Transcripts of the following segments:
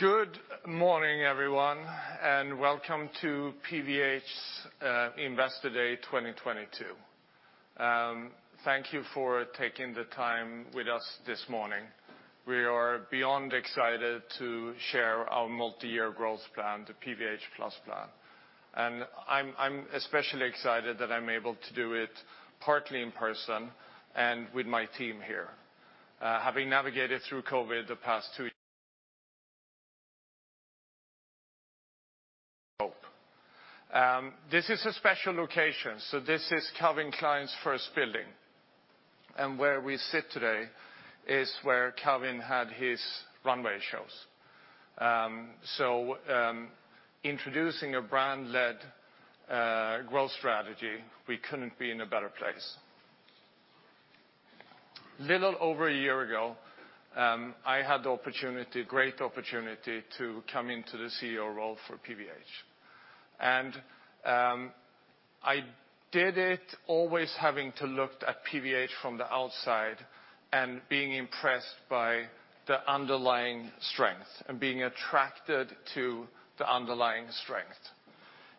Good morning, everyone, and welcome to PVH Investor Day 2022. Thank you for taking the time with us this morning. We are beyond excited to share our multi-year growth plan, the PVH+ Plan. I'm especially excited that I'm able to do it partly in person and with my team here, having navigated through COVID the past two years. This is a special location. This is Calvin Klein's first building, and where we sit today is where Calvin had his runway shows. Introducing a brand-led growth strategy, we couldn't be in a better place. Little over a year ago, I had the great opportunity to come into the CEO role for PVH. I did it always having to look at PVH from the outside and being impressed by the underlying strength and being attracted to the underlying strength.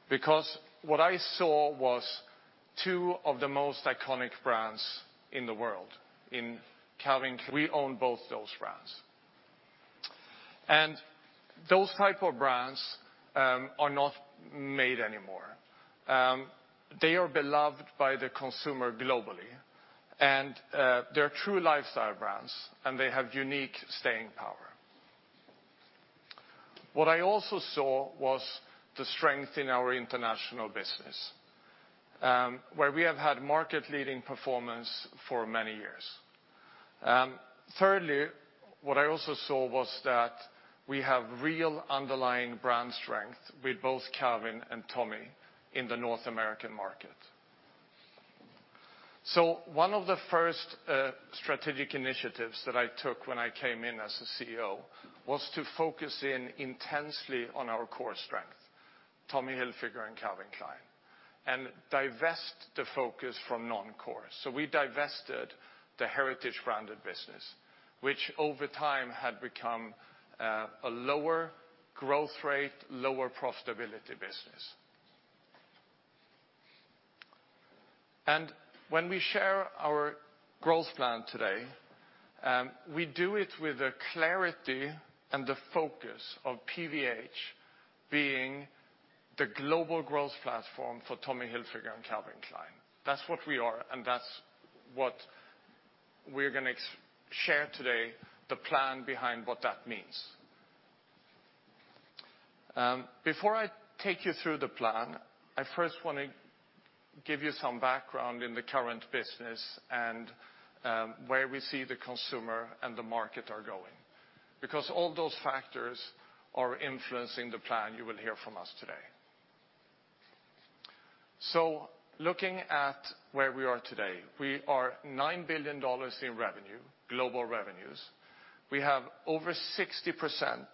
Because what I saw was two of the most iconic brands in the world in Calvin, we own both those brands. Those type of brands are not made anymore. They are beloved by the consumer globally. They're true lifestyle brands, and they have unique staying power. What I also saw was the strength in our international business, where we have had market-leading performance for many years. Thirdly, what I also saw was that we have real underlying brand strength with both Calvin and Tommy in the North American market. One of the first strategic initiatives that I took when I came in as the CEO was to focus in intensely on our core strength, Tommy Hilfiger and Calvin Klein, and divest the focus from non-core. We divested the heritage branded business, which over time had become a lower growth rate, lower profitability business. When we share our growth plan today, we do it with the clarity and the focus of PVH being the global growth platform for Tommy Hilfiger and Calvin Klein. That's what we are, and that's what we're gonna execute and share today, the plan behind what that means. Before I take you through the plan, I first wanna give you some background in the current business and where we see the consumer and the market are going because all those factors are influencing the plan you will hear from us today. Looking at where we are today, we are $9 billion in revenue, global revenues. We have over 60%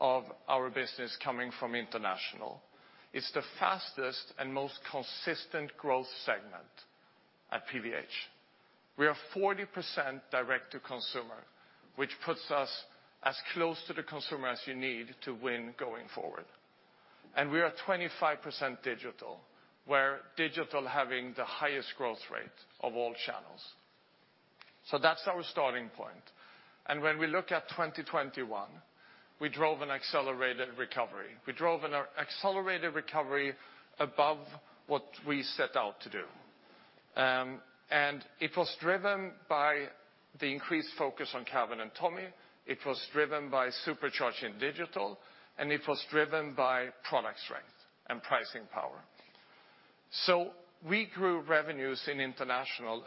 of our business coming from international. It's the fastest and most consistent growth segment at PVH. We are 40% direct to consumer, which puts us as close to the consumer as you need to win going forward. We are 25% digital, where digital having the highest growth rate of all channels. That's our starting point. When we look at 2021, we drove an accelerated recovery above what we set out to do. It was driven by the increased focus on Calvin and Tommy. It was driven by supercharging digital, and it was driven by product strength and pricing power. We grew revenues in international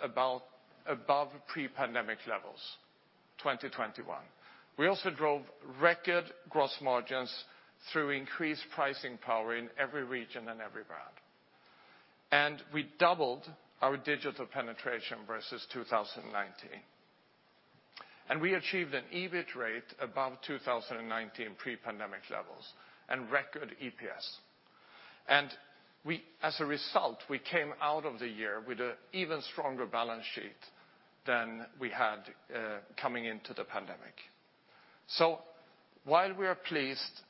above pre-pandemic levels, 2021. We also drove record gross margins through increased pricing power in every region and every brand. We doubled our digital penetration versus 2019. We achieved an EBIT rate above 2019 pre-pandemic levels and record EPS. We, as a result, came out of the year with an even stronger balance sheet than we had coming into the pandemic. While we are pleased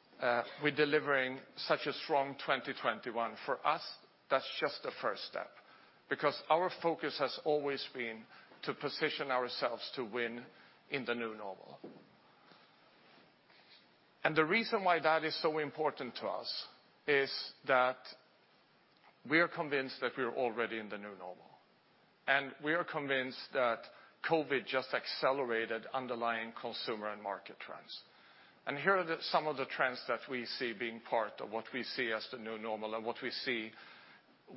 with delivering such a strong 2021, for us, that's just a first step because our focus has always been to position ourselves to win in the new normal. The reason why that is so important to us is that we are convinced that we are already in the new normal, and we are convinced that COVID just accelerated underlying consumer and market trends. Here are some of the trends that we see being part of what we see as the new normal and what we see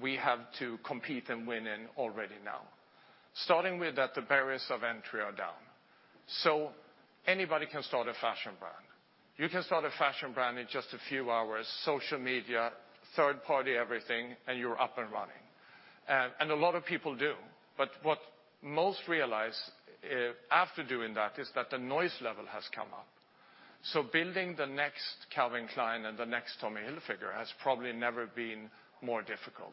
we have to compete and win in already now. Starting with that the barriers of entry are down, so anybody can start a fashion brand. You can start a fashion brand in just a few hours, social media, third party everything, and you're up and running. And a lot of people do. But what most realize after doing that is that the noise level has come up. Building the next Calvin Klein and the next Tommy Hilfiger has probably never been more difficult.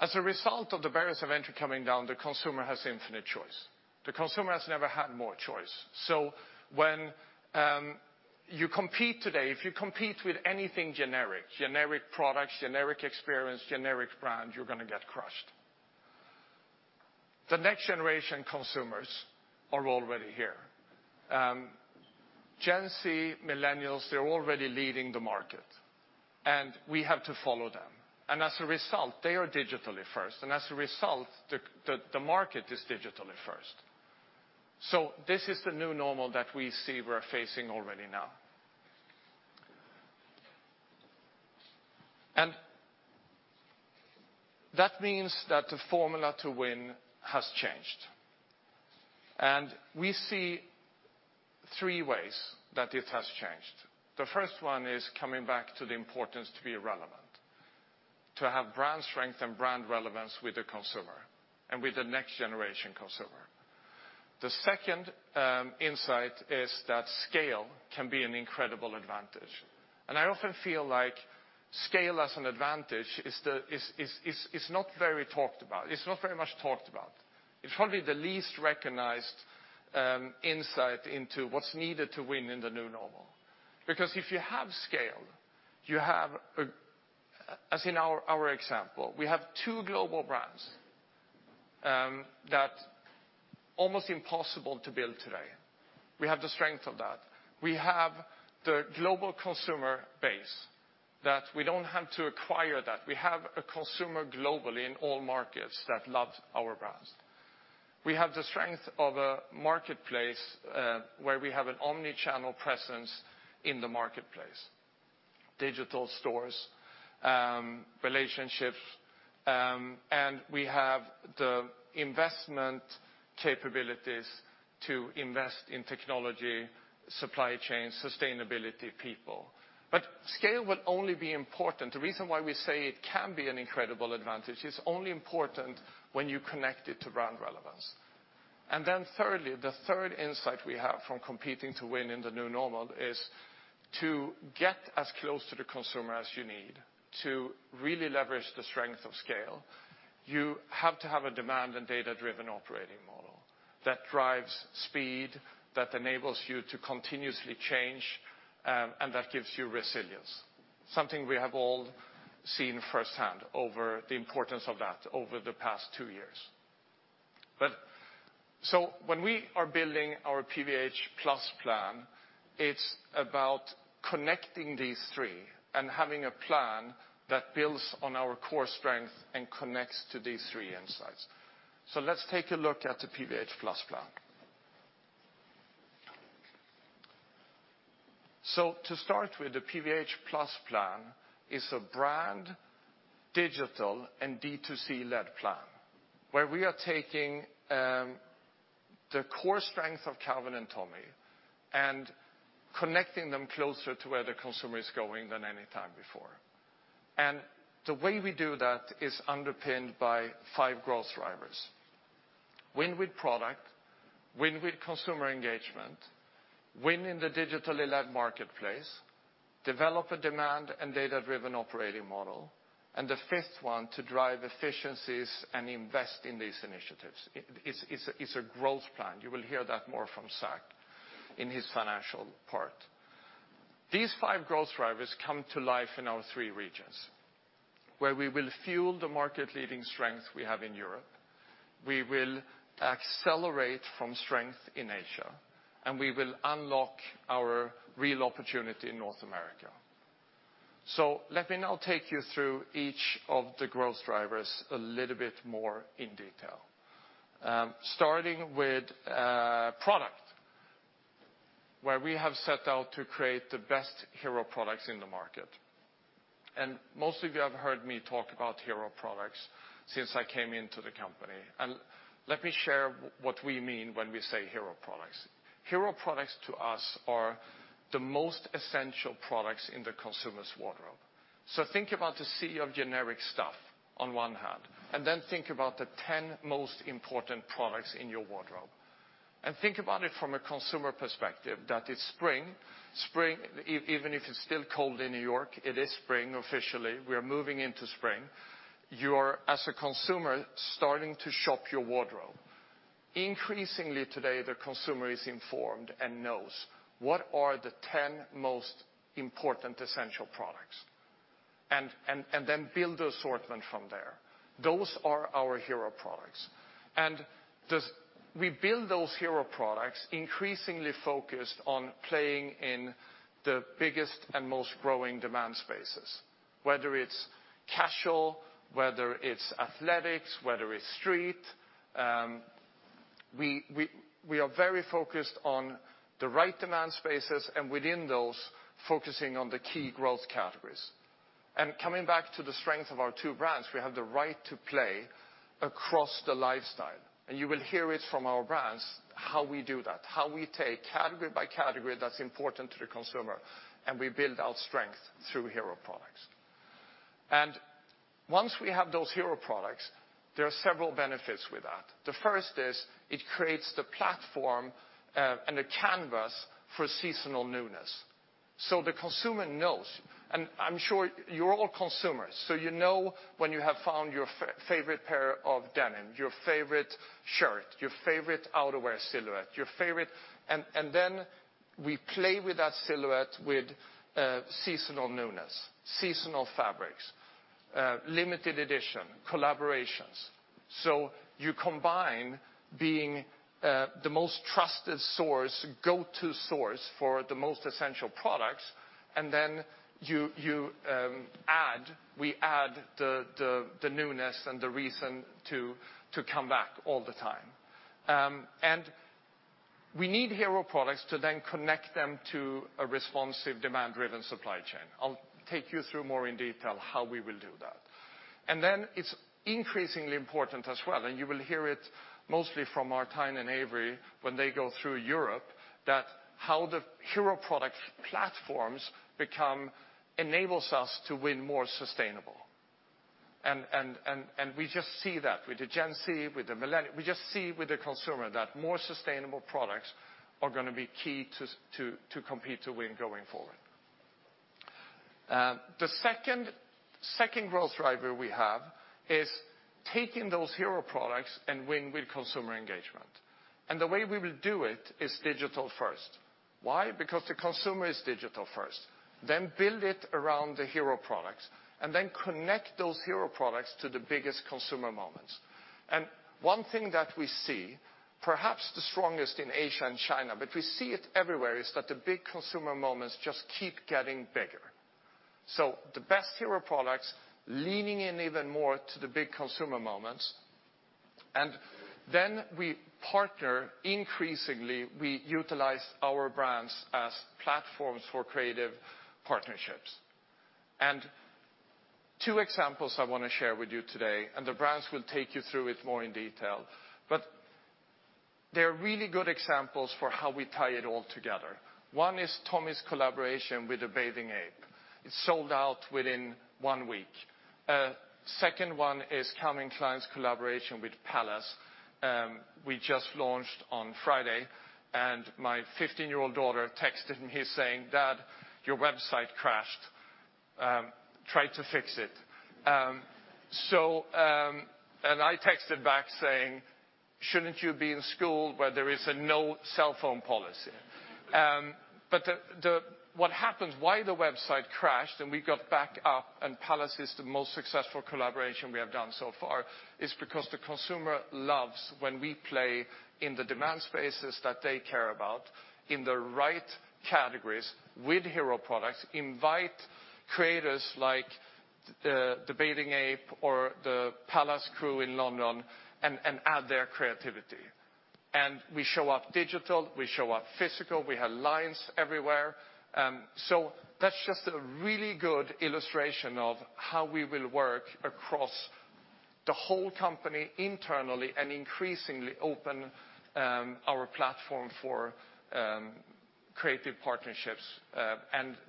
As a result of the barriers of entry coming down, the consumer has infinite choice. The consumer has never had more choice. When you compete today, if you compete with anything generic products, generic experience, generic brand, you're gonna get crushed. The next generation consumers are already here. Gen Z, millennials, they're already leading the market, and we have to follow them. As a result, they are digitally first, and as a result, the market is digitally first. This is the new normal that we see we're facing already now. That means that the formula to win has changed. We see three ways that it has changed. The first one is coming back to the importance to be relevant, to have brand strength and brand relevance with the consumer and with the next generation consumer. The second insight is that scale can be an incredible advantage. I often feel like scale as an advantage is not very talked about. It's not very much talked about. It's probably the least recognized insight into what's needed to win in the new normal. Because if you have scale, you have, as in our example, we have two global brands that are almost impossible to build today. We have the strength of that. We have the global consumer base that we don't have to acquire that. We have a consumer globally in all markets that love our brands. We have the strength of a marketplace, where we have an omni-channel presence in the marketplace, digital stores, relationships, and we have the investment capabilities to invest in technology, supply chain, sustainability, people. Scale would only be important. The reason why we say it can be an incredible advantage is only important when you connect it to brand relevance. Then thirdly, the third insight we have from competing to win in the new normal is to get as close to the consumer as you need. To really leverage the strength of scale, you have to have a demand and data-driven operating model that drives speed, that enables you to continuously change, and that gives you resilience. Something we have all seen firsthand over the importance of that over the past two years. When we are building our PVH+ Plan, it's about connecting these three and having a plan that builds on our core strength and connects to these three insights. Let's take a look at the PVH+ Plan. To start with, the PVH+ Plan is a brand, digital, and D2C-led plan, where we are taking the core strength of Calvin and Tommy and connecting them closer to where the consumer is going than any time before. The way we do that is underpinned by five growth drivers, win with product, win with consumer engagement, win in the digitally led marketplace, develop a demand and data-driven operating model, and the fifth one, to drive efficiencies and invest in these initiatives. It's a growth plan. You will hear that more from Zac in his financial part. These five growth drivers come to life in our three regions, where we will fuel the market-leading strength we have in Europe, we will accelerate from strength in Asia, and we will unlock our real opportunity in North America. Let me now take you through each of the growth drivers a little bit more in detail. Starting with product, where we have set out to create the best hero products in the market. Most of you have heard me talk about hero products since I came into the company, and let me share what we mean when we say hero products. Hero products to us are the most essential products in the consumer's wardrobe. Think about the sea of generic stuff on one hand, and then think about the 10 most important products in your wardrobe. Think about it from a consumer perspective, that it's spring. Spring, even if it's still cold in New York, it is spring officially. We are moving into spring. You are, as a consumer, starting to shop your wardrobe. Increasingly today, the consumer is informed and knows what are the 10 most important essential products and then build the assortment from there. Those are our hero products. We build those hero products increasingly focused on playing in the biggest and most growing demand spaces, whether it's casual, whether it's athletics, whether it's street, we are very focused on the right demand spaces and within those, focusing on the key growth categories. Coming back to the strength of our two brands, we have the right to play across the lifestyle. You will hear it from our brands how we do that, how we take category by category that's important to the consumer, and we build our strength through hero products. Once we have those hero products, there are several benefits with that. The first is it creates the platform and a canvas for seasonal newness. So the consumer knows, and I'm sure you're all consumers, so you know when you have found your favorite pair of denim, your favorite shirt, your favorite outerwear silhouette, your favorite and then we play with that silhouette with seasonal newness, seasonal fabrics, limited edition, collaborations. So you combine being the most trusted source, go-to source for the most essential products, and then we add the newness and the reason to come back all the time. We need hero products to then connect them to a responsive demand-driven supply chain. I'll take you through more in detail how we will do that. It's increasingly important as well, and you will hear it mostly from Martijn and Avery when they go through Europe, that the hero product platforms enable us to win more sustainably. We just see that with the Gen Z, with the consumer that more sustainable products are gonna be key to compete to win going forward. The second growth driver we have is taking those hero products and win with consumer engagement. The way we will do it is digital first. Why? Because the consumer is digital first. Build it around the hero products, and then connect those hero products to the biggest consumer moments. One thing that we see, perhaps the strongest in Asia and China, but we see it everywhere, is that the big consumer moments just keep getting bigger. The best hero products leaning in even more to the big consumer moments, and then we partner, increasingly, we utilize our brands as platforms for creative partnerships. Two examples I wanna share with you today, and the brands will take you through it more in detail, but they're really good examples for how we tie it all together. One is Tommy's collaboration with A Bathing Ape. It sold out within 1 week. Second one is Calvin Klein's collaboration with Palace. We just launched on Friday, and my 15-year-old daughter texted me saying, "Dad, your website crashed. Try to fix it." And I texted back saying, "Shouldn't you be in school where there is a no cell phone policy?" But what happened, why the website crashed and we got back up, and Palace is the most successful collaboration we have done so far, is because the consumer loves when we play in the demand spaces that they care about, in the right categories, with hero products, invite creators like A Bathing Ape or the Palace crew in London, and add their creativity. We show up digital, we show up physical, we have lines everywhere. That's just a really good illustration of how we will work across the whole company internally and increasingly open our platform for creative partnerships.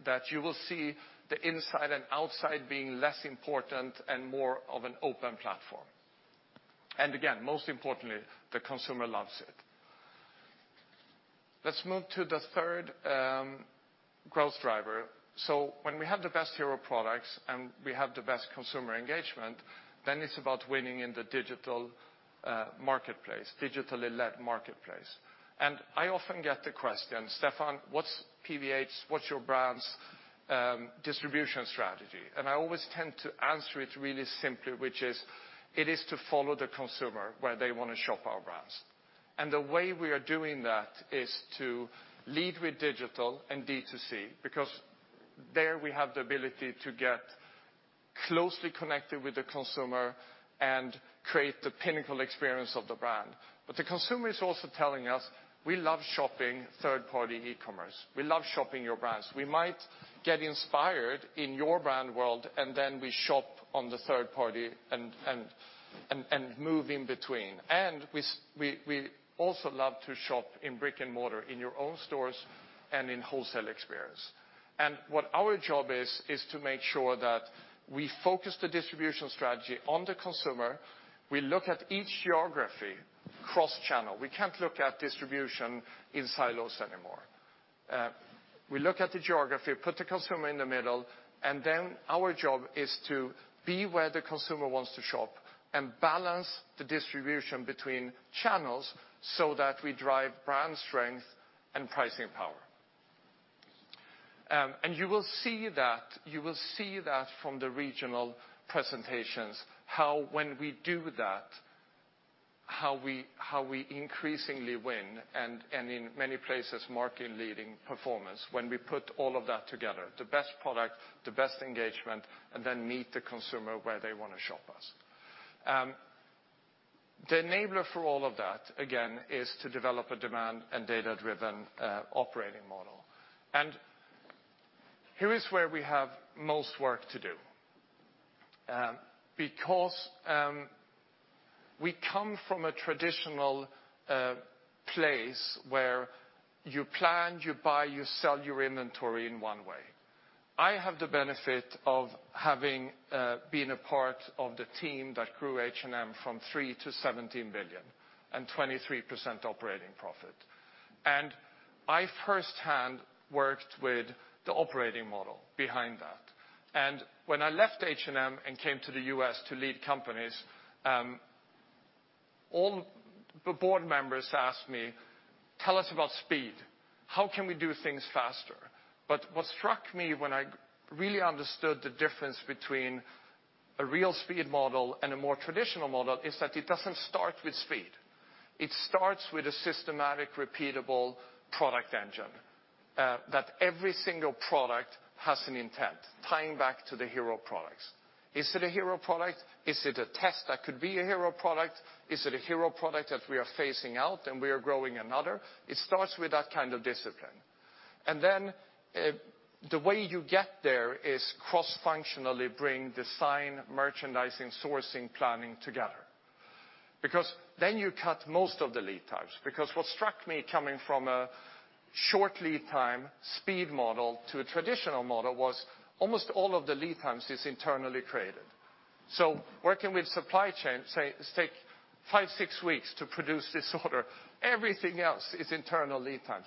that you will see the inside and outside being less important and more of an open platform. Again, most importantly, the consumer loves it. Let's move to the third growth driver. When we have the best hero products and we have the best consumer engagement, then it's about winning in the digital marketplace, digitally led marketplace. I often get the question, "Stefan, what's PVH's, what's your brand's distribution strategy?" I always tend to answer it really simply, which is, it is to follow the consumer where they wanna shop our brands. The way we are doing that is to lead with digital and D2C, because there we have the ability to get closely connected with the consumer and create the pinnacle experience of the brand. The consumer is also telling us, "We love shopping third-party e-commerce. We love shopping your brands. We might get inspired in your brand world, and then we shop on the third-party and move in between. We also love to shop in brick-and-mortar in your own stores and in wholesale experience. What our job is to make sure that we focus the distribution strategy on the consumer. We look at each geography cross-channel. We can't look at distribution in silos anymore. We look at the geography, put the consumer in the middle, and then our job is to be where the consumer wants to shop and balance the distribution between channels so that we drive brand strength and pricing power. You will see that from the regional presentations, how when we do that, how we increasingly win and in many places market-leading performance when we put all of that together, the best product, the best engagement, and then meet the consumer where they wanna shop us. The enabler for all of that, again, is to develop a demand and data-driven operating model. Here is where we have most work to do, because we come from a traditional place where you plan, you buy, you sell your inventory in one way. I have the benefit of having been a part of the team that grew H&M from $3 billion-$17 billion and 23% operating profit. I firsthand worked with the operating model behind that. When I left H&M and came to the U.S. to lead companies, all the board members asked me, "Tell us about speed. How can we do things faster?" What struck me when I really understood the difference between a real speed model and a more traditional model is that it doesn't start with speed. It starts with a systematic, repeatable product engine, that every single product has an intent tying back to the hero products. Is it a hero product? Is it a test that could be a hero product? Is it a hero product that we are phasing out, and we are growing another? It starts with that kind of discipline. Then, the way you get there is cross-functionally bring design, merchandising, sourcing, planning together. Because then you cut most of the lead times. Because what struck me coming from a short lead time speed model to a traditional model was almost all of the lead times is internally created. Working with supply chain, say, let's take five, six weeks to produce this order, everything else is internal lead times.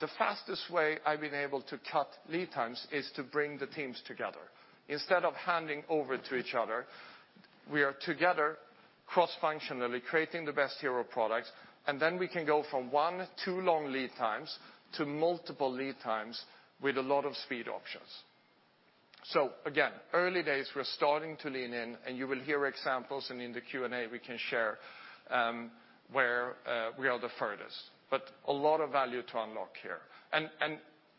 The fastest way I've been able to cut lead times is to bring the teams together. Instead of handing over to each other, we are together cross-functionally creating the best hero products, and then we can go from one, two long lead times to multiple lead times with a lot of speed options. Again, early days, we're starting to lean in, and you will hear examples, and in the Q&A, we can share where we are the furthest. A lot of value to unlock here.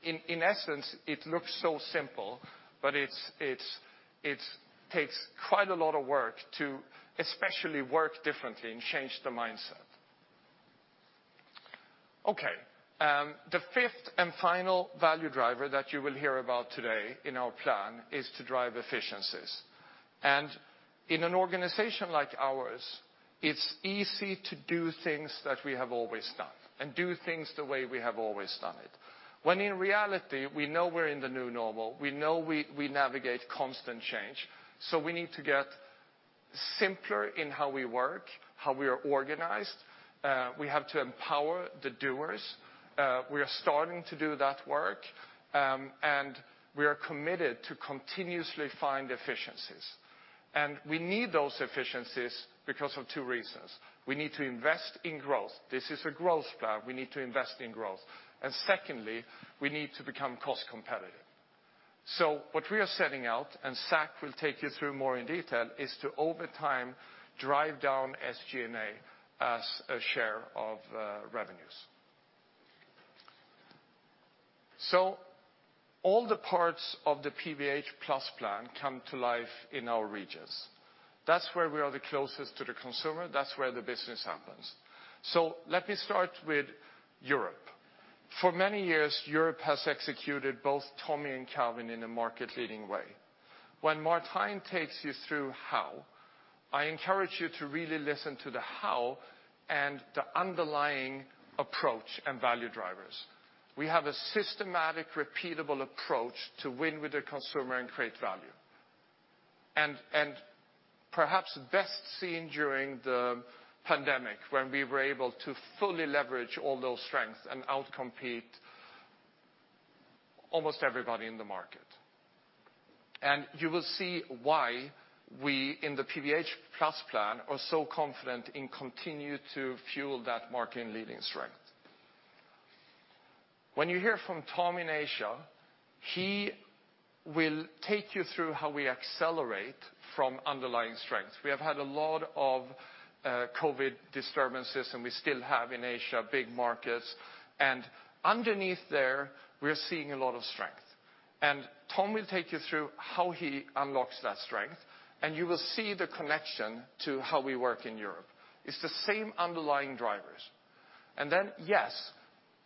In essence, it looks so simple, but it takes quite a lot of work to especially work differently and change the mindset. Okay, the fifth and final value driver that you will hear about today in our plan is to drive efficiencies. In an organization like ours, it's easy to do things that we have always done and do things the way we have always done it. When in reality, we know we're in the new normal, we navigate constant change, so we need to get simpler in how we work, how we are organized. We have to empower the doers. We are starting to do that work, and we are committed to continuously find efficiencies. We need those efficiencies because of two reasons. We need to invest in growth. This is a growth plan. We need to invest in growth. Secondly, we need to become cost competitive. What we are setting out, and Zac will take you through more in detail, is to, over time, drive down SG&A as a share of revenues. All the parts of the PVH+ Plan come to life in our regions. That's where we are the closest to the consumer. That's where the business happens. Let me start with Europe. For many years, Europe has executed both Tommy and Calvin in a market-leading way. When Martijn takes you through how, I encourage you to really listen to the how and the underlying approach and value drivers. We have a systematic, repeatable approach to win with the consumer and create value. Perhaps best seen during the pandemic when we were able to fully leverage all those strengths and out-compete almost everybody in the market. You will see why we in the PVH+ Plan are so confident and continue to fuel that market in leading strength. When you hear from Tom in Asia, he will take you through how we accelerate from underlying strength. We have had a lot of COVID disturbances, and we still have in Asia big markets. Underneath there, we're seeing a lot of strength. Tom will take you through how he unlocks that strength, and you will see the connection to how we work in Europe. It's the same underlying drivers. Yes,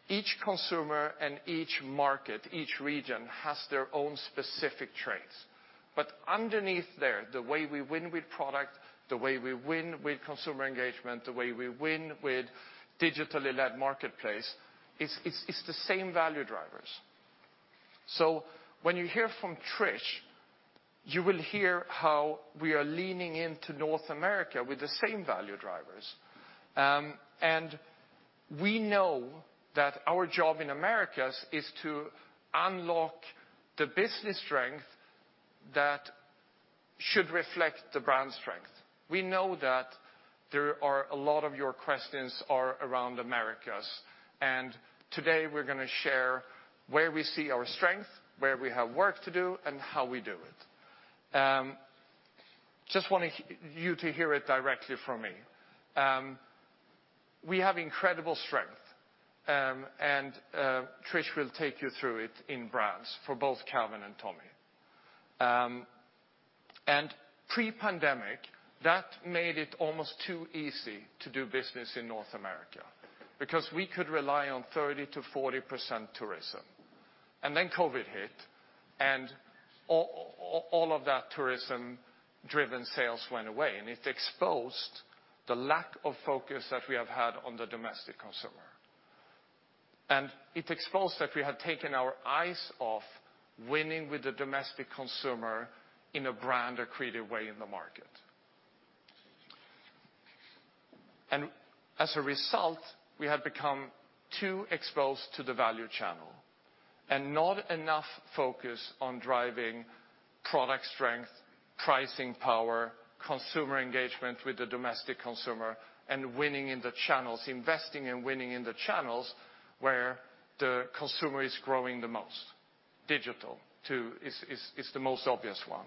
each consumer and each market, each region has their own specific traits. Underneath there, the way we win with product, the way we win with consumer engagement, the way we win with digitally led marketplace, it's the same value drivers. When you hear from Trish, you will hear how we are leaning into North America with the same value drivers. We know that our job in Americas is to unlock the business strength that should reflect the brand strength. We know that there are a lot of your questions are around Americas, and today we're gonna share where we see our strength, where we have work to do, and how we do it. Just wanted you to hear it directly from me. We have incredible strength, and Trish will take you through it in brands for both Calvin and Tommy. Pre-pandemic, that made it almost too easy to do business in North America because we could rely on 30%-40% tourism, and then COVID hit, and all of that tourism-driven sales went away, and it exposed the lack of focus that we have had on the domestic consumer. It exposed that we had taken our eyes off winning with the domestic consumer in a brand or creative way in the market. As a result, we had become too exposed to the value channel and not enough focus on driving product strength, pricing power, consumer engagement with the domestic consumer, and winning in the channels, investing and winning in the channels where the consumer is growing the most. Digital too is the most obvious one.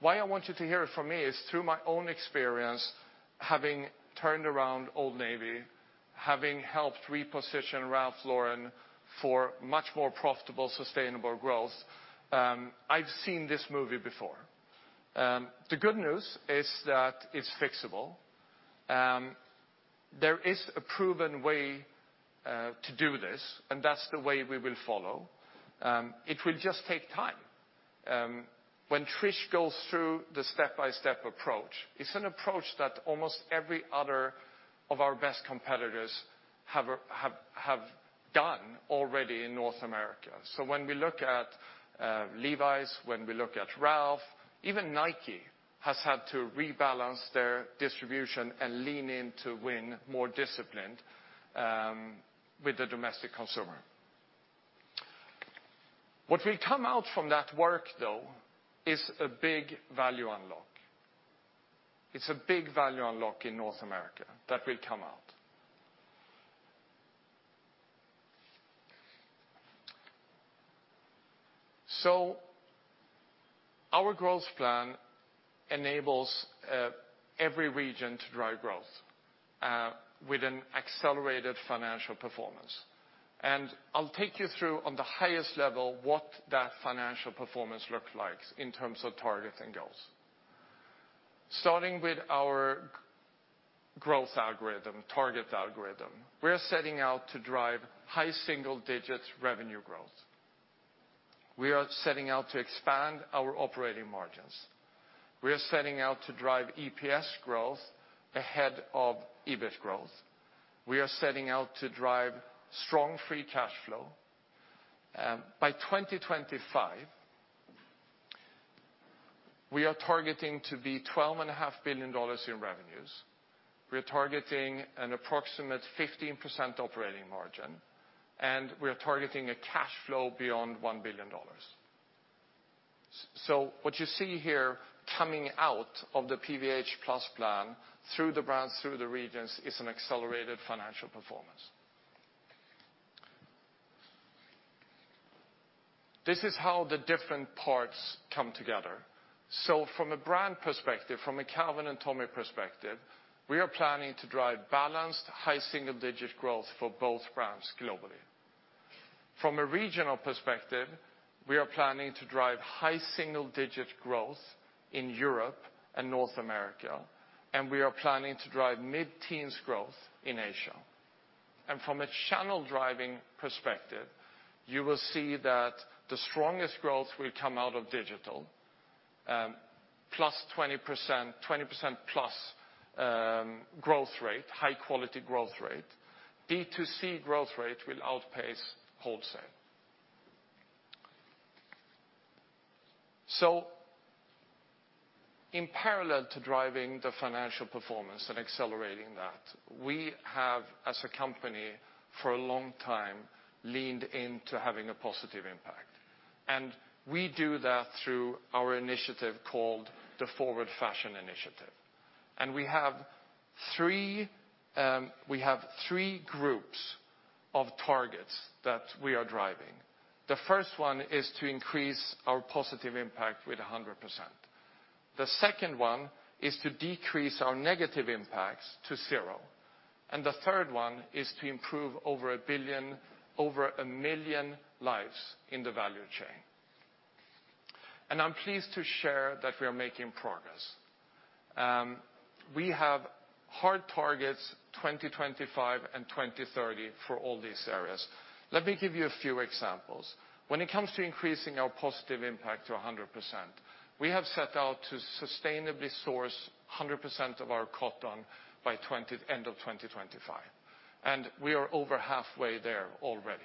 Why I want you to hear it from me is through my own experience, having turned around Old Navy, having helped reposition Ralph Lauren for much more profitable, sustainable growth, I've seen this movie before. The good news is that it's fixable. There is a proven way to do this, and that's the way we will follow. It will just take time. When Trish goes through the step-by-step approach, it's an approach that almost every other of our best competitors have done already in North America. When we look at Levi's, when we look at Ralph, even Nike has had to rebalance their distribution and lean in to win more disciplined with the domestic consumer. What will come out from that work though is a big value unlock. It's a big value unlock in North America that will come out. Our growth plan enables every region to drive growth with an accelerated financial performance. I'll take you through on the highest level what that financial performance looks like in terms of targets and goals. Starting with our targets algorithm, we are setting out to drive high single digits revenue growth. We are setting out to expand our operating margins. We are setting out to drive EPS growth ahead of EBIT growth. We are setting out to drive strong free cash flow. By 2025, we are targeting to be $12.5 billion in revenues. We are targeting an approximately 15% operating margin, and we are targeting a cash flow beyond $1 billion. What you see here coming out of the PVH+ Plan through the brands, through the regions, is an accelerated financial performance. This is how the different parts come together. From a brand perspective, from a Calvin and Tommy perspective, we are planning to drive balanced high single-digit growth for both brands globally. From a regional perspective, we are planning to drive high single-digit growth in Europe and North America, and we are planning to drive mid-teens growth in Asia. From a channel-driving perspective, you will see that the strongest growth will come out of digital, +20%, 20%+ growth rate, high quality growth rate. B2C growth rate will outpace wholesale. In parallel to driving the financial performance and accelerating that, we have, as a company, for a long time, leaned into having a positive impact. We do that through our initiative called Forward Fashion. We have three groups of targets that we are driving. The first one is to increase our positive impact to 100%. The second one is to decrease our negative impacts to zero. The third one is to improve over a million lives in the value chain. I'm pleased to share that we are making progress. We have hard targets, 2025 and 2030 for all these areas. Let me give you a few examples. When it comes to increasing our positive impact to 100%, we have set out to sustainably source 100% of our cotton by 2025. We are over halfway there already.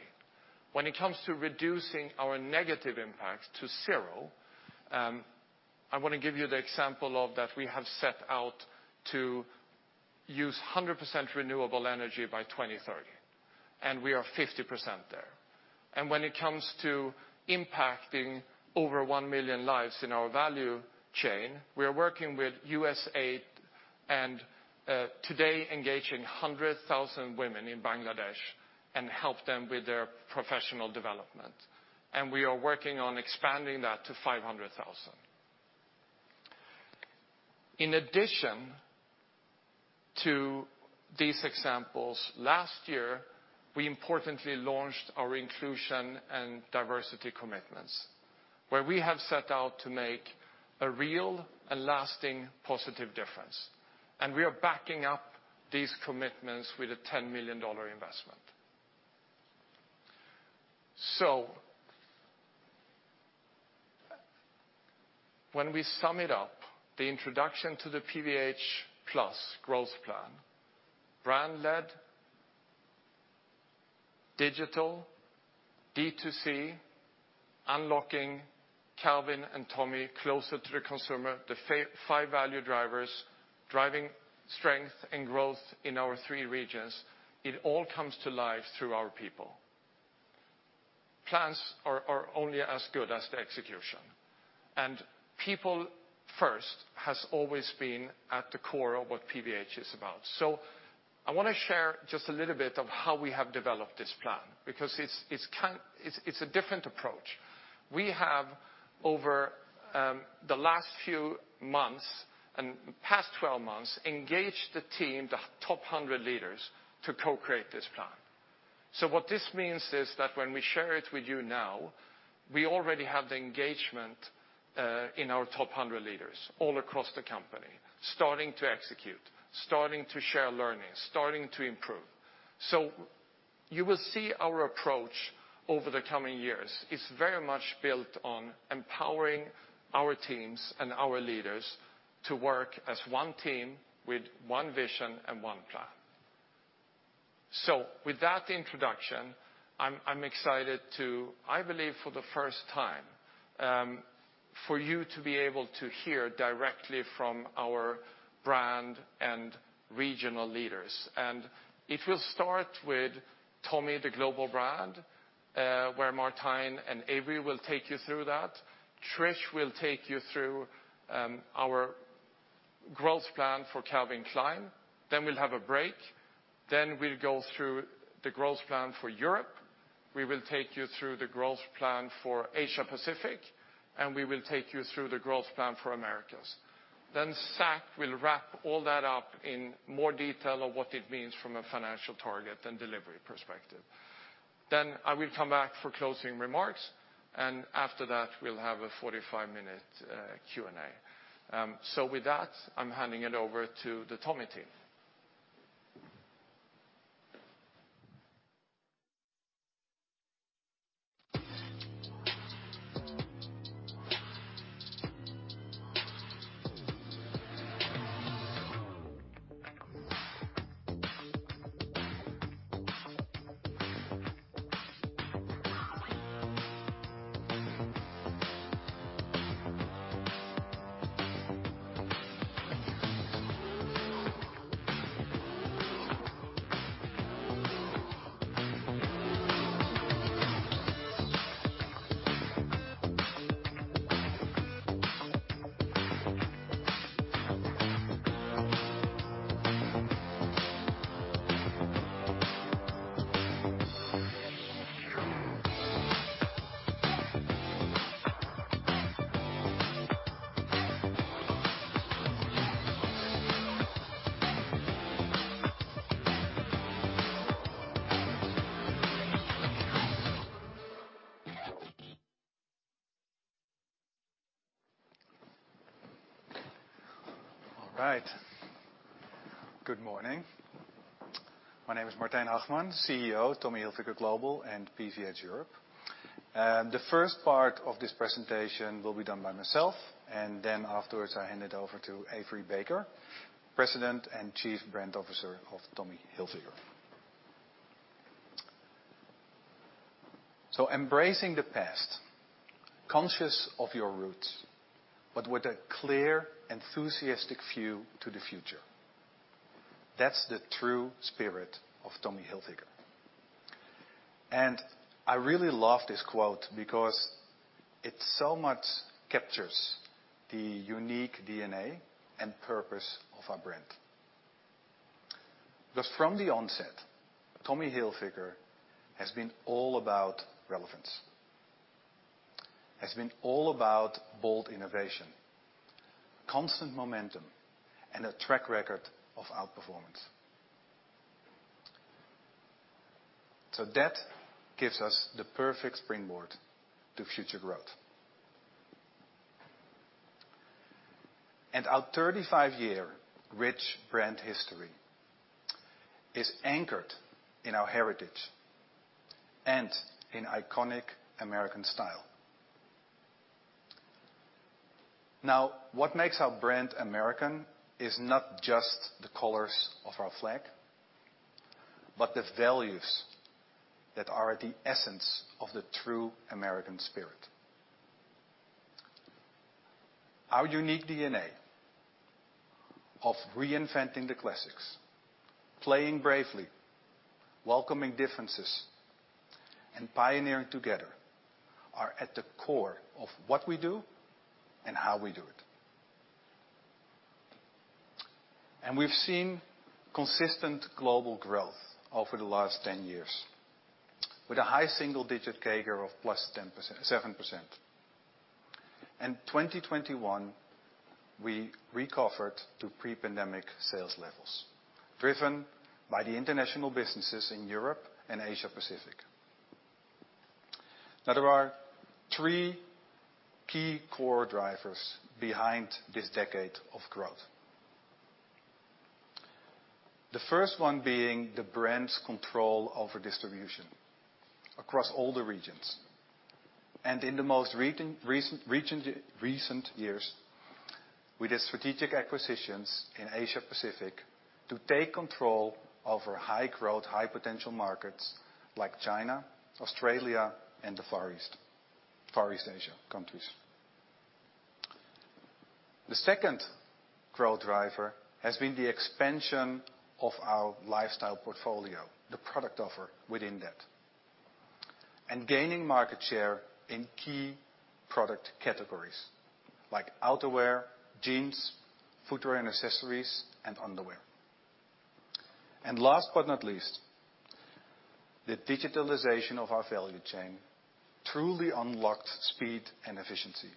When it comes to reducing our negative impact to zero, I want to give you the example of that we have set out to use 100% renewable energy by 2030, and we are 50% there. When it comes to impacting over 1 million lives in our value chain, we are working with USAID and today engaging 100,000 women in Bangladesh and help them with their professional development. We are working on expanding that to 500,000. In addition to these examples, last year, we importantly launched our inclusion and diversity commitments, where we have set out to make a real and lasting positive difference. We are backing up these commitments with a $10 million investment. When we sum it up, the introduction to the PVH+ Plan, brand-led, digital, D2C, unlocking Calvin and Tommy closer to the consumer, the five value drivers, driving strength and growth in our three regions, it all comes to life through our people. Plans are only as good as the execution, and people first has always been at the core of what PVH is about. I wanna share just a little bit of how we have developed this plan, because it's a different approach. We have, over the last few months and past 12 months, engaged the team, the top 100 leaders, to co-create this plan. What this means is that when we share it with you now, we already have the engagement in our top hundred leaders all across the company starting to execute, starting to share learnings, starting to improve. You will see our approach over the coming years is very much built on empowering our teams and our leaders to work as one team with one vision and one plan. With that introduction, I'm excited to, I believe for the first time, for you to be able to hear directly from our brand and regional leaders. It will start with Tommy, the global brand, where Martijn and Avery will take you through that. Trish will take you through our growth plan for Calvin Klein, then we'll have a break. Then we'll go through the growth plan for Europe. We will take you through the growth plan for Asia Pacific, and we will take you through the growth plan for Americas. Zac will wrap all that up in more detail of what it means from a financial target and delivery perspective. I will come back for closing remarks, and after that we'll have a 45-minute Q&A. With that, I'm handing it over to the Tommy team. All right. Good morning. My name is Martijn Hagman, CEO, Tommy Hilfiger Global and PVH Europe. The first part of this presentation will be done by myself, and then afterwards I hand it over to Avery Baker, President and Chief Brand Officer of Tommy Hilfiger. Embracing the past, conscious of your roots, but with a clear, enthusiastic view to the future. That's the true spirit of Tommy Hilfiger. I really love this quote because it so much captures the unique DNA and purpose of our brand. Because from the onset, Tommy Hilfiger has been all about relevance. Has been all about bold innovation, constant momentum, and a track record of outperformance. That gives us the perfect springboard to future growth. Our 35-year rich brand history is anchored in our heritage and in iconic American style. Now, what makes our brand American is not just the colors of our flag, but the values that are at the essence of the true American spirit. Our unique DNA of reinventing the classics, playing bravely, welcoming differences, and pioneering together are at the core of what we do and how we do it. We've seen consistent global growth over the last 10 years with a high single-digit CAGR of 7%. In 2021, we recovered to pre-pandemic sales levels, driven by the international businesses in Europe and Asia Pacific. There are three key core drivers behind this decade of growth. The first one being the brand's control over distribution across all the regions. In the most recent years, we did strategic acquisitions in Asia Pacific to take control over high growth, high potential markets like China, Australia, and the Far East Asia countries. The second growth driver has been the expansion of our lifestyle portfolio, the product offer within that, and gaining market share in key product categories like outerwear, jeans, footwear and accessories, and underwear. Last but not least, the digitalization of our value chain truly unlocked speed and efficiency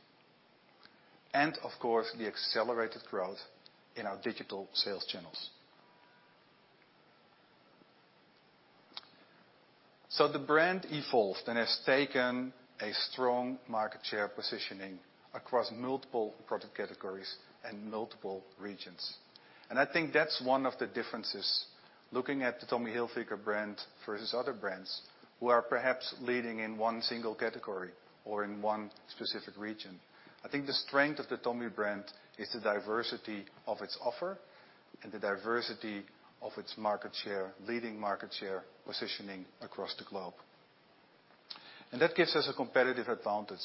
and of course, the accelerated growth in our digital sales channels. The brand evolved and has taken a strong market share positioning across multiple product categories and multiple regions. I think that's one of the differences looking at the Tommy Hilfiger brand versus other brands who are perhaps leading in one single category or in one specific region. I think the strength of the Tommy brand is the diversity of its offer and the diversity of its market share, leading market share positioning across the globe. That gives us a competitive advantage.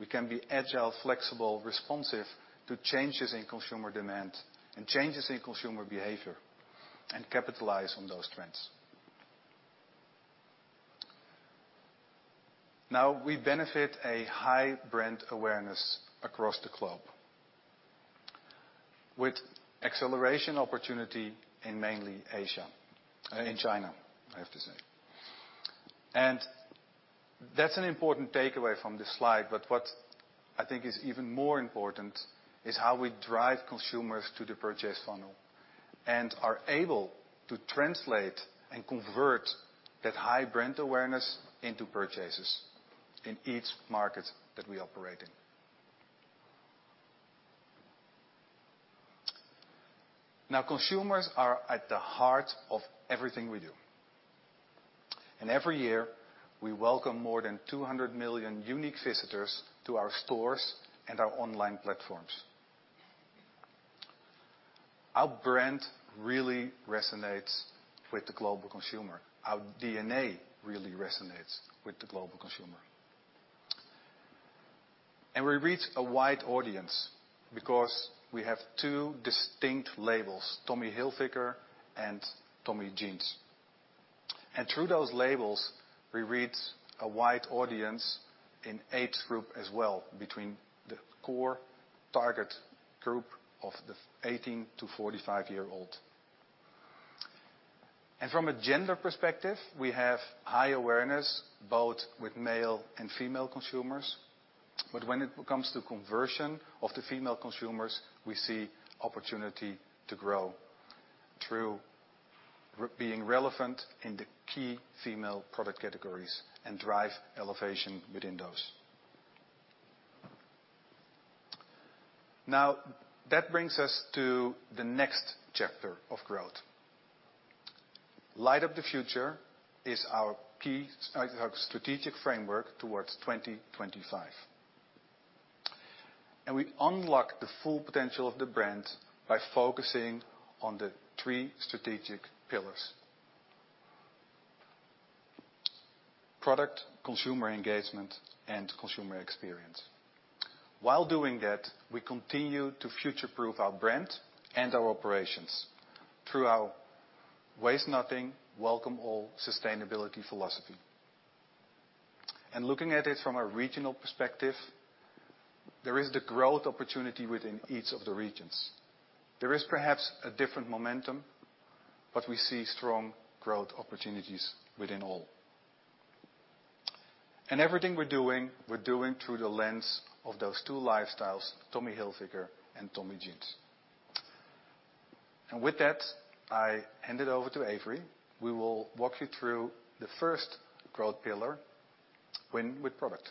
We can be agile, flexible, responsive to changes in consumer demand and changes in consumer behavior and capitalize on those trends. Now we benefit from a high brand awareness across the globe with acceleration opportunity in mainly Asia, in China, I have to say. That's an important takeaway from this slide. What I think is even more important is how we drive consumers to the purchase funnel and are able to translate and convert that high brand awareness into purchases in each market that we operate in. Now, consumers are at the heart of everything we do, and every year we welcome more than 200 million unique visitors to our stores and our online platforms. Our brand really resonates with the global consumer. Our DNA really resonates with the global consumer. We reach a wide audience because we have two distinct labels, Tommy Hilfiger and Tommy Jeans. Through those labels, we reach a wide audience in age group as well between the core target group of the 18- to 45-year-old. From a gender perspective, we have high awareness both with male and female consumers. When it comes to conversion of the female consumers, we see opportunity to grow through being relevant in the key female product categories and drive elevation within those. Now that brings us to the next chapter of growth. Light up the Future is our key, our strategic framework towards 2025. We unlock the full potential of the brand by focusing on the three strategic pillars, product, consumer engagement, and consumer experience. While doing that, we continue to future-proof our brand and our operations through our Waste Nothing, Welcome All sustainability philosophy. Looking at it from a regional perspective, there is the growth opportunity within each of the regions. There is perhaps a different momentum, but we see strong growth opportunities within all. Everything we're doing, we're doing through the lens of those two lifestyles, Tommy Hilfiger and Tommy Jeans. With that, I hand it over to Avery. We will walk you through the first growth pillar, win with product.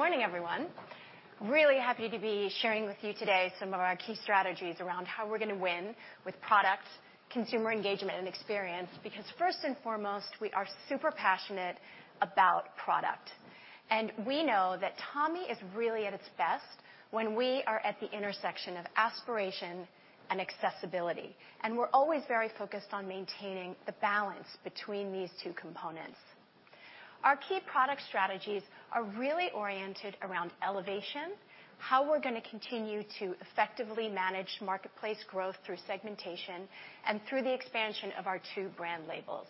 Good morning, everyone. Really happy to be sharing with you today some of our key strategies around how we're gonna win with products, consumer engagement, and experience, because first and foremost, we are super passionate about product. We know that Tommy is really at its best when we are at the intersection of aspiration and accessibility. We're always very focused on maintaining the balance between these two components. Our key product strategies are really oriented around elevation, how we're gonna continue to effectively manage marketplace growth through segmentation and through the expansion of our two brand labels.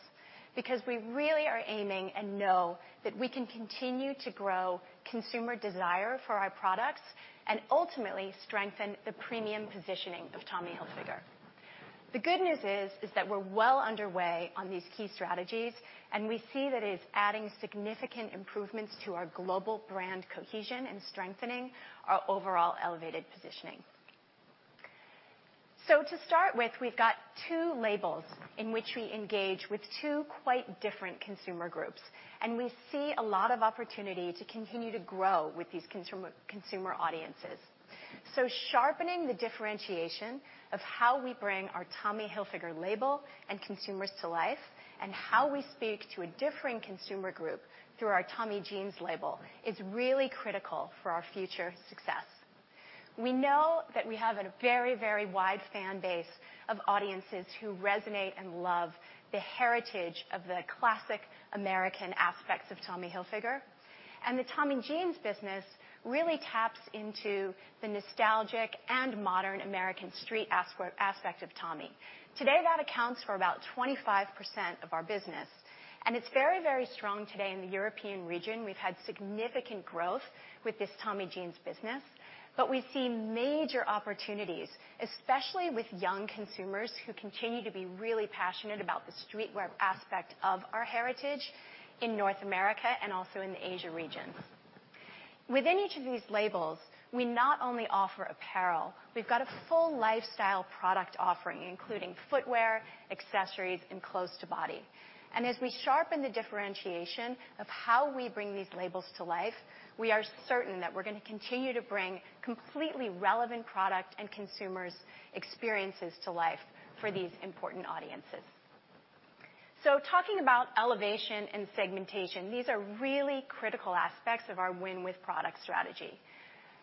Because we really are aiming and know that we can continue to grow consumer desire for our products and ultimately strengthen the premium positioning of Tommy Hilfiger. The good news is that we're well underway on these key strategies, and we see that it is adding significant improvements to our global brand cohesion and strengthening our overall elevated positioning. To start with, we've got two labels in which we engage with two quite different consumer groups, and we see a lot of opportunity to continue to grow with these consumer audiences. Sharpening the differentiation of how we bring our Tommy Hilfiger label and consumers to life, and how we speak to a differing consumer group through our Tommy Jeans label is really critical for our future success. We know that we have a very wide fan base of audiences who resonate and love the heritage of the classic American aspects of Tommy Hilfiger, and the Tommy Jeans business really taps into the nostalgic and modern American street aspect of Tommy. Today, that accounts for about 25% of our business, and it's very, very strong today in the European region. We've had significant growth with this Tommy Jeans business, but we see major opportunities, especially with young consumers who continue to be really passionate about the streetwear aspect of our heritage in North America and also in the Asia region. Within each of these labels, we not only offer apparel, we've got a full lifestyle product offering, including footwear, accessories, and close to body. And as we sharpen the differentiation of how we bring these labels to life, we are certain that we're gonna continue to bring completely relevant product and consumers' experiences to life for these important audiences. Talking about elevation and segmentation, these are really critical aspects of our win with product strategy.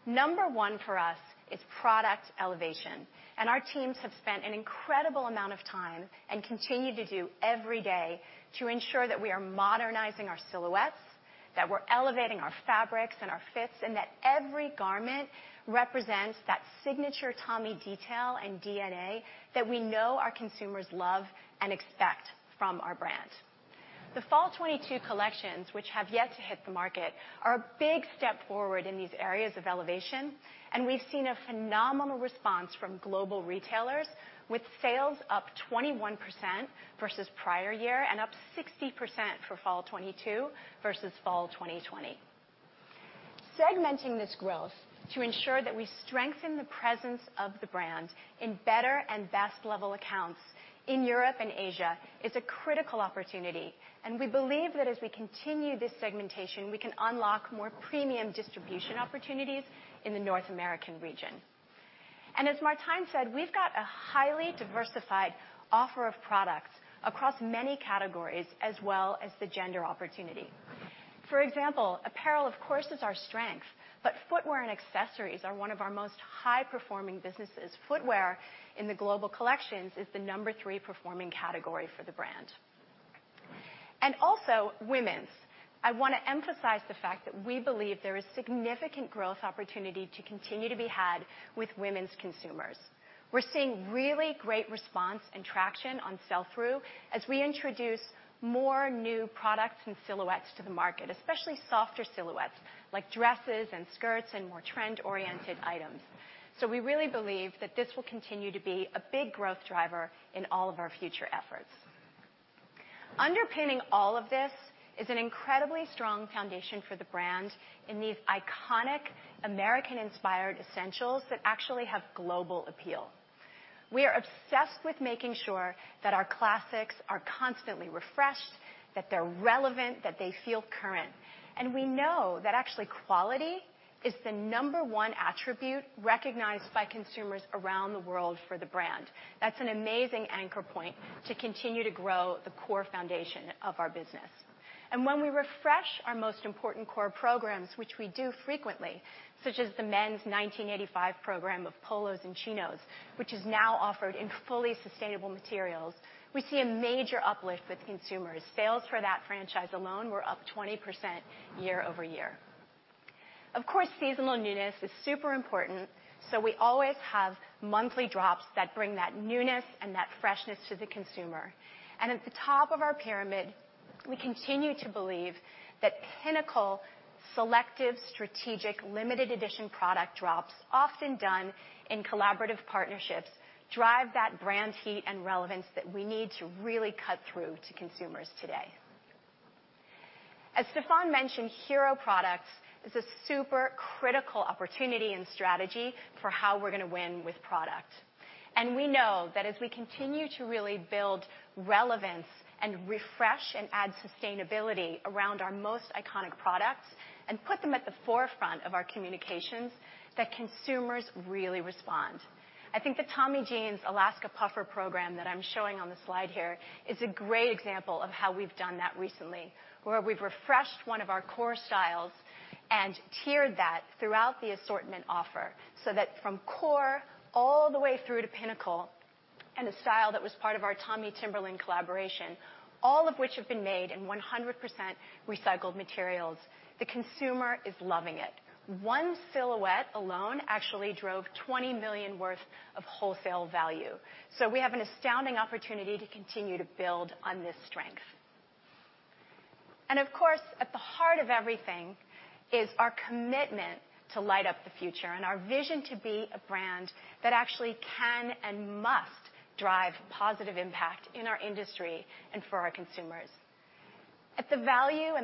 Number one for us is product elevation. Our teams have spent an incredible amount of time, and continue to do every day, to ensure that we are modernizing our silhouettes, that we're elevating our fabrics and our fits, and that every garment represents that signature Tommy detail and DNA that we know our consumers love and expect from our brand. The fall 2022 collections, which have yet to hit the market, are a big step forward in these areas of elevation, and we've seen a phenomenal response from global retailers with sales up 21% versus prior year and up 60% for fall 2022 versus fall 2020. Segmenting this growth to ensure that we strengthen the presence of the brand in better and best level accounts in Europe and Asia is a critical opportunity, and we believe that as we continue this segmentation, we can unlock more premium distribution opportunities in the North American region. As Martijn said, we've got a highly diversified offer of products across many categories, as well as the gender opportunity. For example, apparel, of course, is our strength, but footwear and accessories are one of our most high performing businesses. Footwear in the global collections is the number 3 performing category for the brand. Also women's. I wanna emphasize the fact that we believe there is significant growth opportunity to continue to be had with women's consumers. We're seeing really great response and traction on sell-through as we introduce more new products and silhouettes to the market, especially softer silhouettes like dresses and skirts and more trend-oriented items. We really believe that this will continue to be a big growth driver in all of our future efforts. Underpinning all of this is an incredibly strong foundation for the brand in these iconic American inspired essentials that actually have global appeal. We are obsessed with making sure that our classics are constantly refreshed, that they're relevant, that they feel current. We know that actually quality is the number one attribute recognized by consumers around the world for the brand. That's an amazing anchor point to continue to grow the core foundation of our business. When we refresh our most important core programs, which we do frequently, such as the men's 1985 program of polos and chinos, which is now offered in fully sustainable materials, we see a major uplift with consumers. Sales for that franchise alone were up 20% year-over-year. Of course, seasonal newness is super important, so we always have monthly drops that bring that newness and that freshness to the consumer. At the top of our pyramid, we continue to believe that pinnacle, selective, strategic, limited edition product drops, often done in collaborative partnerships, drive that brand heat and relevance that we need to really cut through to consumers today. As Stefan mentioned, hero products is a super critical opportunity and strategy for how we're gonna win with product. We know that as we continue to really build relevance and refresh and add sustainability around our most iconic products and put them at the forefront of our communications, that consumers really respond. I think the Tommy Jeans Alaska Puffer program that I'm showing on the slide here is a great example of how we've done that recently, where we've refreshed one of our core styles and tiered that throughout the assortment offer, so that from core all the way through to pinnacle and a style that was part of our TommyXTimberland collaboration, all of which have been made in 100% recycled materials. The consumer is loving it. One silhouette alone actually drove $20 million worth of wholesale value. We have an astounding opportunity to continue to build on this strength. Of course, at the heart of everything is our commitment to Light up the Future and our vision to be a brand that actually can and must drive positive impact in our industry and for our consumers. At the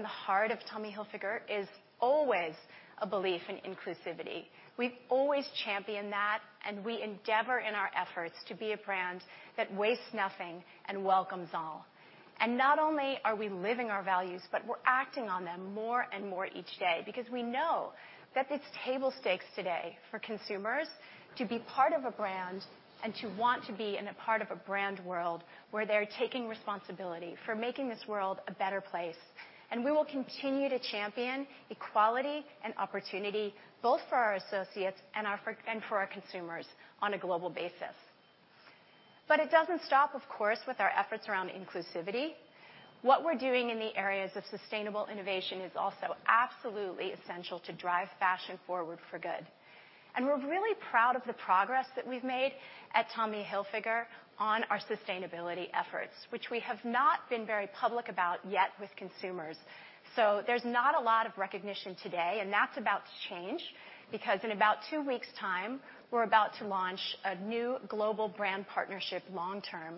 heart of Tommy Hilfiger is always a belief in inclusivity. We've always championed that, and we endeavor in our efforts to be a brand that Waste Nothing, Welcome All. Not only are we living our values, but we're acting on them more and more each day because we know that it's table stakes today for consumers to be part of a brand and to want to be a part of a brand world where they're taking responsibility for making this world a better place. We will continue to champion equality and opportunity, both for our associates and for our consumers on a global basis. It doesn't stop, of course, with our efforts around inclusivity. What we're doing in the areas of sustainable innovation is also absolutely essential to drive fashion forward for good. We're really proud of the progress that we've made at Tommy Hilfiger on our sustainability efforts, which we have not been very public about yet with consumers. There's not a lot of recognition today, and that's about to change because in about two weeks time, we're about to launch a new global brand partnership long term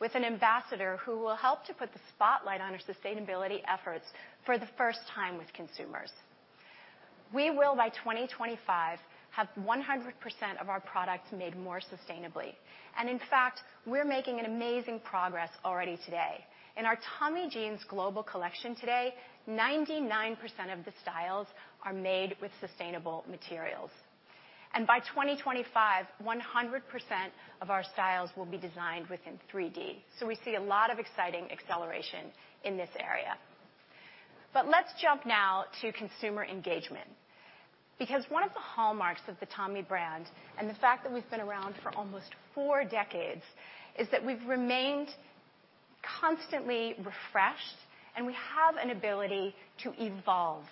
with an ambassador who will help to put the spotlight on our sustainability efforts for the first time with consumers. We will, by 2025, have 100% of our products made more sustainably. In fact, we're making an amazing progress already today. In our Tommy Jeans global collection today, 99% of the styles are made with sustainable materials. By 2025, 100% of our styles will be designed within 3D. We see a lot of exciting acceleration in this area. Let's jump now to consumer engagement. One of the hallmarks of the Tommy brand and the fact that we've been around for almost four decades is that we've remained constantly refreshed, and we have an ability to evolve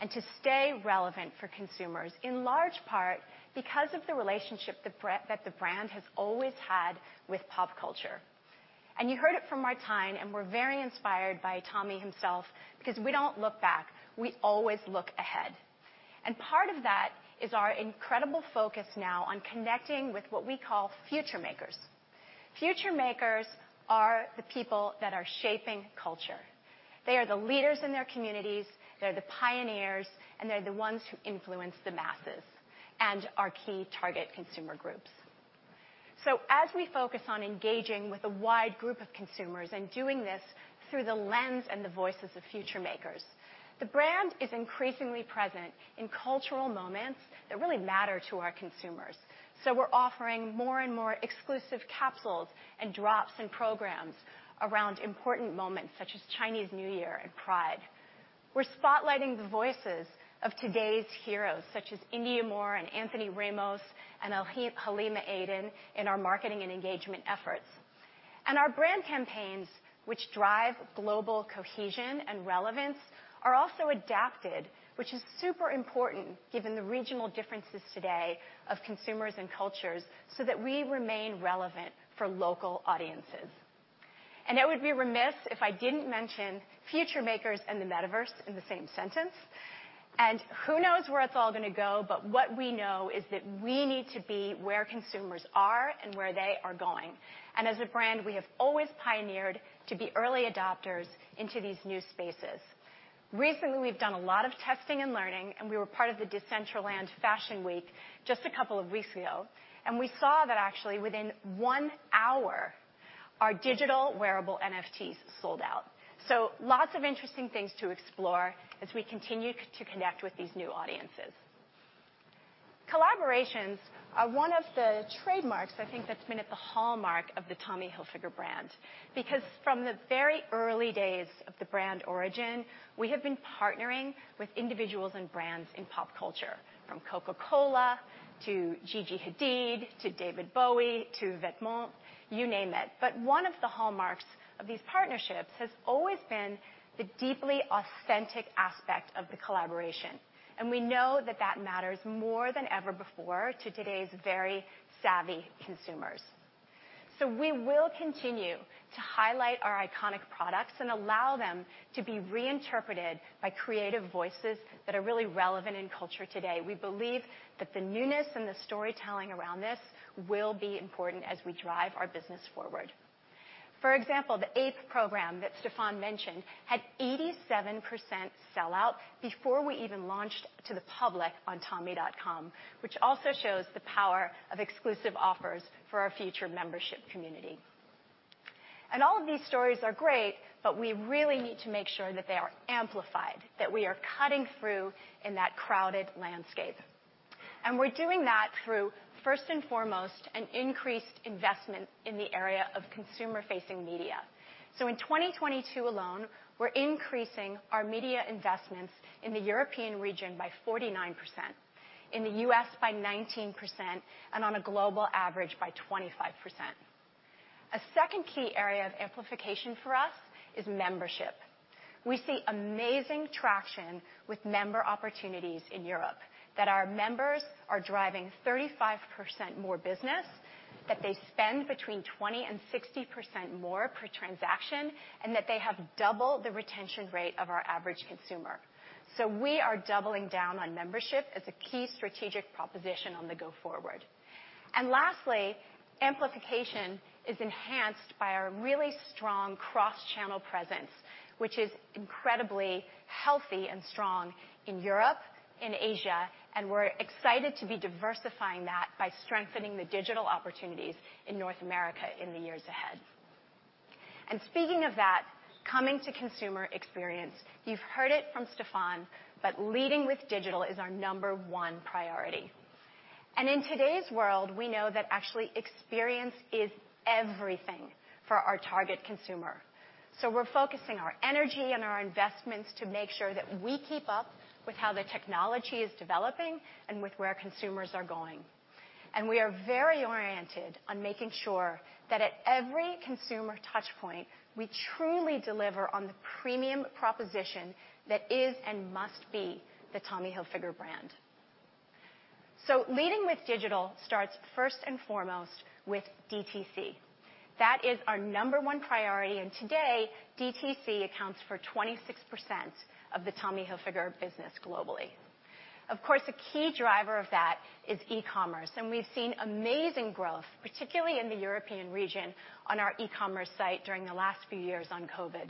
and to stay relevant for consumers, in large part because of the relationship that the brand has always had with pop culture. You heard it from Martijn, and we're very inspired by Tommy himself because we don't look back, we always look ahead. Part of that is our incredible focus now on connecting with what we call future makers. Future makers are the people that are shaping culture. They are the leaders in their communities, they're the pioneers, and they're the ones who influence the masses, and our key target consumer groups. As we focus on engaging with a wide group of consumers and doing this through the lens and the voices of future makers, the brand is increasingly present in cultural moments that really matter to our consumers. We're offering more and more exclusive capsules and drops and programs around important moments such as Chinese New Year and Pride. We're spotlighting the voices of today's heroes, such as Indya Moore and Anthony Ramos and Halima Aden in our marketing and engagement efforts. Our brand campaigns, which drive global cohesion and relevance, are also adapted, which is super important given the regional differences today of consumers and cultures, so that we remain relevant for local audiences. I would be remiss if I didn't mention future makers and the metaverse in the same sentence. Who knows where it's all gonna go, but what we know is that we need to be where consumers are and where they are going. As a brand, we have always pioneered to be early adopters into these new spaces. Recently, we've done a lot of testing and learning, and we were part of the Decentraland Fashion Week just a couple of weeks ago, and we saw that actually within one hour, our digital wearable NFTs sold out. Lots of interesting things to explore as we continue to connect with these new audiences. Collaborations are one of the trademarks I think that's been a hallmark of the Tommy Hilfiger brand, because from the very early days of the brand origin, we have been partnering with individuals and brands in pop culture, from Coca-Cola to Gigi Hadid, to David Bowie, to Vetements, you name it. One of the hallmarks of these partnerships has always been the deeply authentic aspect of the collaboration. We know that that matters more than ever before to today's very savvy consumers. We will continue to highlight our iconic products and allow them to be reinterpreted by creative voices that are really relevant in culture today. We believe that the newness and the storytelling around this will be important as we drive our business forward. For example, the AAPE program that Stefan mentioned had 87% sell out before we even launched to the public on tommy.com, which also shows the power of exclusive offers for our future membership community. All of these stories are great, but we really need to make sure that they are amplified, that we are cutting through in that crowded landscape. We're doing that through, first and foremost, an increased investment in the area of consumer-facing media. In 2022 alone, we're increasing our media investments in the European region by 49%, in the U.S. by 19%, and on a global average by 25%. A second key area of amplification for us is membership. We see amazing traction with member opportunities in Europe, that our members are driving 35% more business, that they spend between 20% and 60% more per transaction, and that they have double the retention rate of our average consumer. We are doubling down on membership as a key strategic proposition on the go forward. Lastly, amplification is enhanced by our really strong cross-channel presence, which is incredibly healthy and strong in Europe, in Asia, and we're excited to be diversifying that by strengthening the digital opportunities in North America in the years ahead. Speaking of that, coming to consumer experience, you've heard it from Stefan, but leading with digital is our number one priority. In today's world, we know that actually experience is everything for our target consumer. We're focusing our energy and our investments to make sure that we keep up with how the technology is developing and with where consumers are going. We are very oriented on making sure that at every consumer touch point, we truly deliver on the premium proposition that is and must be the Tommy Hilfiger brand. Leading with digital starts first and foremost with DTC. That is our number one priority, and today, DTC accounts for 26% of the Tommy Hilfiger business globally. Of course, a key driver of that is e-commerce, and we've seen amazing growth, particularly in the European region, on our e-commerce site during the last few years of COVID.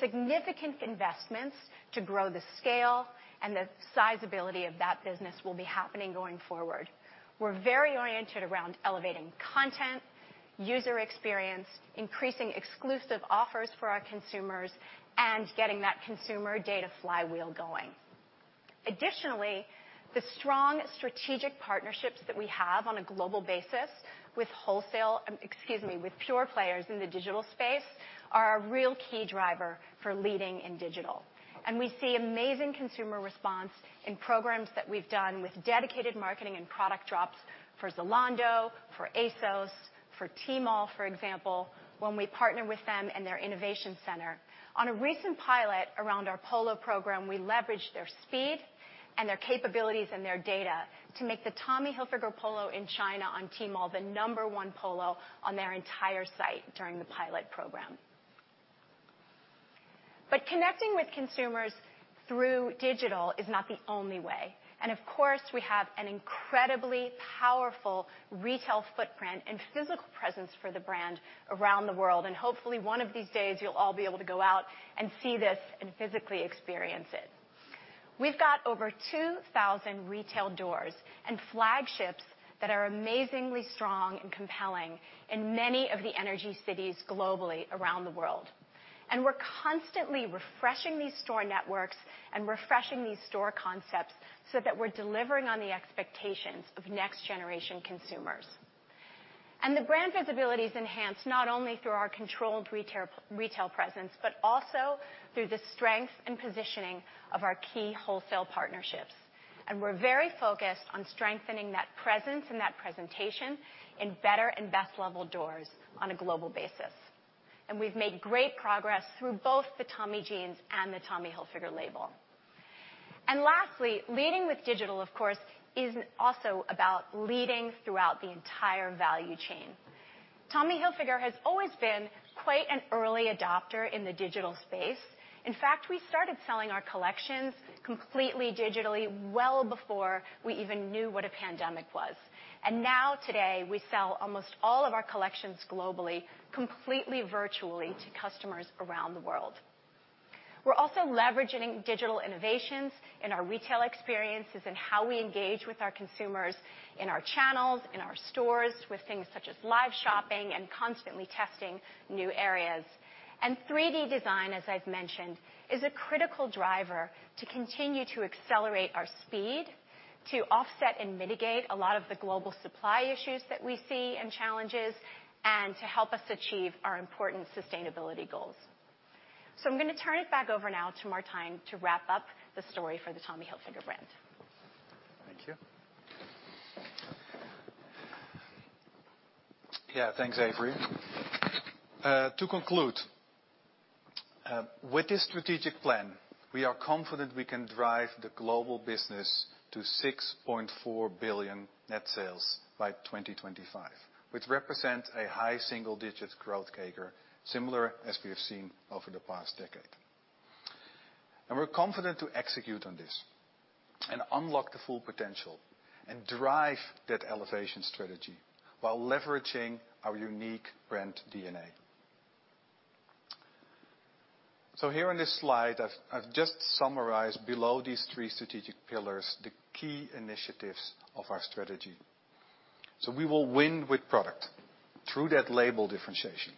Significant investments to grow the scale and the sizeability of that business will be happening going forward. We're very oriented around elevating content, user experience, increasing exclusive offers for our consumers, and getting that consumer data flywheel going. Additionally, the strong strategic partnerships that we have on a global basis with pure players in the digital space are a real key driver for leading in digital. We see amazing consumer response in programs that we've done with dedicated marketing and product drops for Zalando, for ASOS, for Tmall, for example, when we partner with them in their innovation center. On a recent pilot around our polo program, we leveraged their speed and their capabilities and their data to make the Tommy Hilfiger polo in China on Tmall the number one polo on their entire site during the pilot program. Connecting with consumers through digital is not the only way. Of course, we have an incredibly powerful retail footprint and physical presence for the brand around the world. Hopefully, one of these days you'll all be able to go out and see this and physically experience it. We've got over 2,000 retail doors and flagships that are amazingly strong and compelling in many of the key cities globally around the world. We're constantly refreshing these store networks and refreshing these store concepts so that we're delivering on the expectations of next-generation consumers. The brand visibility is enhanced not only through our controlled retail presence, but also through the strength and positioning of our key wholesale partnerships. We're very focused on strengthening that presence and that presentation in better and best level doors on a global basis. We've made great progress through both the Tommy Jeans and the Tommy Hilfiger label. Lastly, leading with digital, of course, is also about leading throughout the entire value chain. Tommy Hilfiger has always been quite an early adopter in the digital space. In fact, we started selling our collections completely digitally well before we even knew what a pandemic was. Now today, we sell almost all of our collections globally, completely virtually to customers around the world. We're also leveraging digital innovations in our retail experiences and how we engage with our consumers in our channels, in our stores, with things such as live shopping and constantly testing new areas. 3D design, as I've mentioned, is a critical driver to continue to accelerate our speed, to offset and mitigate a lot of the global supply issues that we see and challenges, and to help us achieve our important sustainability goals. I'm gonna turn it back over now to Martijn to wrap up the story for the Tommy Hilfiger brand. Thank you. Thanks, Avery. To conclude with this strategic plan, we are confident we can drive the global business to $6.4 billion net sales by 2025, which represents a high single-digit growth CAGR, similar as we have seen over the past decade. We're confident to execute on this and unlock the full potential and drive that elevation strategy while leveraging our unique brand DNA. Here in this slide, I've just summarized below these three strategic pillars, the key initiatives of our strategy. We will win with product through that label differentiation,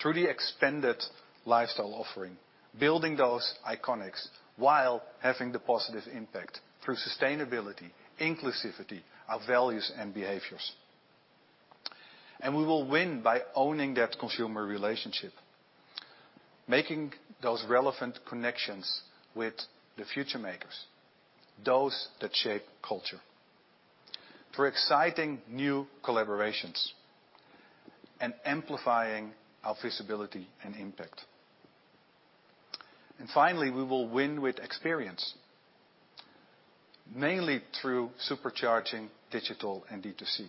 through the expanded lifestyle offering, building those iconics while having the positive impact through sustainability, inclusivity, our values, and behaviors. We will win by owning that consumer relationship, making those relevant connections with the future makers, those that shape culture, through exciting new collaborations and amplifying our visibility and impact. Finally, we will win with experience, mainly through supercharging digital and D2C,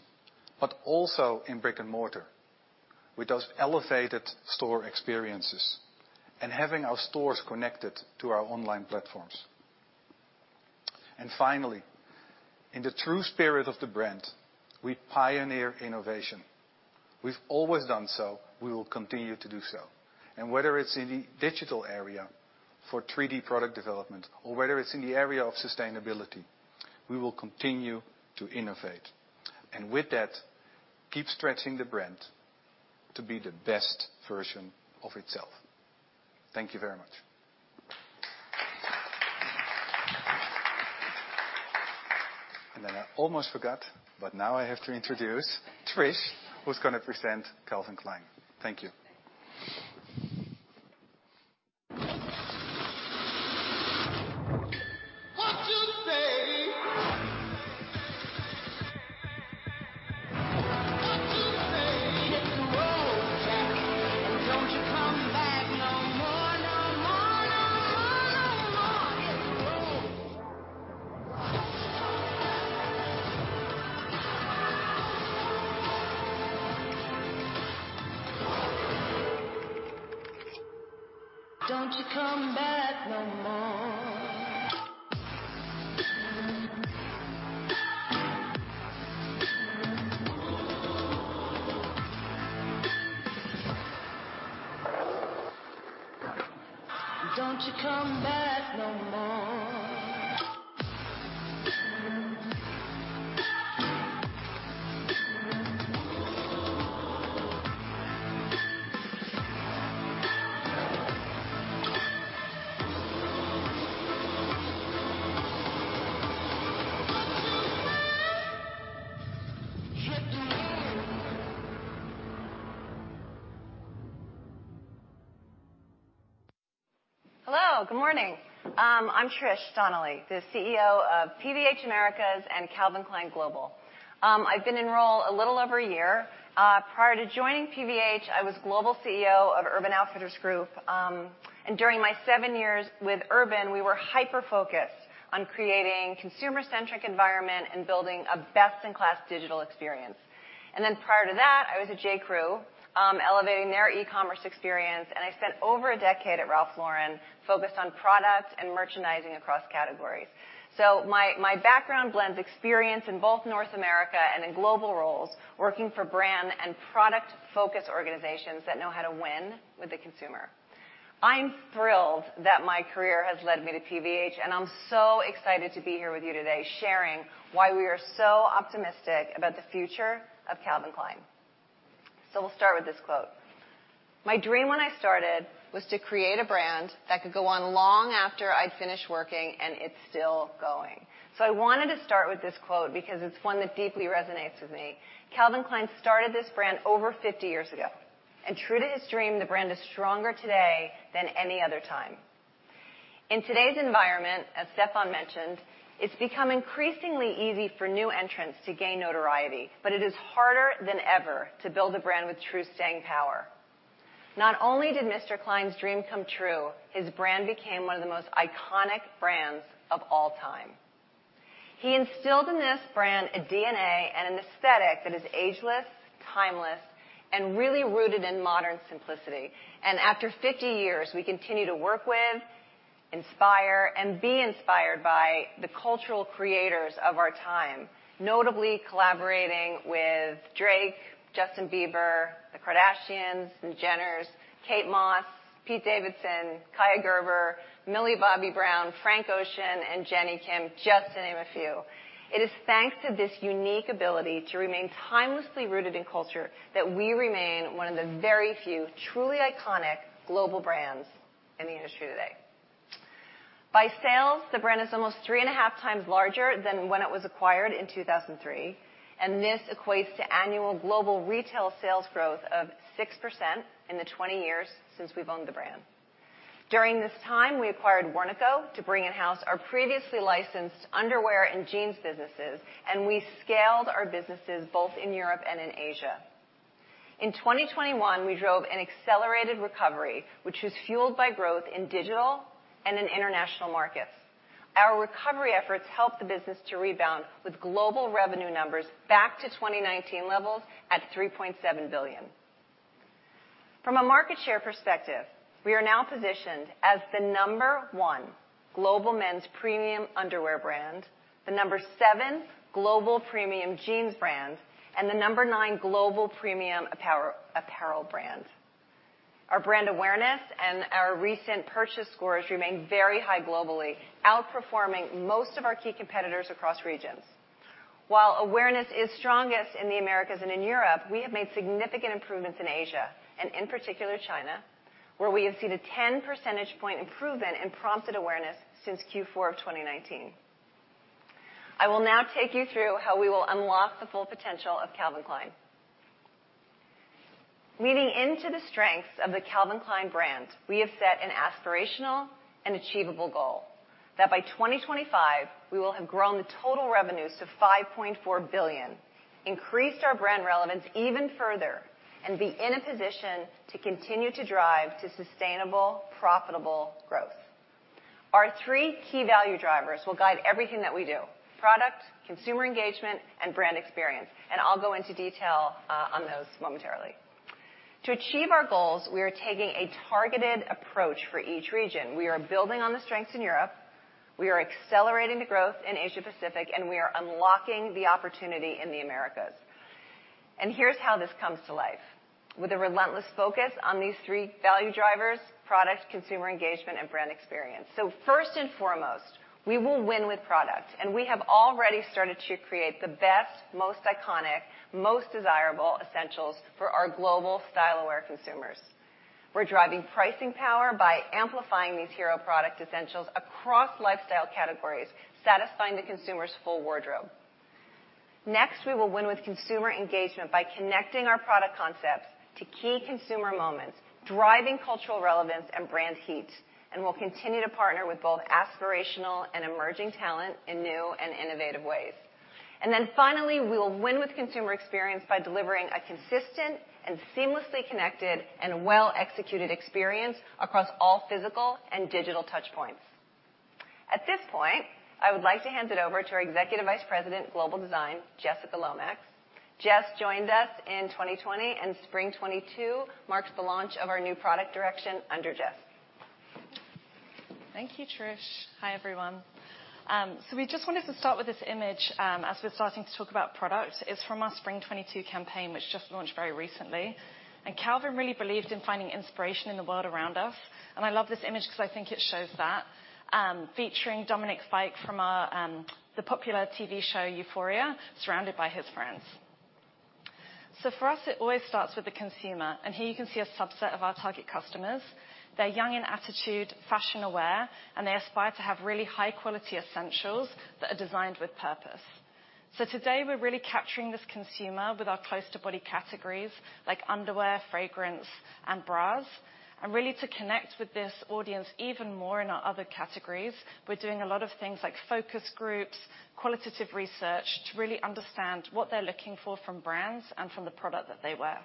but also in brick-and-mortar with those elevated store experiences and having our stores connected to our online platforms. Finally, in the true spirit of the brand, we pioneer innovation. We've always done so, we will continue to do so. Whether it's in the digital area for 3D product development or whether it's in the area of sustainability, we will continue to innovate. With that, keep stretching the brand to be the best version of itself. Thank you very much. Then I almost forgot, but now I have to introduce Trish, who's gonna present Calvin Klein. Thank you. Hello, good morning. I'm Trish Donnelly, the CEO of PVH Americas and Calvin Klein Global. I've been in role a little over a year. Prior to joining PVH, I was Global CEO of Urban Outfitters Group. During my seven years with Urban, we were hyper-focused on creating consumer-centric environment and building a best-in-class digital experience. Prior to that, I was at J.Crew, elevating their e-commerce experience, and I spent over a decade at Ralph Lauren focused on product and merchandising across categories. My background blends experience in both North America and in global roles, working for brand and product-focused organizations that know how to win with the consumer. I'm thrilled that my career has led me to PVH, and I'm so excited to be here with you today, sharing why we are so optimistic about the future of Calvin Klein. We'll start with this quote: "My dream when I started was to create a brand that could go on long after I'd finished working, and it's still going." I wanted to start with this quote because it's one that deeply resonates with me. Calvin Klein started this brand over 50 years ago. True to his dream, the brand is stronger today than any other time. In today's environment, as Stefan mentioned, it's become increasingly easy for new entrants to gain notoriety, but it is harder than ever to build a brand with true staying power. Not only did Mr. Klein's dream come true, his brand became one of the most iconic brands of all time. He instilled in this brand a DNA and an aesthetic that is ageless, timeless, and really rooted in modern simplicity. After 50 years, we continue to work with, inspire, and be inspired by the cultural creators of our time. Notably collaborating with Drake, Justin Bieber, the Kardashians, the Jenners, Kate Moss, Pete Davidson, Kaia Gerber, Millie Bobby Brown, Frank Ocean, and Jennie Kim, just to name a few. It is thanks to this unique ability to remain timelessly rooted in culture that we remain one of the very few truly iconic global brands in the industry today. By sales, the brand is almost 3.5 times larger than when it was acquired in 2003, and this equates to annual global retail sales growth of 6% in the 20 years since we've owned the brand. During this time, we acquired Warnaco to bring in-house our previously licensed underwear and jeans businesses, and we scaled our businesses both in Europe and in Asia. In 2021, we drove an accelerated recovery, which was fueled by growth in digital and in international markets. Our recovery efforts helped the business to rebound with global revenue numbers back to 2019 levels at $3.7 billion. From a market share perspective, we are now positioned as the number one global men's premium underwear brand, the number seven global premium jeans brand, and the number nine global premium apparel brand. Our brand awareness and our recent purchase scores remain very high globally, outperforming most of our key competitors across regions. While awareness is strongest in the Americas and in Europe, we have made significant improvements in Asia, and in particular China, where we have seen a 10 percentage point improvement in prompted awareness since Q4 of 2019. I will now take you through how we will unlock the full potential of Calvin Klein. Leading into the strengths of the Calvin Klein brand, we have set an aspirational and achievable goal that by 2025, we will have grown the total revenues to $5.4 billion, increased our brand relevance even further, and be in a position to continue to drive to sustainable, profitable growth. Our three key value drivers will guide everything that we do. Product, consumer engagement, and brand experience. I'll go into detail on those momentarily. To achieve our goals, we are taking a targeted approach for each region. We are building on the strengths in Europe, we are accelerating the growth in Asia Pacific, and we are unlocking the opportunity in the Americas. Here's how this comes to life. With a relentless focus on these three value drivers. Product, consumer engagement, and brand experience. First and foremost, we will win with product, and we have already started to create the best, most iconic, most desirable essentials for our global style-aware consumers. We're driving pricing power by amplifying these hero product essentials across lifestyle categories, satisfying the consumer's full wardrobe. Next, we will win with consumer engagement by connecting our product concepts to key consumer moments, driving cultural relevance and brand heat, and we'll continue to partner with both aspirational and emerging talent in new and innovative ways. Then finally, we will win with consumer experience by delivering a consistent and seamlessly connected and well-executed experience across all physical and digital touchpoints. At this point, I would like to hand it over to our Executive Vice President, Global Head of Design, Jessica Lomax. Jess joined us in 2020, and Spring 2022 marks the launch of our new product direction under Jess. Thank you, Trish. Hi, everyone. We just wanted to start with this image as we're starting to talk about product. It's from our Spring 2022 campaign, which just launched very recently. Calvin really believed in finding inspiration in the world around us, and I love this image because I think it shows that featuring Dominic Fike from the popular TV show Euphoria, surrounded by his friends. For us, it always starts with the consumer, and here you can see a subset of our target customers. They're young in attitude, fashion-aware, and they aspire to have really high quality essentials that are designed with purpose. Today, we're really capturing this consumer with our close to body categories like underwear, fragrance, and bras. Really to connect with this audience even more in our other categories, we're doing a lot of things like focus groups, qualitative research to really understand what they're looking for from brands and from the product that they wear.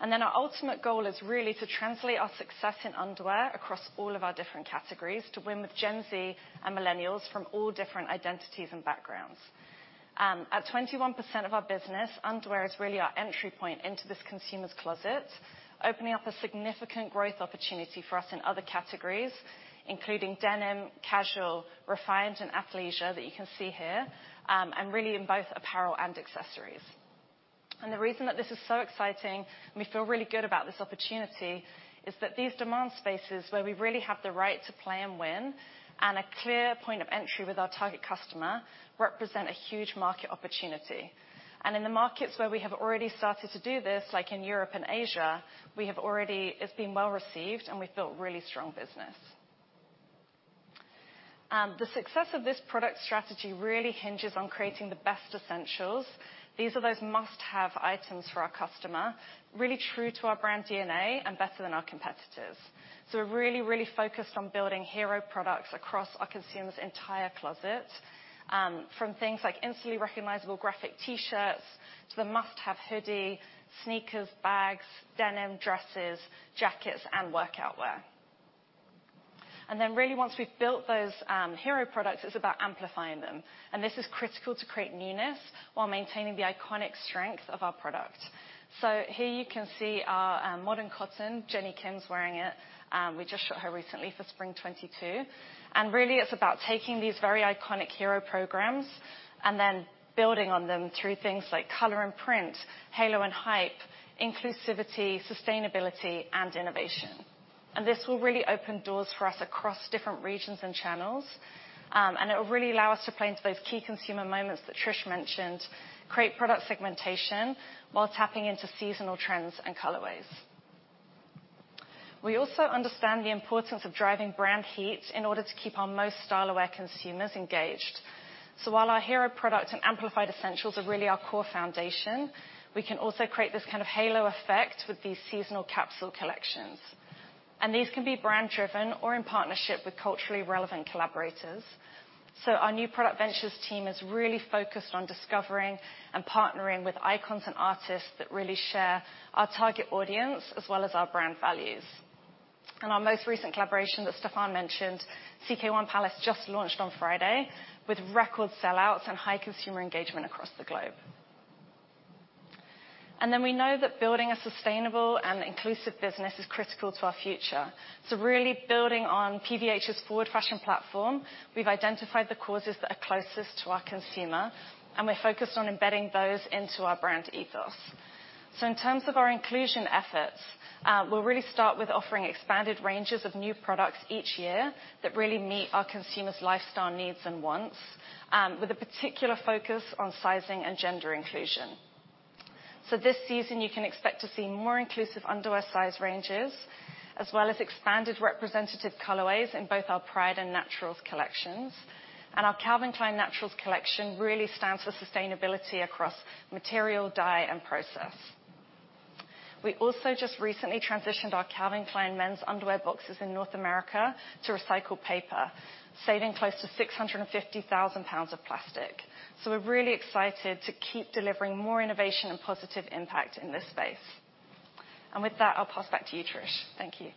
Our ultimate goal is really to translate our success in underwear across all of our different categories to win with Gen Z and millennials from all different identities and backgrounds. At 21% of our business, underwear is really our entry point into this consumer's closet, opening up a significant growth opportunity for us in other categories, including denim, casual, refined, and athleisure that you can see here, and really in both apparel and accessories. The reason that this is so exciting and we feel really good about this opportunity is that these demand spaces where we really have the right to play and win, and a clear point of entry with our target customer, represent a huge market opportunity. In the markets where we have already started to do this, like in Europe and Asia, it's been well received, and we've built really strong business. The success of this product strategy really hinges on creating the best essentials. These are those must-have items for our customer, really true to our brand DNA and better than our competitors. We're really, really focused on building hero products across our consumer's entire closet, from things like instantly recognizable graphic T-shirts to the must-have hoodie, sneakers, bags, denim, dresses, jackets, and workout wear. Really, once we've built those hero products, it's about amplifying them. This is critical to create newness while maintaining the iconic strength of our product. Here you can see our modern cotton. Jennie Kim's wearing it. We just shot her recently for Spring 2022. Really it's about taking these very iconic hero programs and then building on them through things like color and print, halo and hype, inclusivity, sustainability, and innovation. This will really open doors for us across different regions and channels. It will really allow us to play into those key consumer moments that Trish mentioned, create product segmentation while tapping into seasonal trends and colorways. We also understand the importance of driving brand heat in order to keep our most style-aware consumers engaged. While our hero product and amplified essentials are really our core foundation, we can also create this kind of halo effect with these seasonal capsule collections. These can be brand-driven or in partnership with culturally relevant collaborators. Our new product ventures team is really focused on discovering and partnering with icons and artists that really share our target audience as well as our brand values. Our most recent collaboration that Stefan mentioned, CK1 Palace, just launched on Friday with record sellouts and high consumer engagement across the globe. We know that building a sustainable and inclusive business is critical to our future. Really building on PVH's Forward Fashion platform, we've identified the causes that are closest to our consumer, and we're focused on embedding those into our brand ethos. In terms of our inclusion efforts, we'll really start with offering expanded ranges of new products each year that really meet our consumer's lifestyle needs and wants, with a particular focus on sizing and gender inclusion. This season, you can expect to see more inclusive underwear size ranges, as well as expanded representative colorways in both our Pride and Naturals collections. Our Calvin Klein Naturals collection really stands for sustainability across material, dye, and process. We also just recently transitioned our Calvin Klein men's underwear boxes in North America to recycled paper, saving close to 650,000 pounds of plastic. We're really excited to keep delivering more innovation and positive impact in this space. With that, I'll pass back to you, Trish. Thank you.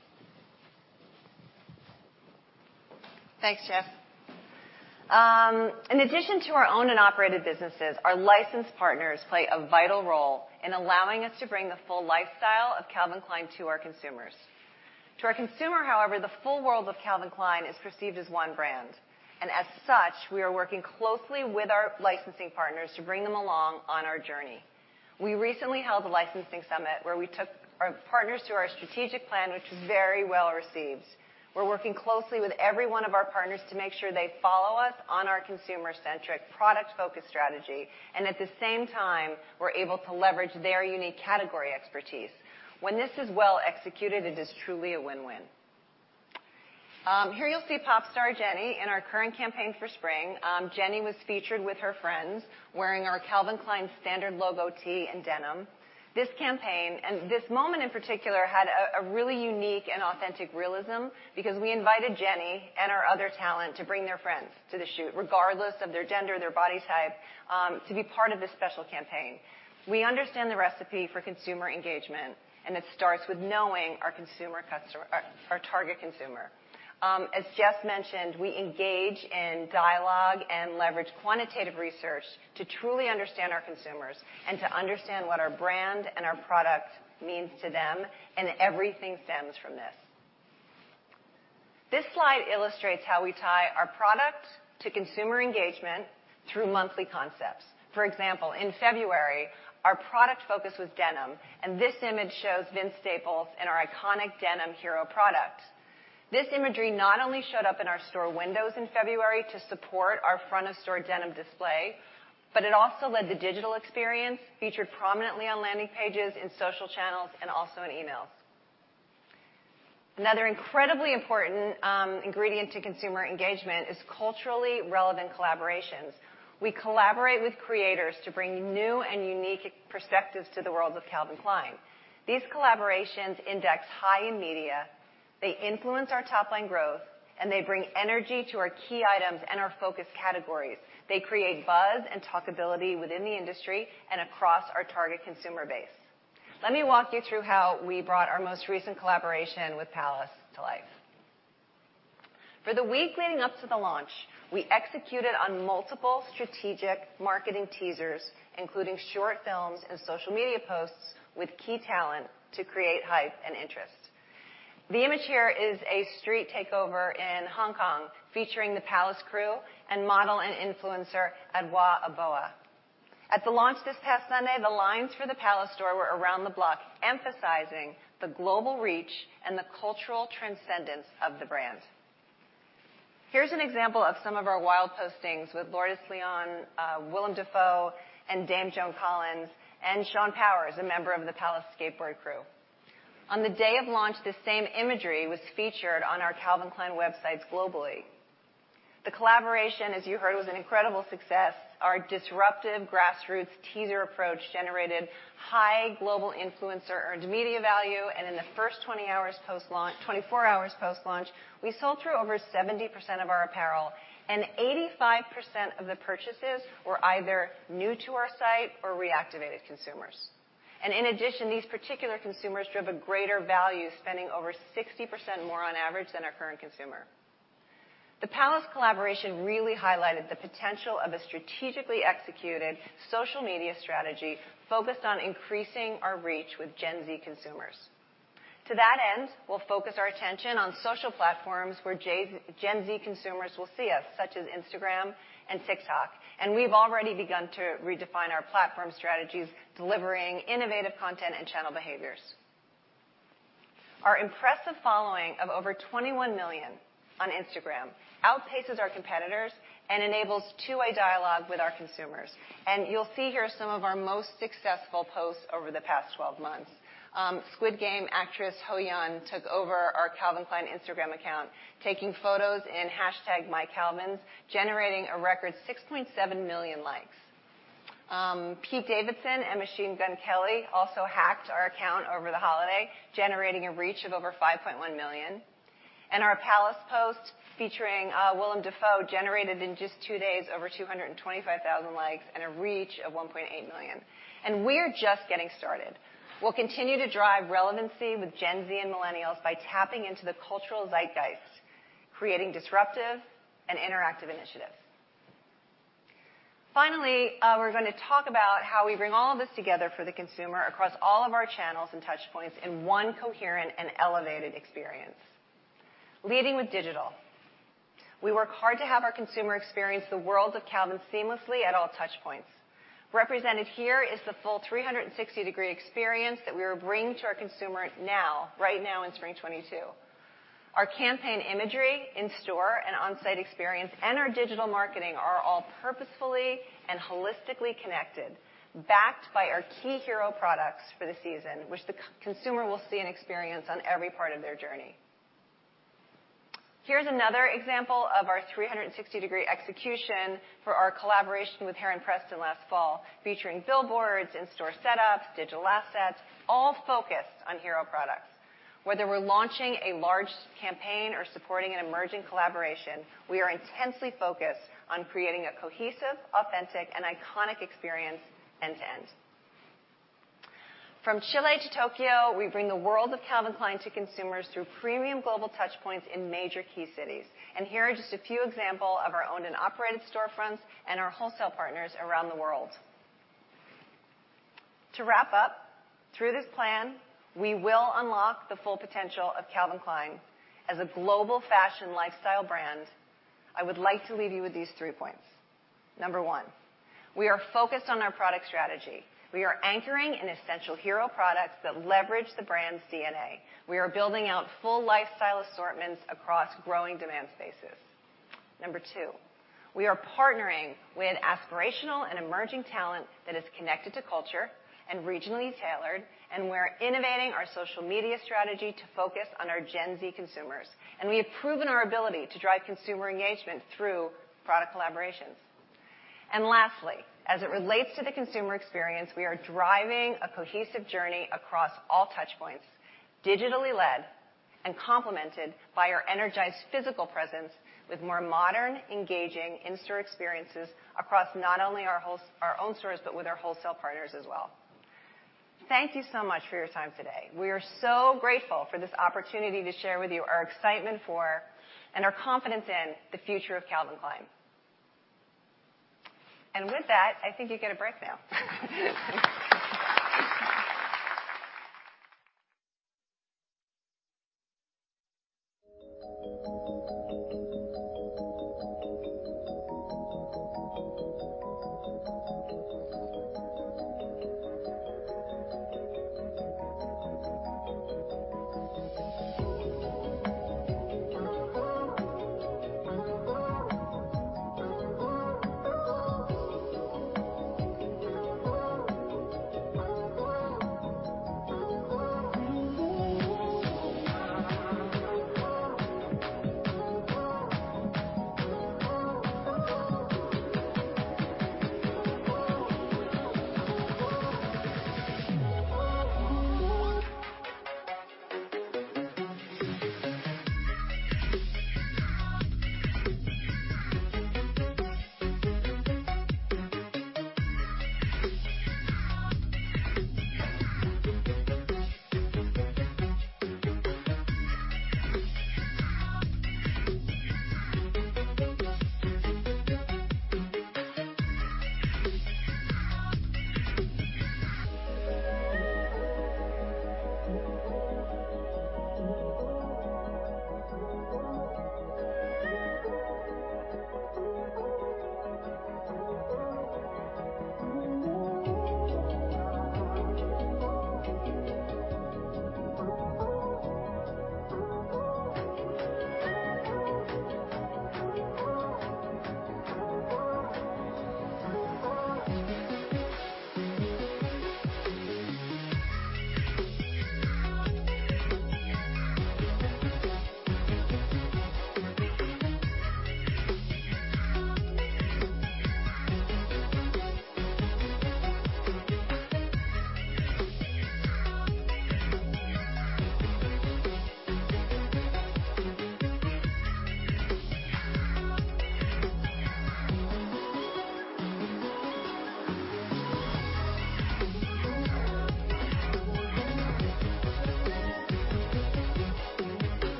Thanks, Jessica Lomax. In addition to our own and operated businesses, our licensed partners play a vital role in allowing us to bring the full lifestyle of Calvin Klein to our consumers. To our consumer, however, the full world of Calvin Klein is perceived as one brand, and as such, we are working closely with our licensing partners to bring them along on our journey. We recently held a licensing summit where we took our partners through our strategic plan, which was very well received. We're working closely with every one of our partners to make sure they follow us on our consumer-centric, product-focused strategy. At the same time, we're able to leverage their unique category expertise. When this is well executed, it is truly a win-win. Here you'll see pop star Jennie in our current campaign for spring. Jennie was featured with her friends wearing our Calvin Klein standard logo tee and denim. This campaign, and this moment, in particular, had a really unique and authentic realism because we invited Jennie and our other talent to bring their friends to the shoot, regardless of their gender, their body type, to be part of this special campaign. We understand the recipe for consumer engagement, and it starts with knowing our target consumer. As Jessica mentioned, we engage in dialogue and leverage quantitative research to truly understand our consumers and to understand what our brand and our product means to them, and everything stems from this. This slide illustrates how we tie our product to consumer engagement through monthly concepts. For example, in February, our product focus was denim, and this image shows Vince Staples in our iconic denim hero product. This imagery not only showed up in our store windows in February to support our front-of-store denim display, but it also led the digital experience, featured prominently on landing pages, in social channels, and also in emails. Another incredibly important ingredient to consumer engagement is culturally relevant collaborations. We collaborate with creators to bring new and unique perspectives to the world of Calvin Klein. These collaborations index high in media, they influence our top-line growth, and they bring energy to our key items and our focus categories. They create buzz and talkability within the industry and across our target consumer base. Let me walk you through how we brought our most recent collaboration with Palace to life. For the week leading up to the launch, we executed on multiple strategic marketing teasers, including short films and social media posts with key talent to create hype and interest. The image here is a street takeover in Hong Kong featuring the Palace crew and model and influencer, Adwoa Aboah. At the launch this past Sunday, the lines for the Palace store were around the block, emphasizing the global reach and the cultural transcendence of the brand. Here's an example of some of our wild postings with Lourdes Leon, Willem Dafoe, and Dame Joan Collins, and Shawn Powers, a member of the Palace skateboard crew. On the day of launch, the same imagery was featured on our Calvin Klein websites globally. The collaboration, as you heard, was an incredible success. Our disruptive grassroots teaser approach generated high global influencer earned media value, and in the first 24 hours post-launch, we sold through over 70% of our apparel, and 85% of the purchases were either new to our site or reactivated consumers. In addition, these particular consumers drove a greater value, spending over 60% more on average than our current consumer. The Palace collaboration really highlighted the potential of a strategically executed social media strategy focused on increasing our reach with Gen Z consumers. To that end, we'll focus our attention on social platforms where Gen Z consumers will see us, such as Instagram and TikTok, and we've already begun to redefine our platform strategies, delivering innovative content and channel behaviors. Our impressive following of over 21 million on Instagram outpaces our competitors and enables two-way dialogue with our consumers. You'll see here some of our most successful posts over the past 12 months. Squid Game actress HoYeon took over our Calvin Klein Instagram account, taking photos in #mycalvins, generating a record 6.7 million likes. Pete Davidson and Machine Gun Kelly also hacked our account over the holiday, generating a reach of over 5.1 million. Our Palace post featuring Willem Dafoe generated in just two days over 225,000 likes and a reach of 1.8 million. We're just getting started. We'll continue to drive relevancy with Gen Z and millennials by tapping into the cultural zeitgeists, creating disruptive and interactive initiatives. Finally, we're gonna talk about how we bring all of this together for the consumer across all of our channels and touch points in one coherent and elevated experience. Leading with digital, we work hard to have our consumer experience the world of Calvin seamlessly at all touch points. Represented here is the full 360-degree experience that we are bringing to our consumer now, right now in spring 2022. Our campaign imagery in-store and on-site experience and our digital marketing are all purposefully and holistically connected, backed by our key hero products for the season, which the consumer will see and experience on every part of their journey. Here's another example of our 360-degree execution for our collaboration with Heron Preston last fall, featuring billboards, in-store setups, digital assets, all focused on hero products. Whether we're launching a large campaign or supporting an emerging collaboration, we are intensely focused on creating a cohesive, authentic, and iconic experience end to end. From Chile to Tokyo, we bring the world of Calvin Klein to consumers through premium global touchpoints in major key cities. Here are just a few examples of our owned and operated storefronts and our wholesale partners around the world. To wrap up, through this plan, we will unlock the full potential of Calvin Klein as a global fashion lifestyle brand. I would like to leave you with these three points. Number one, we are focused on our product strategy. We are anchoring in essential hero products that leverage the brand's DNA. We are building out full lifestyle assortments across growing demand spaces. Number two, we are partnering with aspirational and emerging talent that is connected to culture and regionally tailored, and we're innovating our social media strategy to focus on our Gen Z consumers. We have proven our ability to drive consumer engagement through product collaborations. Lastly, as it relates to the consumer experience, we are driving a cohesive journey across all touch points, digitally led and complemented by our energized physical presence with more modern, engaging in-store experiences across not only our own stores, but with our wholesale partners as well. Thank you so much for your time today. We are so grateful for this opportunity to share with you our excitement for and our confidence in the future of Calvin Klein. With that, I think you get a break now.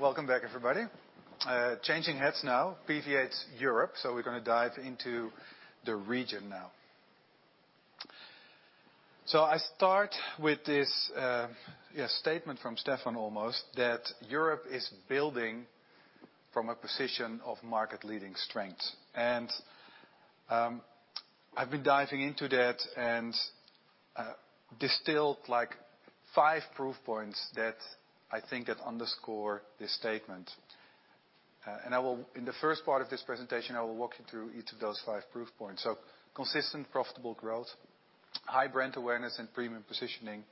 Welcome back everybody. Changing hats now, PVH Europe. We're gonna dive into the region now. I start with this statement from Stefan Larsson that Europe is building from a position of market leading strength. I've been diving into that and distilled like five proof points that I think underscore this statement. In the first part of this presentation, I will walk you through each of those five proof points. Consistent profitable growth, high brand awareness and premium positioning,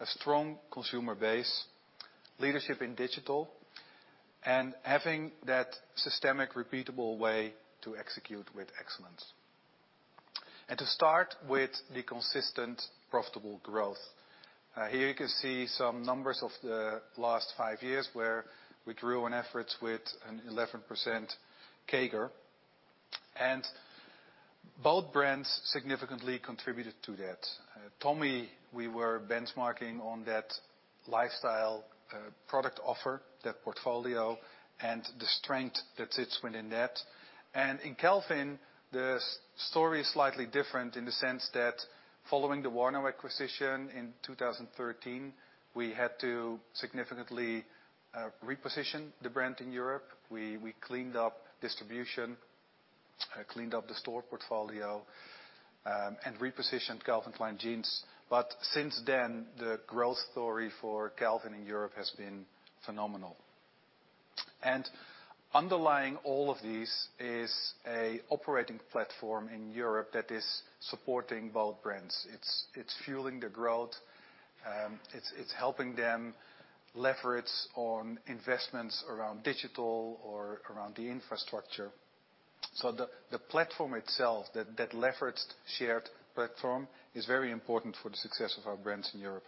a strong consumer base, leadership in digital, and having that systematic repeatable way to execute with excellence. To start with the consistent profitable growth. Here you can see some numbers of the last five years where we grew revenues with an 11% CAGR, and both brands significantly contributed to that. Tommy, we were benchmarking on that lifestyle product offer, that portfolio, and the strength that sits within that. In Calvin, the story is slightly different in the sense that following the Warnaco acquisition in 2013, we had to significantly reposition the brand in Europe. We cleaned up distribution, cleaned up the store portfolio, and repositioned Calvin Klein Jeans. Since then, the growth story for Calvin in Europe has been phenomenal. Underlying all of these is an operating platform in Europe that is supporting both brands. It's fueling the growth, it's helping them leverage on investments around digital or around the infrastructure. The platform itself, that leveraged shared platform is very important for the success of our brands in Europe.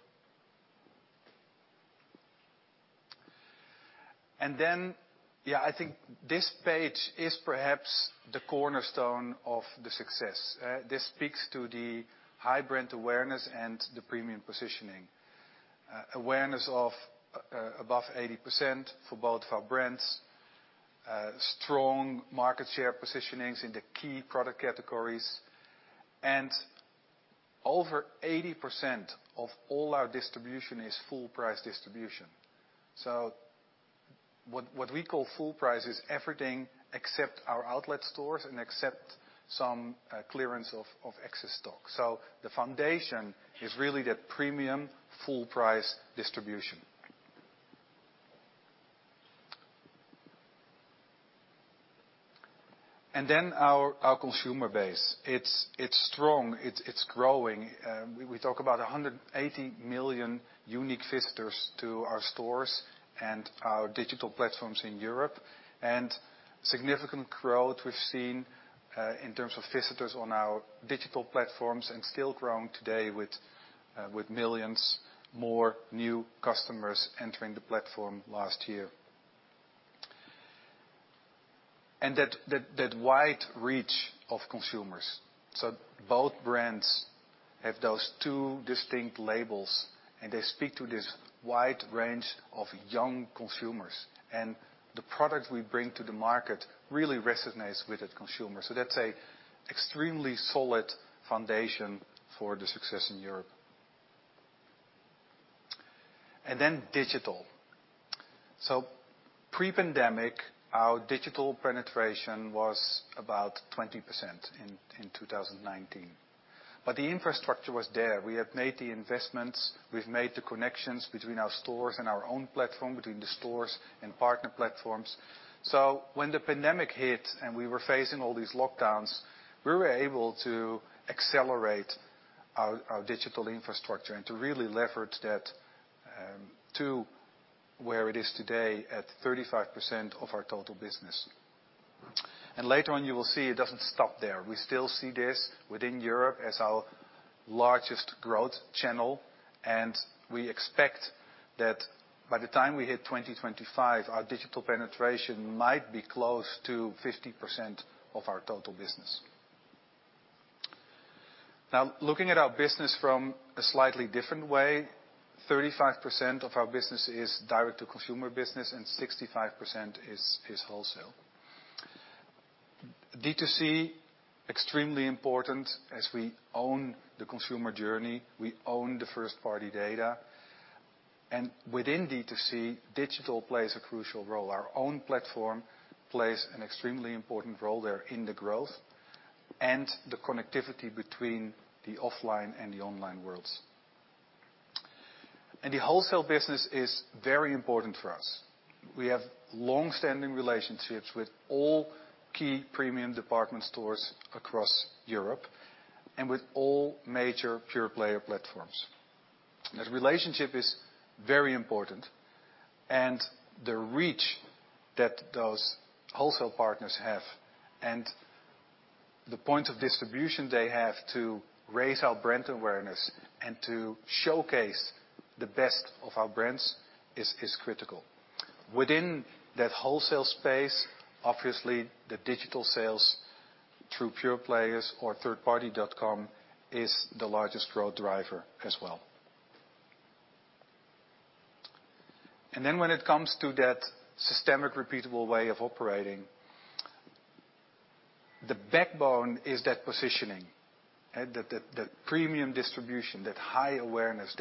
I think this page is perhaps the cornerstone of the success. This speaks to the high brand awareness and the premium positioning. Awareness of above 80% for both of our brands. Strong market share positionings in the key product categories. Over 80% of all our distribution is full price distribution. So what we call full price is everything except our outlet stores and except some clearance of excess stock. So the foundation is really that premium full price distribution. Then our consumer base. It's strong, it's growing. We talk about 180 million unique visitors to our stores and our digital platforms in Europe. Significant growth we've seen in terms of visitors on our digital platforms and still growing today with millions more new customers entering the platform last year. That wide reach of consumers. Both brands have those two distinct labels, and they speak to this wide range of young consumers. The product we bring to the market really resonates with the consumer. That's an extremely solid foundation for the success in Europe. Digital pre-pandemic, our digital penetration was about 20% in 2019. The infrastructure was there. We had made the investments, we've made the connections between our stores and our own platform, between the stores and partner platforms. When the pandemic hit and we were facing all these lockdowns, we were able to accelerate our digital infrastructure and to really leverage that to where it is today at 35% of our total business. Later on, you will see it doesn't stop there. We still see this within Europe as our largest growth channel, and we expect that by the time we hit 2025, our digital penetration might be close to 50% of our total business. Now, looking at our business from a slightly different way, 35% of our business is direct-to-consumer business, and 65% is wholesale. D2C, extremely important as we own the consumer journey, we own the first-party data. Within D2C, digital plays a crucial role. Our own platform plays an extremely important role there in the growth and the connectivity between the offline and the online worlds. The wholesale business is very important for us. We have long-standing relationships with all key premium department stores across Europe and with all major pure player platforms. That relationship is very important. The reach that those wholesale partners have and the point of distribution they have to raise our brand awareness and to showcase the best of our brands is critical. Within that wholesale space, obviously, the digital sales through pure players or third-party dot-com is the largest growth driver as well. Then when it comes to that systemic, repeatable way of operating, the backbone is that positioning. That premium distribution, that high awareness,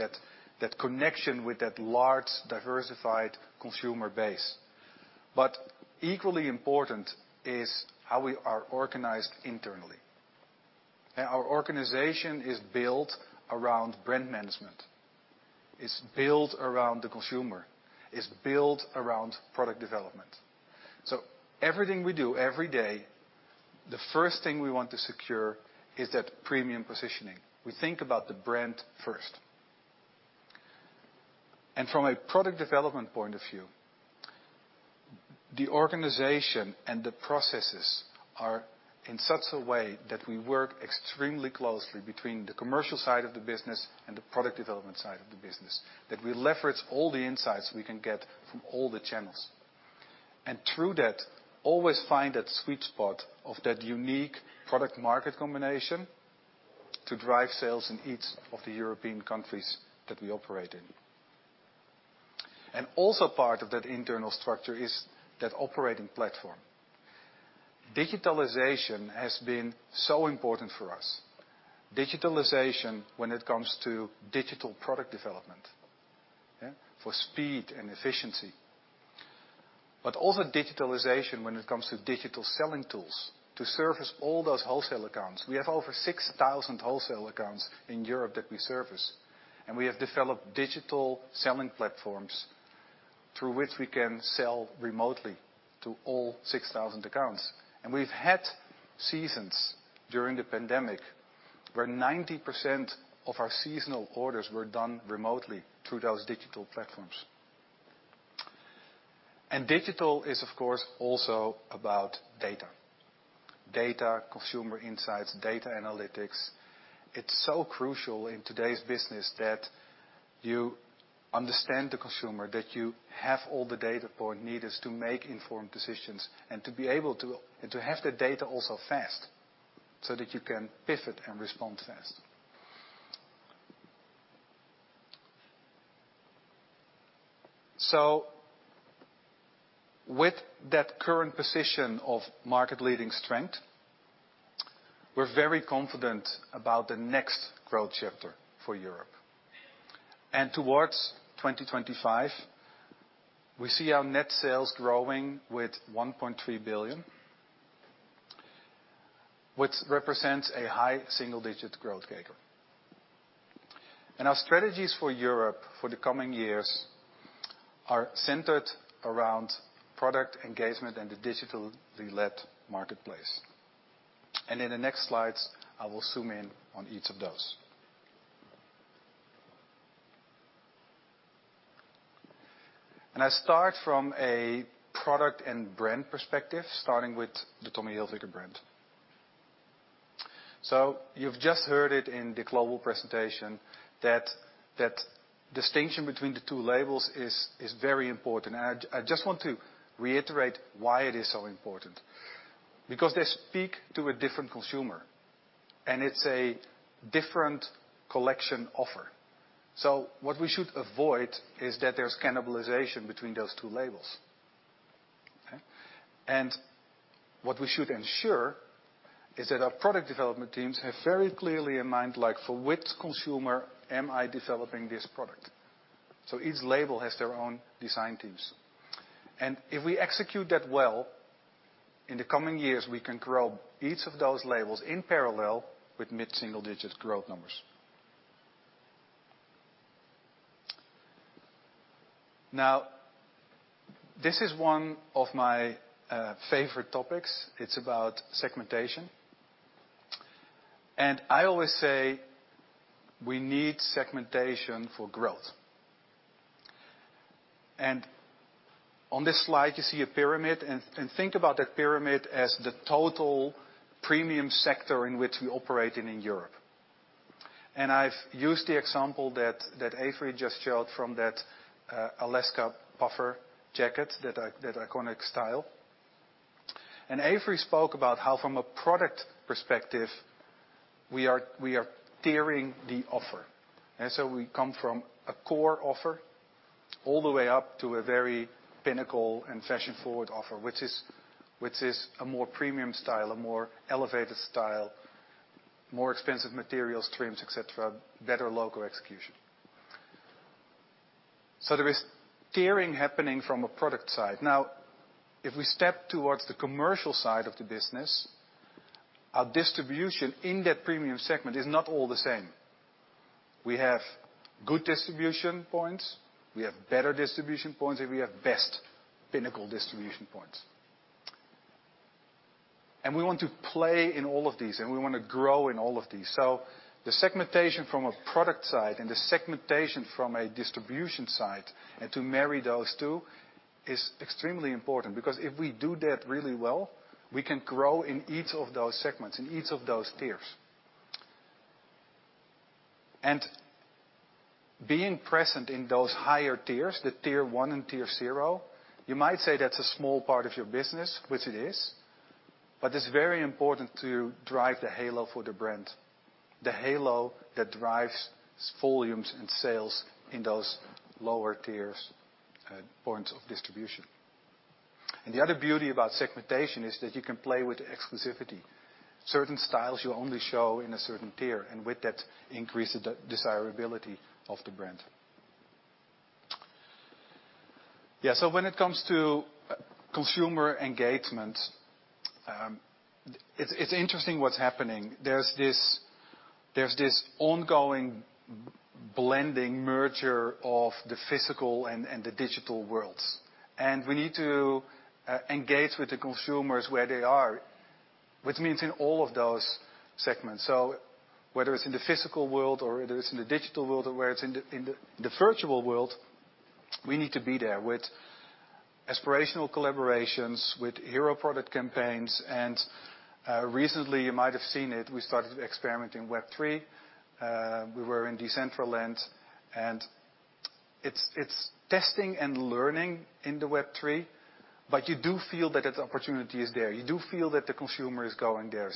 that connection with that large, diversified consumer base. Equally important is how we are organized internally. Our organization is built around brand management, is built around the consumer, is built around product development. Everything we do every day, the first thing we want to secure is that premium positioning. We think about the brand first. From a product development point of view, the organization and the processes are in such a way that we work extremely closely between the commercial side of the business and the product development side of the business, that we leverage all the insights we can get from all the channels. Through that, we always find that sweet spot of that unique product market combination to drive sales in each of the European countries that we operate in. Also part of that internal structure is that operating platform. Digitalization has been so important for us. Digitalization when it comes to digital product development. Yeah. For speed and efficiency, but also digitalization when it comes to digital selling tools to service all those wholesale accounts. We have over 6,000 wholesale accounts in Europe that we service, and we have developed digital selling platforms through which we can sell remotely to all 6,000 accounts. We've had seasons during the pandemic where 90% of our seasonal orders were done remotely through those digital platforms. Digital is, of course, also about data. Data, consumer insights, data analytics. It's so crucial in today's business that you understand the consumer, that you have all the data point needed to make informed decisions and to be able to, and to have the data also fast so that you can pivot and respond fast. With that current position of market-leading strength, we're very confident about the next growth chapter for Europe. Towards 2025, we see our net sales growing with $1.3 billion, which represents a high single-digit growth rate. Our strategies for Europe for the coming years are centered around product engagement and the digitally led marketplace. In the next slides, I will zoom in on each of those. I start from a product and brand perspective, starting with the Tommy Hilfiger brand. You've just heard it in the global presentation that distinction between the two labels is very important. I just want to reiterate why it is so important. Because they speak to a different consumer, and it's a different collection offer. What we should avoid is that there's cannibalization between those two labels. Okay? What we should ensure is that our product development teams have very clearly in mind, like for which consumer am I developing this product? Each label has their own design teams. If we execute that well, in the coming years, we can grow each of those labels in parallel with mid-single-digit growth numbers. Now, this is one of my favorite topics. It's about segmentation. I always say we need segmentation for growth. On this slide, you see a pyramid and think about that pyramid as the total premium sector in which we operate in Europe. I've used the example that Avery just showed from that Alaska Puffer jacket, that iconic style. Avery spoke about how from a product perspective, we are tiering the offer. We come from a core offer all the way up to a very pinnacle and fashion-forward offer, which is a more premium style, a more elevated style, more expensive materials, trims, et cetera, better local execution. There is tiering happening from a product side. Now, if we step towards the commercial side of the business, our distribution in that premium segment is not all the same. We have good distribution points, we have better distribution points, and we have best pinnacle distribution points. We want to play in all of these, and we want to grow in all of these. The segmentation from a product side and the segmentation from a distribution side, and to marry those two is extremely important because if we do that really well, we can grow in each of those segments, in each of those tiers. Being present in those higher tiers, the tier one and tier zero, you might say that's a small part of your business, which it is, but it's very important to drive the halo for the brand, the halo that drives volumes and sales in those lower tiers, points of distribution. The other beauty about segmentation is that you can play with exclusivity. Certain styles you only show in a certain tier, and with that increase the desirability of the brand. Yeah, when it comes to consumer engagement, it's interesting what's happening. There's this ongoing blending merger of the physical and the digital worlds. We need to engage with the consumers where they are, which means in all of those segments. Whether it's in the physical world or it is in the digital world or whether it's in the virtual world, we need to be there with aspirational collaborations, with hero product campaigns. Recently you might have seen it, we started experimenting Web3. We were in Decentraland, and it's testing and learning in the Web3, but you do feel that its opportunity is there. You do feel that the consumer is going there.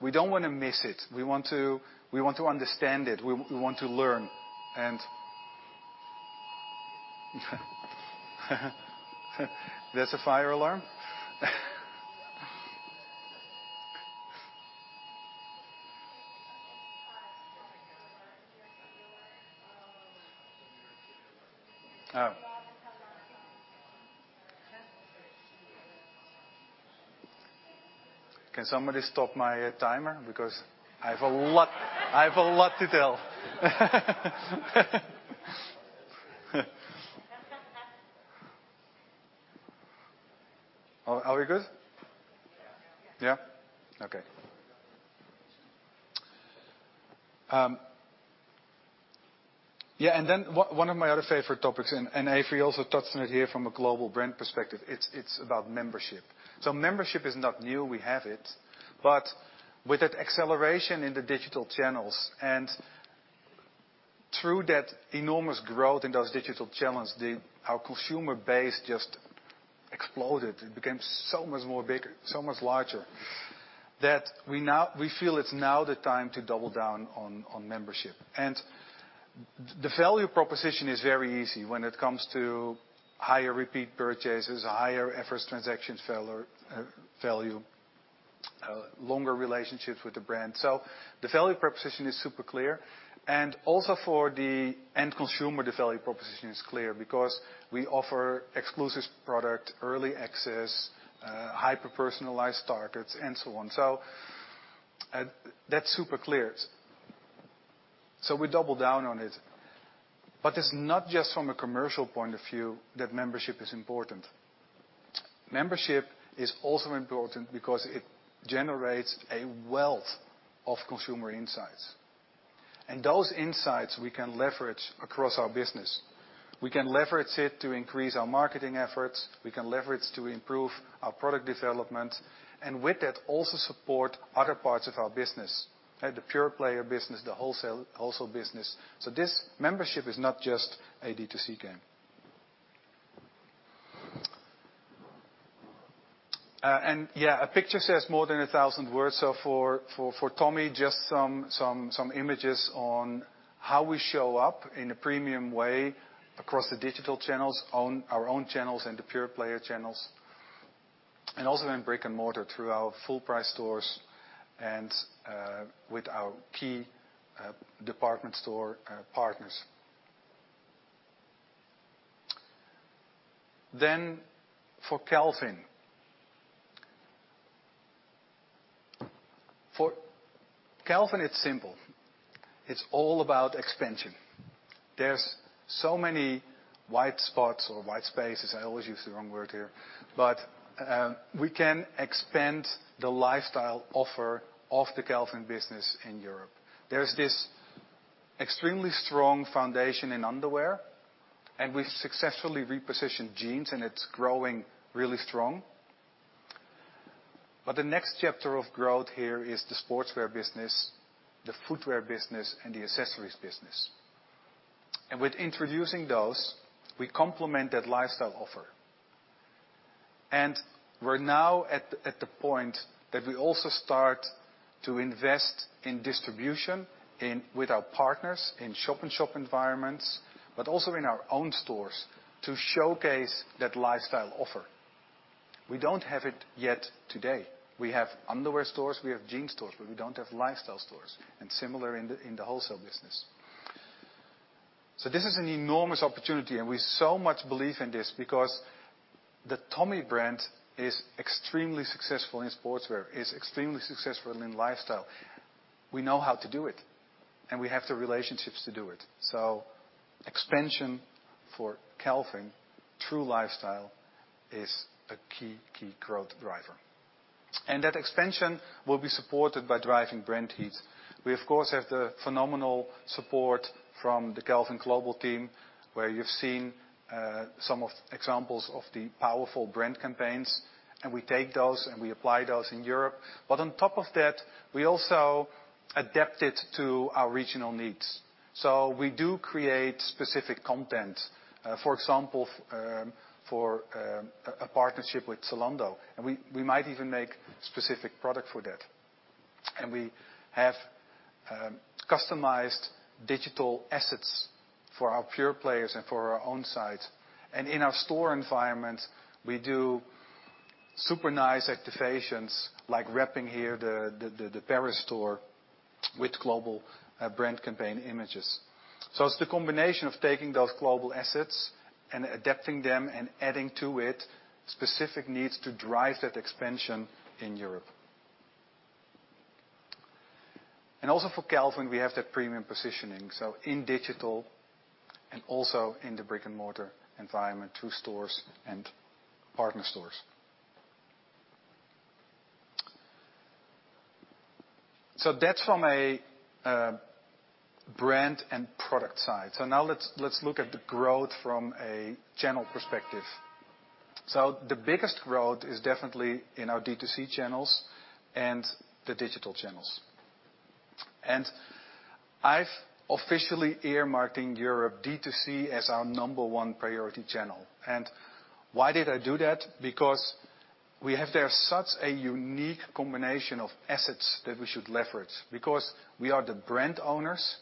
We don't wanna miss it. We want to understand it. We want to learn. There's a fire alarm. Oh. Can somebody stop my timer? Because I have a lot to tell. Are we good? Yeah. Okay One of my other favorite topics, and Avery also touched on it here from a global brand perspective. It's about membership. Membership is not new; we have it, but with that acceleration in the digital channels and through that enormous growth in those digital channels, our consumer base just exploded. It became so much more bigger, so much larger that we now feel it's now the time to double down on membership. The value proposition is very easy when it comes to higher repeat purchases, higher first transactions value, longer relationships with the brand. The value proposition is super clear, and also for the end consumer, the value proposition is clear because we offer exclusive product, early access, hyper-personalized targeting, and so on. That's super clear, so we double down on it. It's not just from a commercial point of view that membership is important. Membership is also important because it generates a wealth of consumer insights, and those insights we can leverage across our business. We can leverage it to increase our marketing efforts, we can leverage to improve our product development, and with that, also support other parts of our business, right? The pure-player business, the wholesale business. This membership is not just a D2C game. Yeah, a picture says more than a thousand words, so for Tommy, just some images on how we show up in a premium way across the digital channels, our own channels and the pure-player channels, and also in brick-and-mortar through our full price stores and with our key department store partners. For Calvin, it's simple. It's all about expansion. There's so many white spots or white spaces, I always use the wrong word here. We can expand the lifestyle offer of the Calvin business in Europe. There's this extremely strong foundation in underwear, and we've successfully repositioned jeans, and it's growing really strong. The next chapter of growth here is the sportswear business, the footwear business, and the accessories business. With introducing those, we complement that lifestyle offer. We're now at the point that we also start to invest in distribution with our partners in shop-in-shop environments, but also in our own stores to showcase that lifestyle offer. We don't have it yet today. We have underwear stores, we have jeans stores, but we don't have lifestyle stores, and similar in the wholesale business. This is an enormous opportunity, and we so much believe in this because the Tommy brand is extremely successful in sportswear, is extremely successful in lifestyle. We know how to do it, and we have the relationships to do it. Expansion for Calvin true lifestyle is a key growth driver. That expansion will be supported by driving brand heat. We, of course, have the phenomenal support from the Calvin Klein global team, where you've seen some examples of the powerful brand campaigns, and we take those, and we apply those in Europe. On top of that, we also adapt it to our regional needs. We do create specific content, for example, for a partnership with Zalando, and we might even make specific product for that. We have customized digital assets for our pure players and for our own site. In our store environment, we do super nice activations like wrapping here the Paris store with global brand campaign images. It's the combination of taking those global assets and adapting them and adding to it specific needs to drive that expansion in Europe. Also for Calvin, we have that premium positioning, so in digital and also in the brick-and-mortar environment through stores and partner stores. That's from a brand and product side. Now let's look at the growth from a channel perspective. The biggest growth is definitely in our D2C channels and the digital channels. I've officially earmarked in Europe D2C as our number one priority channel. Why did I do that? Because we have there such a unique combination of assets that we should leverage. Because we are the brand owners,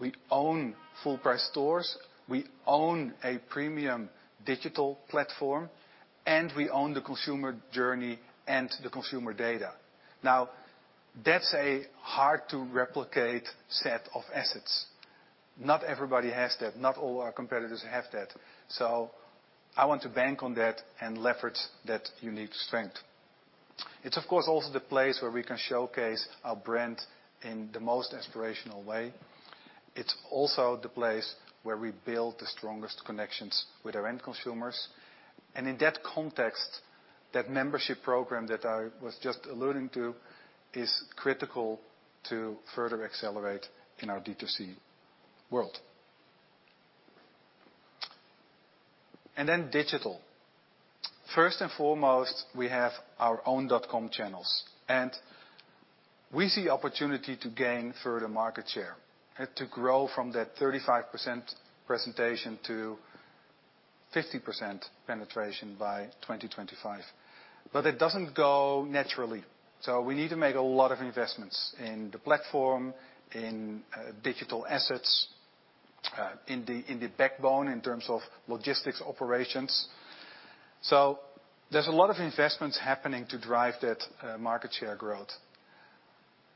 we own full price stores, we own a premium digital platform, and we own the consumer journey and the consumer data. Now, that's a hard to replicate set of assets. Not everybody has that. Not all our competitors have that. I want to bank on that and leverage that unique strength. It's of course also the place where we can showcase our brand in the most aspirational way. It's also the place where we build the strongest connections with our end consumers. In that context, that membership program that I was just alluding to is critical to further accelerate in our D2C world. Digital. First and foremost, we have our own dot-com channels, and we see opportunity to gain further market share to grow from that 35% penetration to 50% penetration by 2025. It doesn't go naturally. We need to make a lot of investments in the platform, in digital assets, in the backbone, in terms of logistics operations. There's a lot of investments happening to drive that market share growth.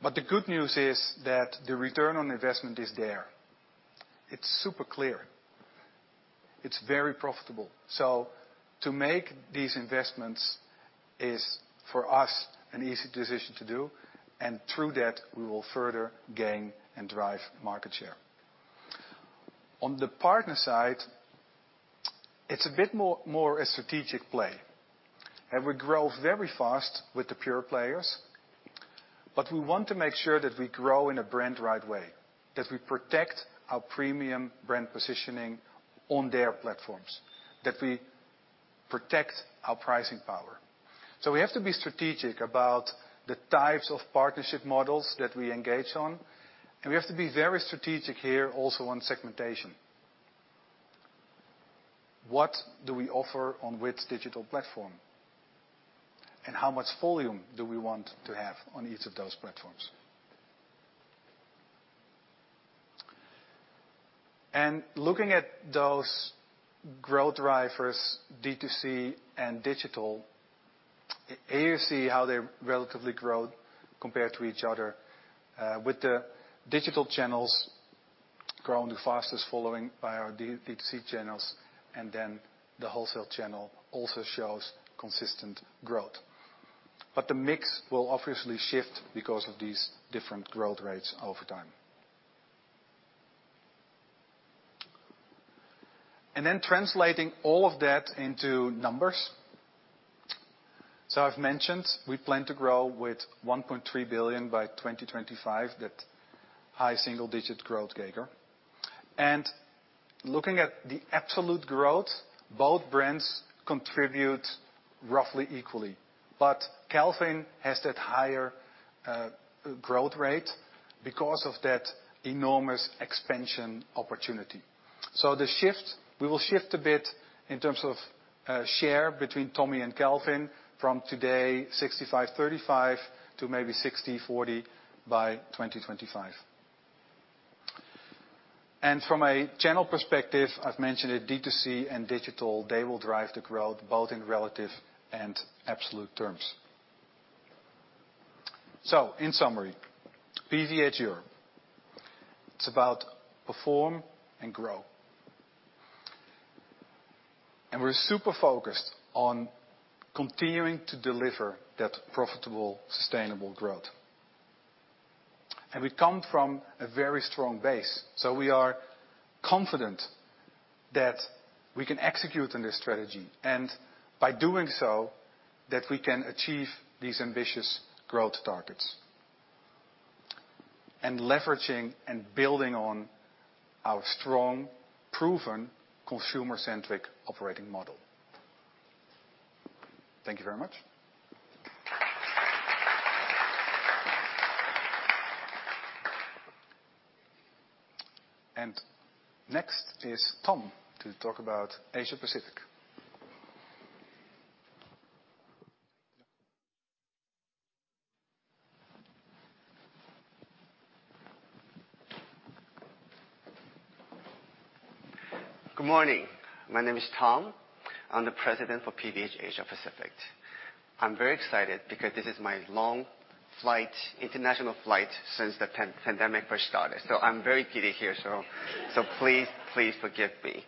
The good news is that the return on investment is there. It's super clear. It's very profitable. To make these investments is, for us, an easy decision to do, and through that, we will further gain and drive market share. On the partner side, it's a bit more a strategic play. We grow very fast with the pure players, but we want to make sure that we grow in a brand right way, that we protect our premium brand positioning on their platforms, that we protect our pricing power. We have to be strategic about the types of partnership models that we engage on, and we have to be very strategic here also on segmentation. What do we offer on which digital platform? How much volume do we want to have on each of those platforms? Looking at those growth drivers, D2C and digital, here you see how they relatively grow compared to each other, with the digital channels growing the fastest, followed by our D2C channels, and then the wholesale channel also shows consistent growth. The mix will obviously shift because of these different growth rates over time. Translating all of that into numbers. I've mentioned we plan to grow with $1.3 billion by 2025, that high single-digit growth CAGR. Looking at the absolute growth, both brands contribute roughly equally. Calvin has that higher growth rate because of that enormous expansion opportunity. The shift, we will shift a bit in terms of share between Tommy and Calvin from today, 65/35 to maybe 60/40 by 2025. From a channel perspective, I've mentioned it, D2C and digital, they will drive the growth both in relative and absolute terms. In summary, PVH Europe, it's about perform and grow. We're super focused on continuing to deliver that profitable, sustainable growth. We come from a very strong base, so we are confident that we can execute on this strategy, and by doing so, that we can achieve these ambitious growth targets, leveraging and building on our strong, proven consumer-centric operating model. Thank you very much. Next is Tom to talk about Asia Pacific. Good morning. My name is Tom. I'm the President for PVH Asia Pacific. I'm very excited because this is my long flight, international flight since the post-pandemic first started, so I'm very giddy here. Please forgive me.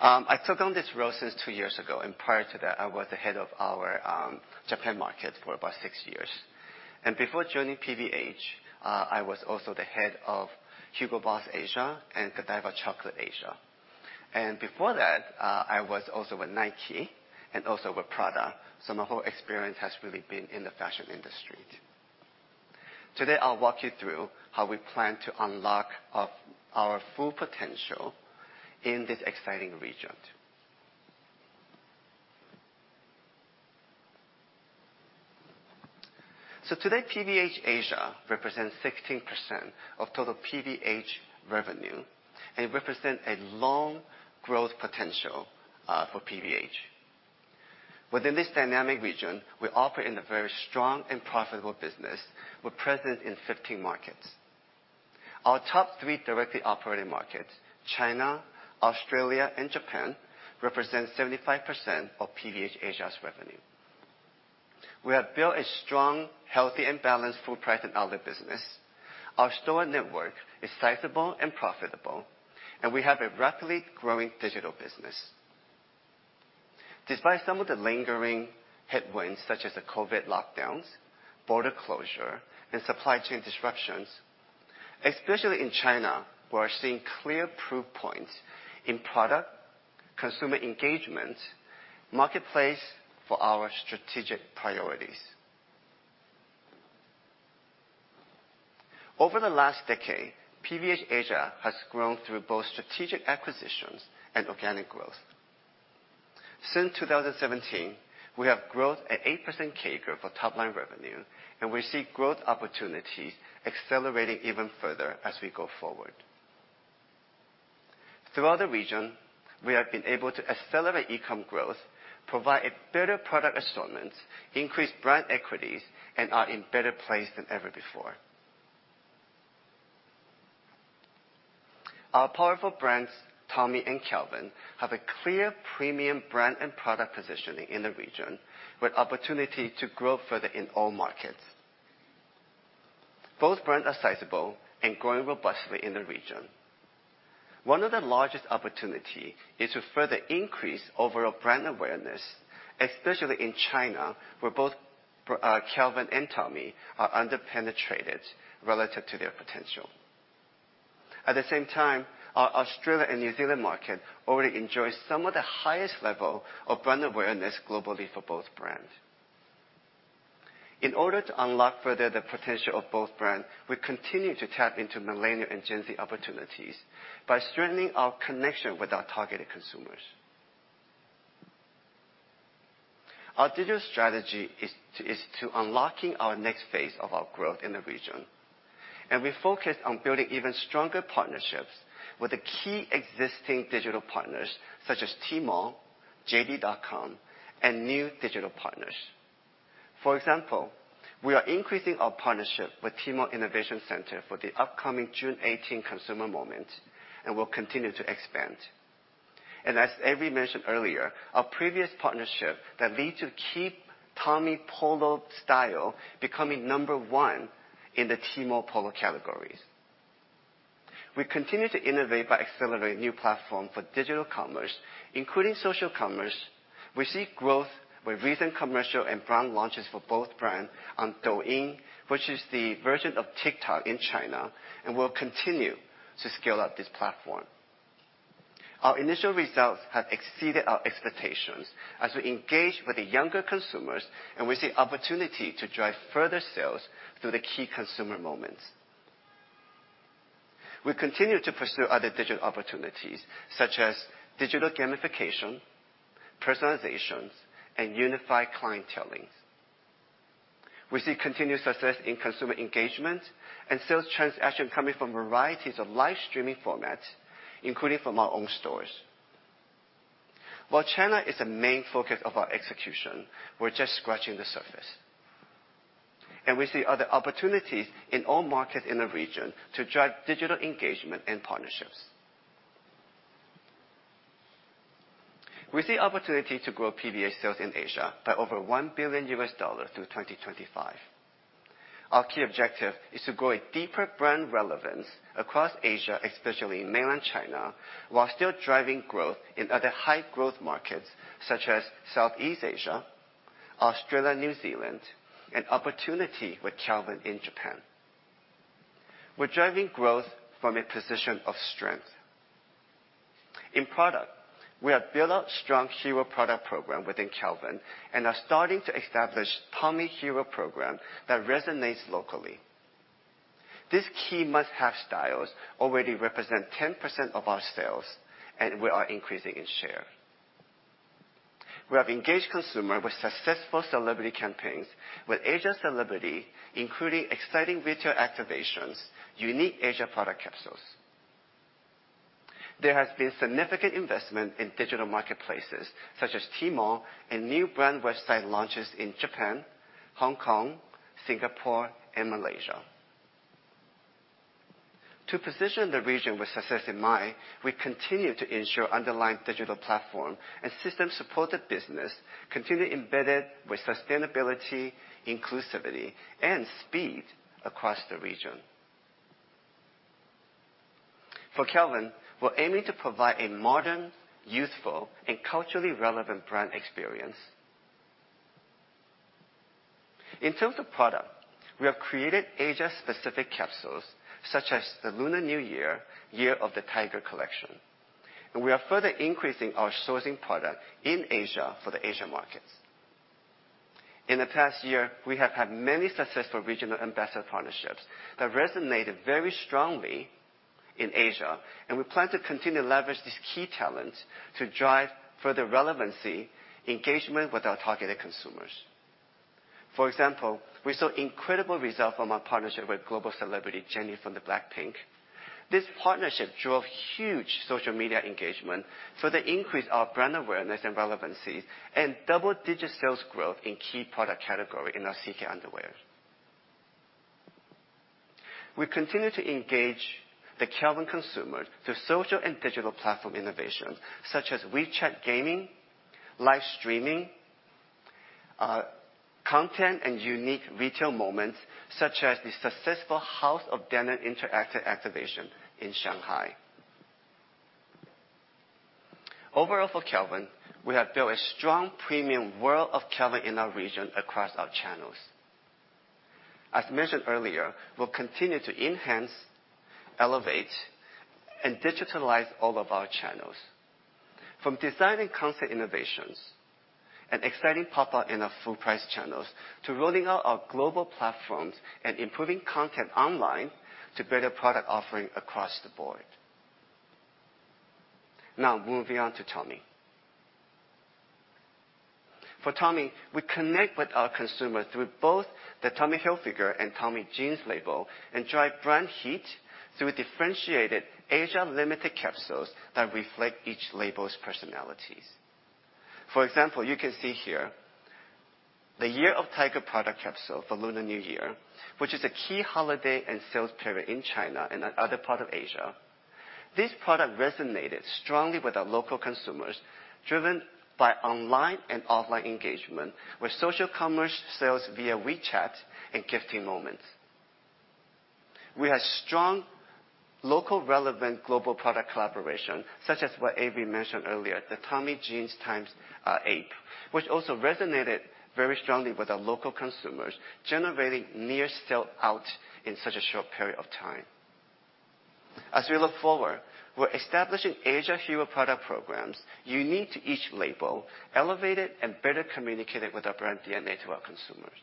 I took on this role 2 years ago, and prior to that, I was the head of our Japan market for about 6 years. Before joining PVH, I was also the head of Hugo Boss Asia and GODIVA Chocolate Asia. Before that, I was also with Nike and also with Prada. My whole experience has really been in the fashion industry. Today, I'll walk you through how we plan to unlock our full potential in this exciting region. Today, PVH Asia represents 16% of total PVH revenue and represents long-term growth potential for PVH. Within this dynamic region, we operate in a very strong and profitable business. We're present in 15 markets. Our top three directly operating markets, China, Australia, and Japan, represent 75% of PVH Asia's revenue. We have built a strong, healthy, and balanced full price and outlet business. Our store network is sizable and profitable, and we have a rapidly growing digital business. Despite some of the lingering headwinds, such as the COVID lockdowns, border closure, and supply chain disruptions, especially in China, we are seeing clear proof points in product, consumer engagement, marketplace for our strategic priorities. Over the last decade, PVH Asia has grown through both strategic acquisitions and organic growth. Since 2017, we have grown at 8% CAGR for top-line revenue, and we see growth opportunities accelerating even further as we go forward. Throughout the region, we have been able to accelerate e-com growth, provide a better product assortment, increase brand equities, and are in better place than ever before. Our powerful brands, Tommy and Calvin, have a clear premium brand and product positioning in the region, with opportunity to grow further in all markets. Both brands are sizable and growing robustly in the region. One of the largest opportunity is to further increase overall brand awareness, especially in China, where both Calvin and Tommy are under-penetrated relative to their potential. At the same time, our Australia and New Zealand market already enjoys some of the highest level of brand awareness globally for both brands. In order to unlock further the potential of both brands, we continue to tap into millennial and Gen Z opportunities by strengthening our connection with our targeted consumers. Our digital strategy is to unlocking our next phase of our growth in the region, and we focus on building even stronger partnerships with the key existing digital partners such as Tmall, JD.com, and new digital partners. For example, we are increasing our partnership with Tmall Innovation Center for the upcoming June 18 consumer moment and will continue to expand. As Avery mentioned earlier, our previous partnership that led to the Tommy Polo style becoming number one in the Tmall Polo categories. We continue to innovate by accelerating new platform for digital commerce, including social commerce. We see growth with recent commercial and brand launches for both brands on Douyin, which is the version of TikTok in China, and we'll continue to scale up this platform. Our initial results have exceeded our expectations as we engage with the younger consumers, and we see opportunity to drive further sales through the key consumer moments. We continue to pursue other digital opportunities, such as digital gamification, personalizations, and unified clientelling. We see continued success in consumer engagement and sales transaction coming from varieties of live streaming formats, including from our own stores. While China is a main focus of our execution, we're just scratching the surface, and we see other opportunities in all markets in the region to drive digital engagement and partnerships. We see opportunity to grow PVH sales in Asia by over $1 billion through 2025. Our key objective is to grow a deeper brand relevance across Asia, especially in mainland China, while still driving growth in other high-growth markets such as Southeast Asia, Australia, New Zealand, and opportunity with Calvin in Japan. We're driving growth from a position of strength. In product, we have built up strong hero product program within Calvin and are starting to establish Tommy hero program that resonates locally. These key must-have styles already represent 10% of our sales, and we are increasing in share. We have engaged consumers with successful celebrity campaigns with Asian celebrities, including exciting retail activations, unique Asian product capsules. There has been significant investment in digital marketplaces such as Tmall and new brand website launches in Japan, Hong Kong, Singapore, and Malaysia. To position the region with success in mind, we continue to ensure underlying digital platforms and systems support the business, embedded with sustainability, inclusivity, and speed across the region. For Calvin, we're aiming to provide a modern, youthful, and culturally relevant brand experience. In terms of product, we have created Asia-specific capsules such as the Lunar New Year of the Tiger collection. We are further increasing our sourcing product in Asia for the Asia markets. In the past year, we have had many successful regional ambassador partnerships that resonated very strongly in Asia. We plan to continue to leverage these key talents to drive further relevancy, engagement with our targeted consumers. For example, we saw incredible results from our partnership with global celebrity Jennie from the BLACKPINK. This partnership drove huge social media engagement, further increased our brand awareness and relevancy, and double-digit sales growth in key product category in our CK underwear. We continue to engage the Calvin consumer through social and digital platform innovation, such as WeChat gaming, live streaming, content and unique retail moments, such as the successful House of Denim interactive activation in Shanghai. Overall for Calvin, we have built a strong premium world of Calvin in our region across our channels. As mentioned earlier, we'll continue to enhance, elevate, and digitalize all of our channels from designing concept innovations and exciting pop-up in our full price channels, to rolling out our global platforms and improving content online to better product offering across the board. Now moving on to Tommy. For Tommy, we connect with our consumers through both the Tommy Hilfiger and Tommy Jeans label, and drive brand heat through differentiated Asia-limited capsules that reflect each label's personalities. For example, you can see here the Year of the Tiger product capsule for Lunar New Year, which is a key holiday and sales period in China and other part of Asia. This product resonated strongly with our local consumers, driven by online and offline engagement with social commerce sales via WeChat and gifting moments. We had strong local relevant global product collaboration, such as what Avi mentioned earlier, the Tommy Jeans x AAPE, which also resonated very strongly with our local consumers, generating near sellout in such a short period of time. As we look forward, we're establishing Asia hero product programs unique to each label, elevated and better communicated with our brand DNA to our consumers.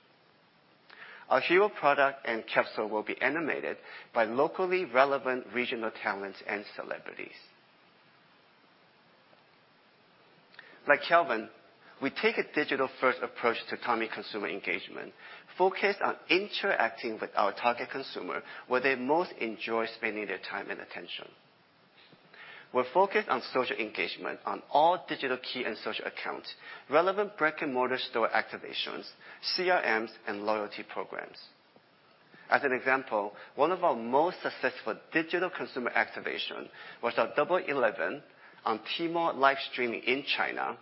Our hero product and capsule will be animated by locally relevant regional talents and celebrities. Like Calvin, we take a digital-first approach to Tommy consumer engagement, focused on interacting with our target consumer where they most enjoy spending their time and attention. We're focused on social engagement on all digital key and social accounts, relevant brick-and-mortar store activations, CRMs, and loyalty programs. As an example, one of our most successful digital consumer activation was our Double Eleven on Tmall live streaming in China,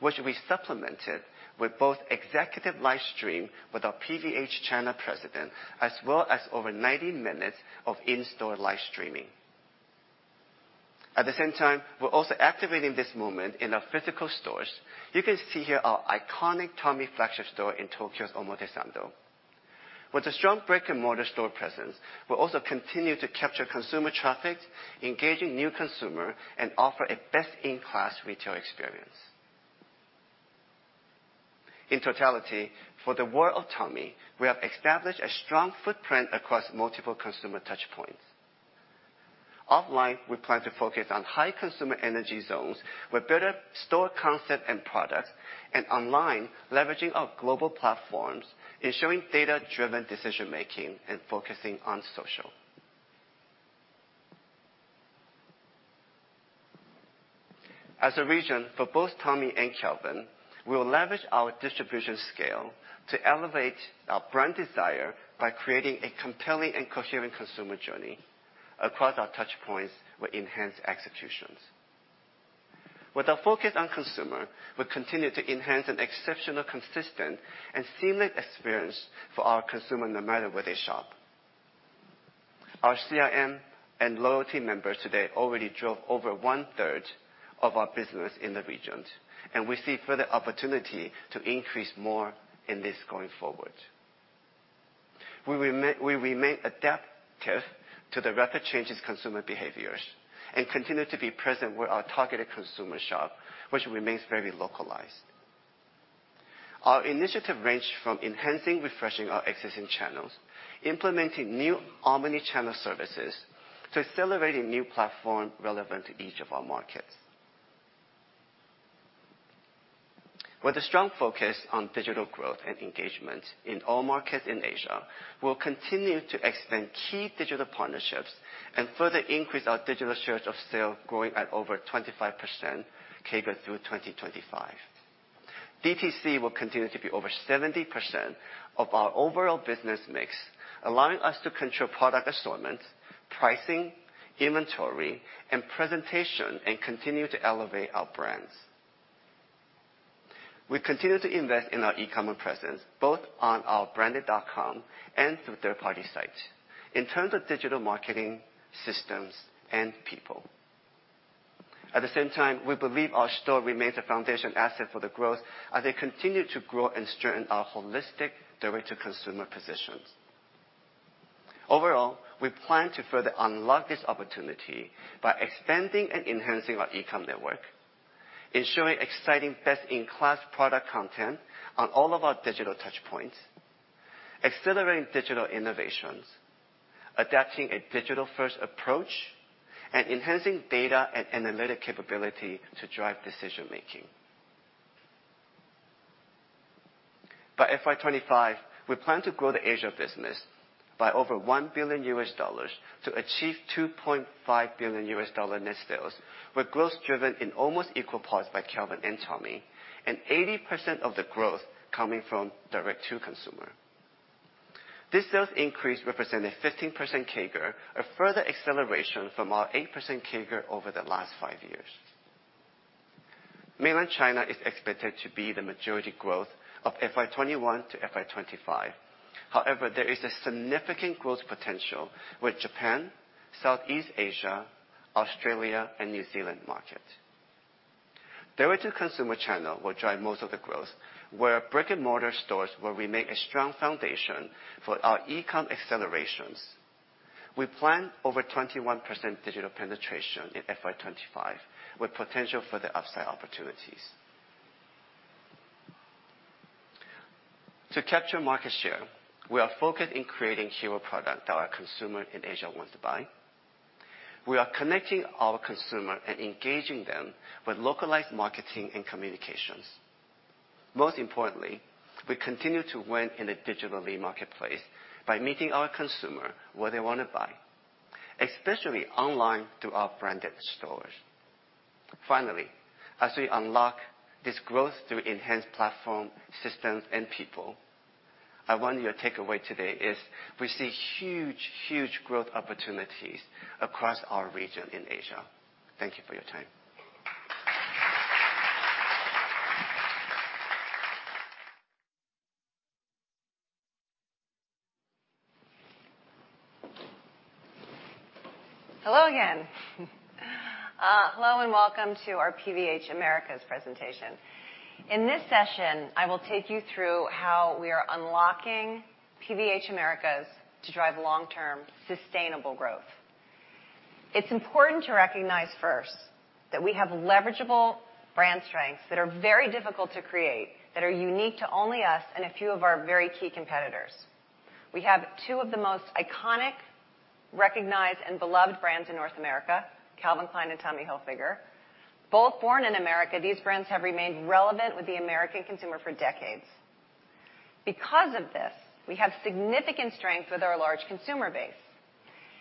which we supplemented with both executive live stream with our PVH China President, as well as over 90 minutes of in-store live streaming. At the same time, we're also activating this moment in our physical stores. You can see here our iconic Tommy flagship store in Tokyo's Omotesando. With a strong brick-and-mortar store presence, we'll also continue to capture consumer traffic, engaging new consumer, and offer a best-in-class retail experience. In totality, for the world of Tommy, we have established a strong footprint across multiple consumer touchpoints. Offline, we plan to focus on high consumer energy zones with better store concept and products, and online, leveraging our global platforms, ensuring data-driven decision-making, and focusing on social. As a region, for both Tommy and Calvin, we'll leverage our distribution scale to elevate our brand desire by creating a compelling and coherent consumer journey across our touchpoints with enhanced executions. With our focus on consumer, we continue to enhance an exceptional, consistent, and seamless experience for our consumer, no matter where they shop. Our CRM and loyalty members today already drove over one-third of our business in the region, and we see further opportunity to increase more in this going forward. We remain adaptive to the rapid changes in consumer behaviors and continue to be present where our targeted consumers shop, which remains very localized. Our initiatives range from enhancing, refreshing our existing channels, implementing new omni-channel services, to accelerating new platforms relevant to each of our markets. With a strong focus on digital growth and engagement in all markets in Asia, we'll continue to extend key digital partnerships and further increase our digital share of sales growing at over 25% CAGR through 2025. DTC will continue to be over 70% of our overall business mix, allowing us to control product assortment, pricing, inventory, and presentation, and continue to elevate our brands. We continue to invest in our e-commerce presence, both on our branded.com and through third-party sites in terms of digital marketing systems and people. At the same time, we believe our stores remain a foundation asset for the growth as they continue to grow and strengthen our holistic direct-to-consumer positions. Overall, we plan to further unlock this opportunity by expanding and enhancing our e-com network, ensuring exciting best-in-class product content on all of our digital touchpoints, accelerating digital innovations, adapting a digital-first approach, and enhancing data and analytic capability to drive decision-making. By FY 2025, we plan to grow the Asia business by over $1 billion to achieve $2.5 billion net sales, with growth driven in almost equal parts by Calvin and Tommy, and 80% of the growth coming from direct-to-consumer. This sales increase represent a 15% CAGR, a further acceleration from our 8% CAGR over the last 5 years. Mainland China is expected to be the majority growth of FY 2021 to FY 2025. However, there is a significant growth potential with Japan, Southeast Asia, Australia, and New Zealand market. Direct-to-consumer channel will drive most of the growth, where brick-and-mortar stores will remain a strong foundation for our e-com accelerations. We plan over 21% digital penetration in FY 2025, with potential for the upside opportunities. To capture market share, we are focused in creating hero product that our consumer in Asia want to buy. We are connecting our consumer and engaging them with localized marketing and communications. Most importantly, we continue to win in a digital marketplace by meeting our consumer where they wanna buy, especially online through our branded stores. Finally, as we unlock this growth through enhanced platform, systems, and people, I want your takeaway today is we see huge, huge growth opportunities across our region in Asia. Thank you for your time. Hello again. Hello, and welcome to our PVH Americas presentation. In this session, I will take you through how we are unlocking PVH Americas to drive long-term sustainable growth. It's important to recognize first that we have leverageable brand strengths that are very difficult to create, that are unique to only us and a few of our very key competitors. We have two of the most iconic, recognized, and beloved brands in North America, Calvin Klein and Tommy Hilfiger. Both born in America, these brands have remained relevant with the American consumer for decades. Because of this, we have significant strength with our large consumer base,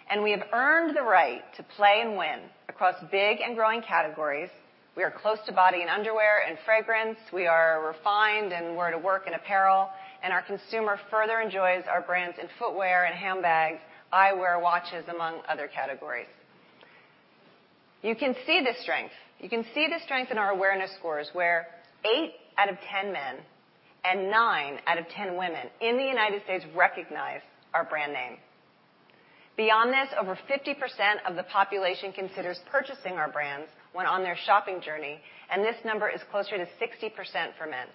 and we have earned the right to play and win across big and growing categories. We are close to body and underwear and fragrance. We are renowned for our work in apparel, and our consumer further enjoys our brands in footwear and handbags, eyewear, watches, among other categories. You can see the strength in our awareness scores, where 8 out of 10 men and 9 out of 10 women in the United States recognize our brand name. Beyond this, over 50% of the population considers purchasing our brands when on their shopping journey, and this number is closer to 60% for men.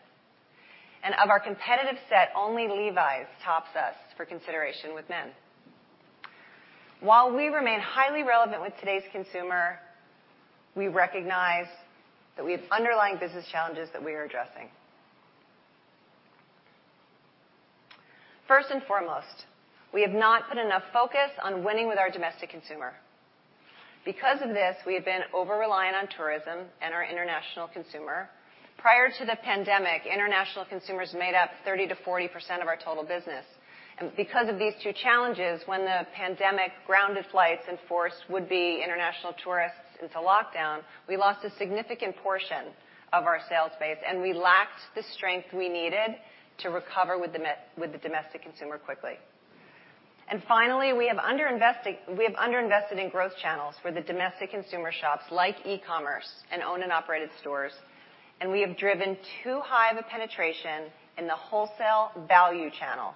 Of our competitive set, only Levi's tops us for consideration with men. While we remain highly relevant with today's consumer, we recognize that we have underlying business challenges that we are addressing. First and foremost, we have not put enough focus on winning with our domestic consumer. Because of this, we have been over-reliant on tourism and our international consumer. Prior to the pandemic, international consumers made up 30%-40% of our total business. Because of these two challenges, when the pandemic grounded flights and forced would-be international tourists into lockdown, we lost a significant portion of our sales base, and we lacked the strength we needed to recover with the domestic consumer quickly. Finally, we have underinvested in growth channels where the domestic consumer shops, like e-commerce and owned and operated stores, and we have driven too high of a penetration in the wholesale value channel,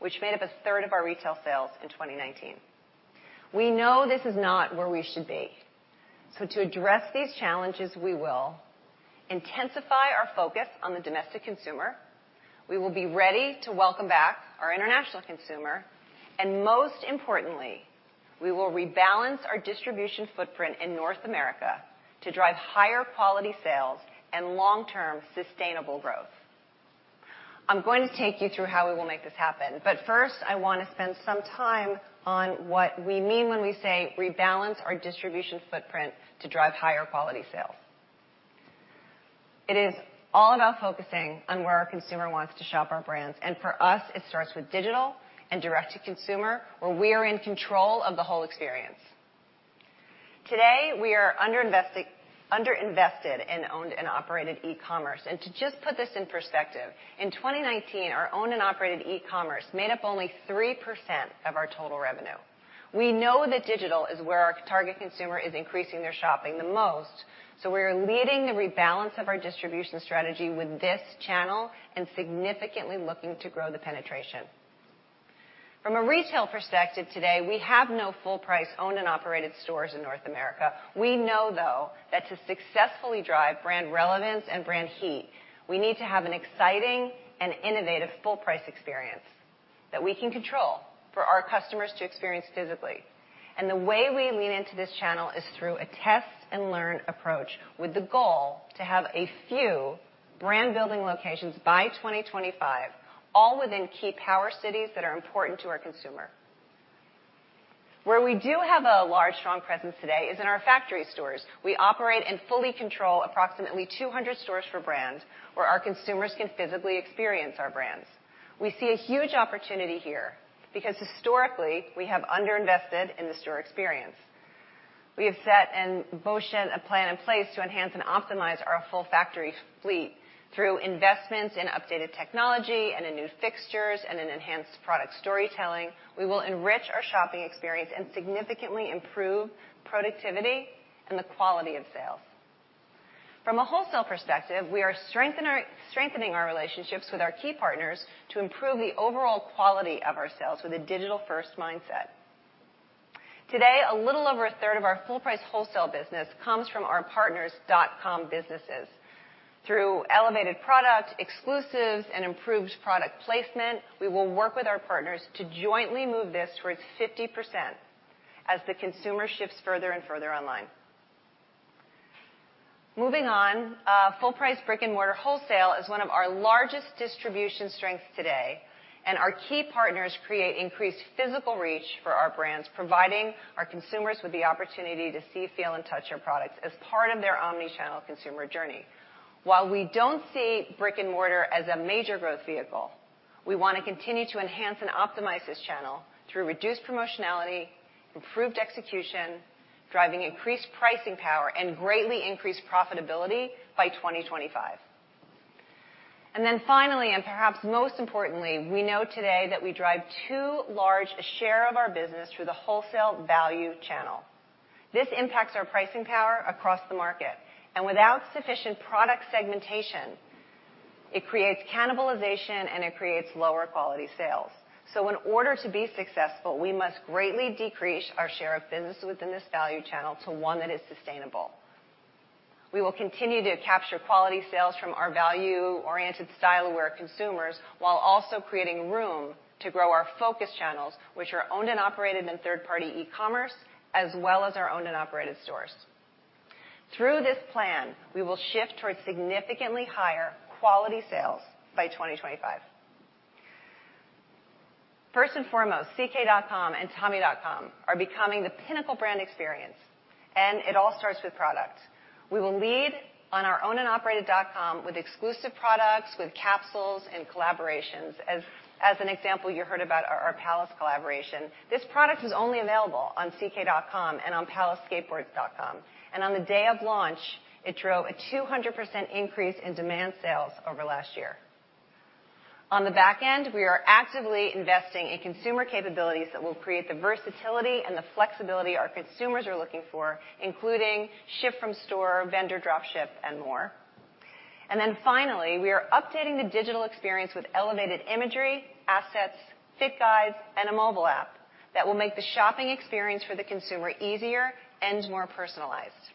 which made up 1/3 of our retail sales in 2019. We know this is not where we should be. To address these challenges, we will intensify our focus on the domestic consumer, we will be ready to welcome back our international consumer, and most importantly, we will rebalance our distribution footprint in North America to drive higher quality sales and long-term sustainable growth. I'm going to take you through how we will make this happen, but first, I wanna spend some time on what we mean when we say rebalance our distribution footprint to drive higher quality sales. It is all about focusing on where our consumer wants to shop our brands, and for us, it starts with digital and direct-to-consumer, where we are in control of the whole experience. Today, we are underinvested in owned and operated e-commerce. To just put this in perspective, in 2019, our owned and operated e-commerce made up only 3% of our total revenue. We know that digital is where our target consumer is increasing their shopping the most, so we are leading the rebalance of our distribution strategy with this channel and significantly looking to grow the penetration. From a retail perspective today, we have no full price owned and operated stores in North America. We know, though, that to successfully drive brand relevance and brand heat, we need to have an exciting and innovative full price experience that we can control for our customers to experience physically. The way we lean into this channel is through a test and learn approach with the goal to have a few brand-building locations by 2025, all within key power cities that are important to our consumer. Where we do have a large, strong presence today is in our factory stores. We operate and fully control approximately 200 stores for brand, where our consumers can physically experience our brands. We see a huge opportunity here because historically, we have underinvested in the store experience. We have set in motion a plan in place to enhance and optimize our full factory fleet through investments in updated technology and in new fixtures and in enhanced product storytelling. We will enrich our shopping experience and significantly improve productivity and the quality of sales. From a wholesale perspective, we are strengthening our relationships with our key partners to improve the overall quality of our sales with a digital-first mindset. Today, a little over a third of our full price wholesale business comes from our partners' dot-com businesses. Through elevated product, exclusives, and improved product placement, we will work with our partners to jointly move this towards 50% as the consumer shifts further and further online. Moving on, full price brick-and-mortar wholesale is one of our largest distribution strengths today, and our key partners create increased physical reach for our brands, providing our consumers with the opportunity to see, feel, and touch our products as part of their omni-channel consumer journey. While we don't see brick-and-mortar as a major growth vehicle, we wanna continue to enhance and optimize this channel through reduced promotionality, improved execution, driving increased pricing power, and greatly increased profitability by 2025. Finally, and perhaps most importantly, we know today that we drive too large a share of our business through the wholesale value channel. This impacts our pricing power across the market, and without sufficient product segmentation, it creates cannibalization, and it creates lower quality sales. In order to be successful, we must greatly decrease our share of business within this value channel to one that is sustainable. We will continue to capture quality sales from our value-oriented style-aware consumers, while also creating room to grow our focus channels, which are owned and operated in third-party e-commerce, as well as our owned and operated stores. Through this plan, we will shift towards significantly higher quality sales by 2025. First and foremost, ck.com and tommy.com are becoming the pinnacle brand experience, and it all starts with product. We will lead on our owned and operated dot com with exclusive products, with capsules and collaborations. As an example, you heard about our Palace collaboration. This product was only available on ck.com and on palaceskateboards.com. On the day of launch, it drove a 200% increase in demand sales over last year. On the back end, we are actively investing in consumer capabilities that will create the versatility and the flexibility our consumers are looking for, including ship from store, vendor drop ship, and more. Finally, we are updating the digital experience with elevated imagery, assets, fit guides, and a mobile app that will make the shopping experience for the consumer easier and more personalized.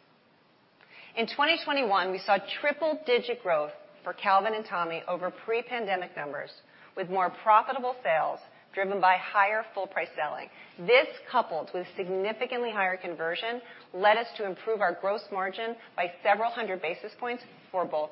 In 2021, we saw triple-digit growth for Calvin and Tommy over pre-pandemic numbers, with more profitable sales driven by higher full price selling. This, coupled with significantly higher conversion, led us to improve our gross margin by several hundred basis points for both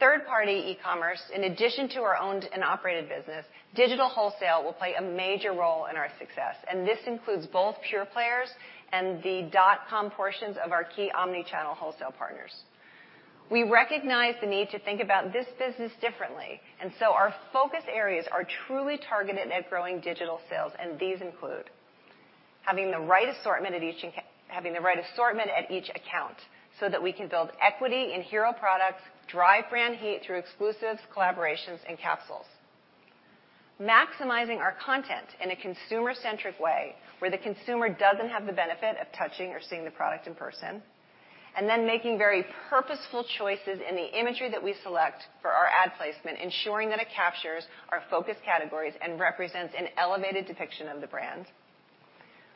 brands. Third-party e-commerce, in addition to our owned and operated business, digital wholesale will play a major role in our success, and this includes both pure players and the dot com portions of our key omni-channel wholesale partners. We recognize the need to think about this business differently, and so our focus areas are truly targeted at growing digital sales, and these include having the right assortment at each account so that we can build equity in hero products, drive brand heat through exclusives, collaborations, and capsules. Maximizing our content in a consumer-centric way where the consumer doesn't have the benefit of touching or seeing the product in person, and then making very purposeful choices in the imagery that we select for our ad placement, ensuring that it captures our focus categories and represents an elevated depiction of the brands.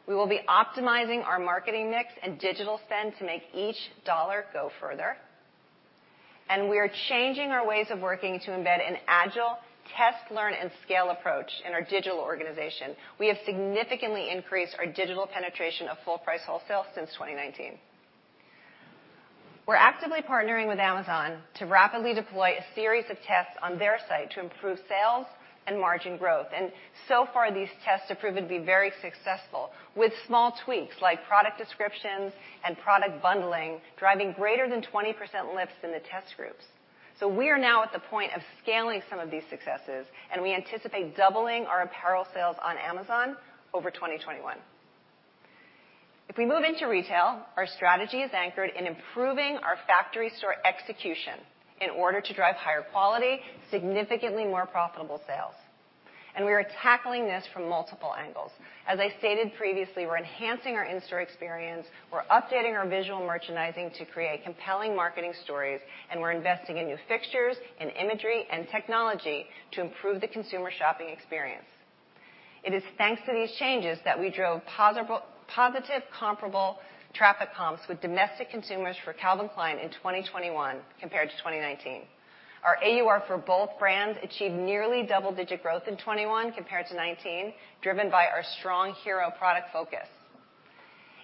We will be optimizing our marketing mix and digital spend to make each dollar go further, and we are changing our ways of working to embed an agile test, learn, and scale approach in our digital organization. We have significantly increased our digital penetration of full price wholesale since 2019. We're actively partnering with Amazon to rapidly deploy a series of tests on their site to improve sales and margin growth. So far, these tests have proven to be very successful, with small tweaks like product descriptions and product bundling driving greater than 20% lifts in the test groups. We are now at the point of scaling some of these successes, and we anticipate doubling our apparel sales on Amazon over 2021. If we move into retail, our strategy is anchored in improving our factory store execution in order to drive higher quality, significantly more profitable sales. We are tackling this from multiple angles. As I stated previously, we're enhancing our in-store experience, we're updating our visual merchandising to create compelling marketing stories, and we're investing in new fixtures and imagery and technology to improve the consumer shopping experience. It is thanks to these changes that we drove positive comparable traffic comps with domestic consumers for Calvin Klein in 2021 compared to 2019. Our AUR for both brands achieved nearly double-digit growth in 2021 compared to 2019, driven by our strong hero product focus.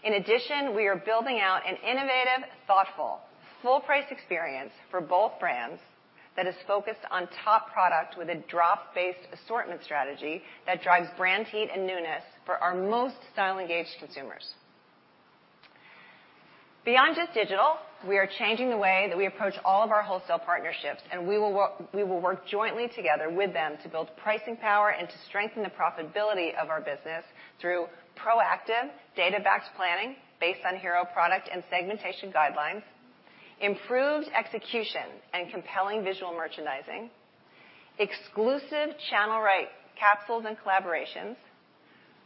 In addition, we are building out an innovative, thoughtful, full price experience for both brands that is focused on top product with a drop-based assortment strategy that drives brand heat and newness for our most style-engaged consumers. Beyond just digital, we are changing the way that we approach all of our wholesale partnerships, and we will work jointly together with them to build pricing power and to strengthen the profitability of our business through proactive data-backed planning based on hero product and segmentation guidelines, improved execution and compelling visual merchandising, exclusive channel right capsules and collaborations,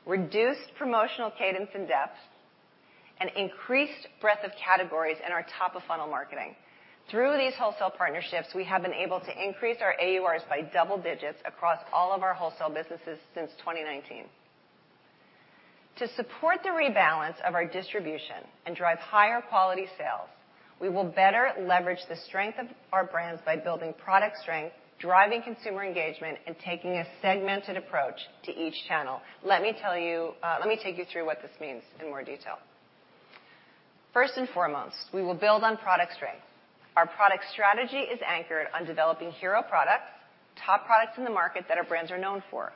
reduced promotional cadence and depth, and increased breadth of categories in our top-of-funnel marketing. Through these wholesale partnerships, we have been able to increase our AURs by double digits across all of our wholesale businesses since 2019. To support the rebalance of our distribution and drive higher quality sales, we will better leverage the strength of our brands by building product strength, driving consumer engagement, and taking a segmented approach to each channel. Let me take you through what this means in more detail. First and foremost, we will build on product strength. Our product strategy is anchored on developing hero products, top products in the market that our brands are known for.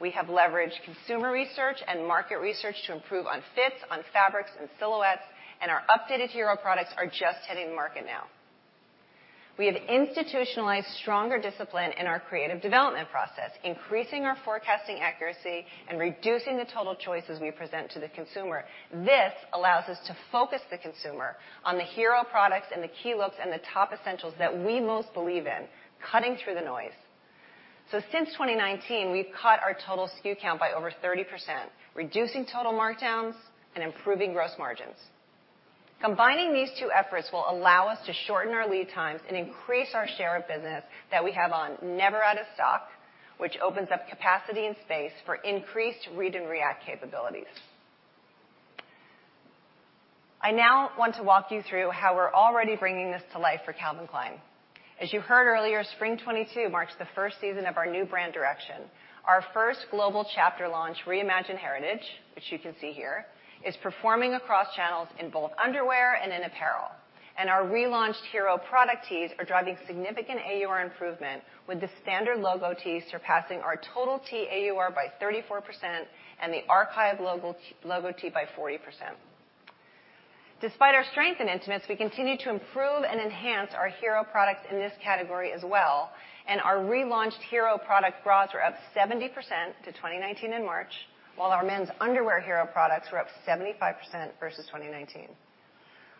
We have leveraged consumer research and market research to improve on fits, on fabrics and silhouettes, and our updated hero products are just hitting the market now. We have institutionalized stronger discipline in our creative development process, increasing our forecasting accuracy and reducing the total choices we present to the consumer. This allows us to focus the consumer on the hero products and the key looks and the top essentials that we most believe in, cutting through the noise. Since 2019, we've cut our total SKU count by over 30%, reducing total markdowns and improving gross margins. Combining these two efforts will allow us to shorten our lead times and increase our share of business that we have on never out of stock, which opens up capacity and space for increased read and react capabilities. I now want to walk you through how we're already bringing this to life for Calvin Klein. As you heard earlier, spring 2022 marks the first season of our new brand direction. Our first global chapter launch, Reimagined Heritage, which you can see here, is performing across channels in both underwear and in apparel, and our relaunched hero product tees are driving significant AUR improvement, with the standard logo tee surpassing our total tee AUR by 34% and the archive logo t-logo tee by 40%. Despite our strength in intimates, we continue to improve and enhance our hero products in this category as well, and our relaunched hero product bras were up 70% to 2019 in March, while our men's underwear hero products were up 75% versus 2019.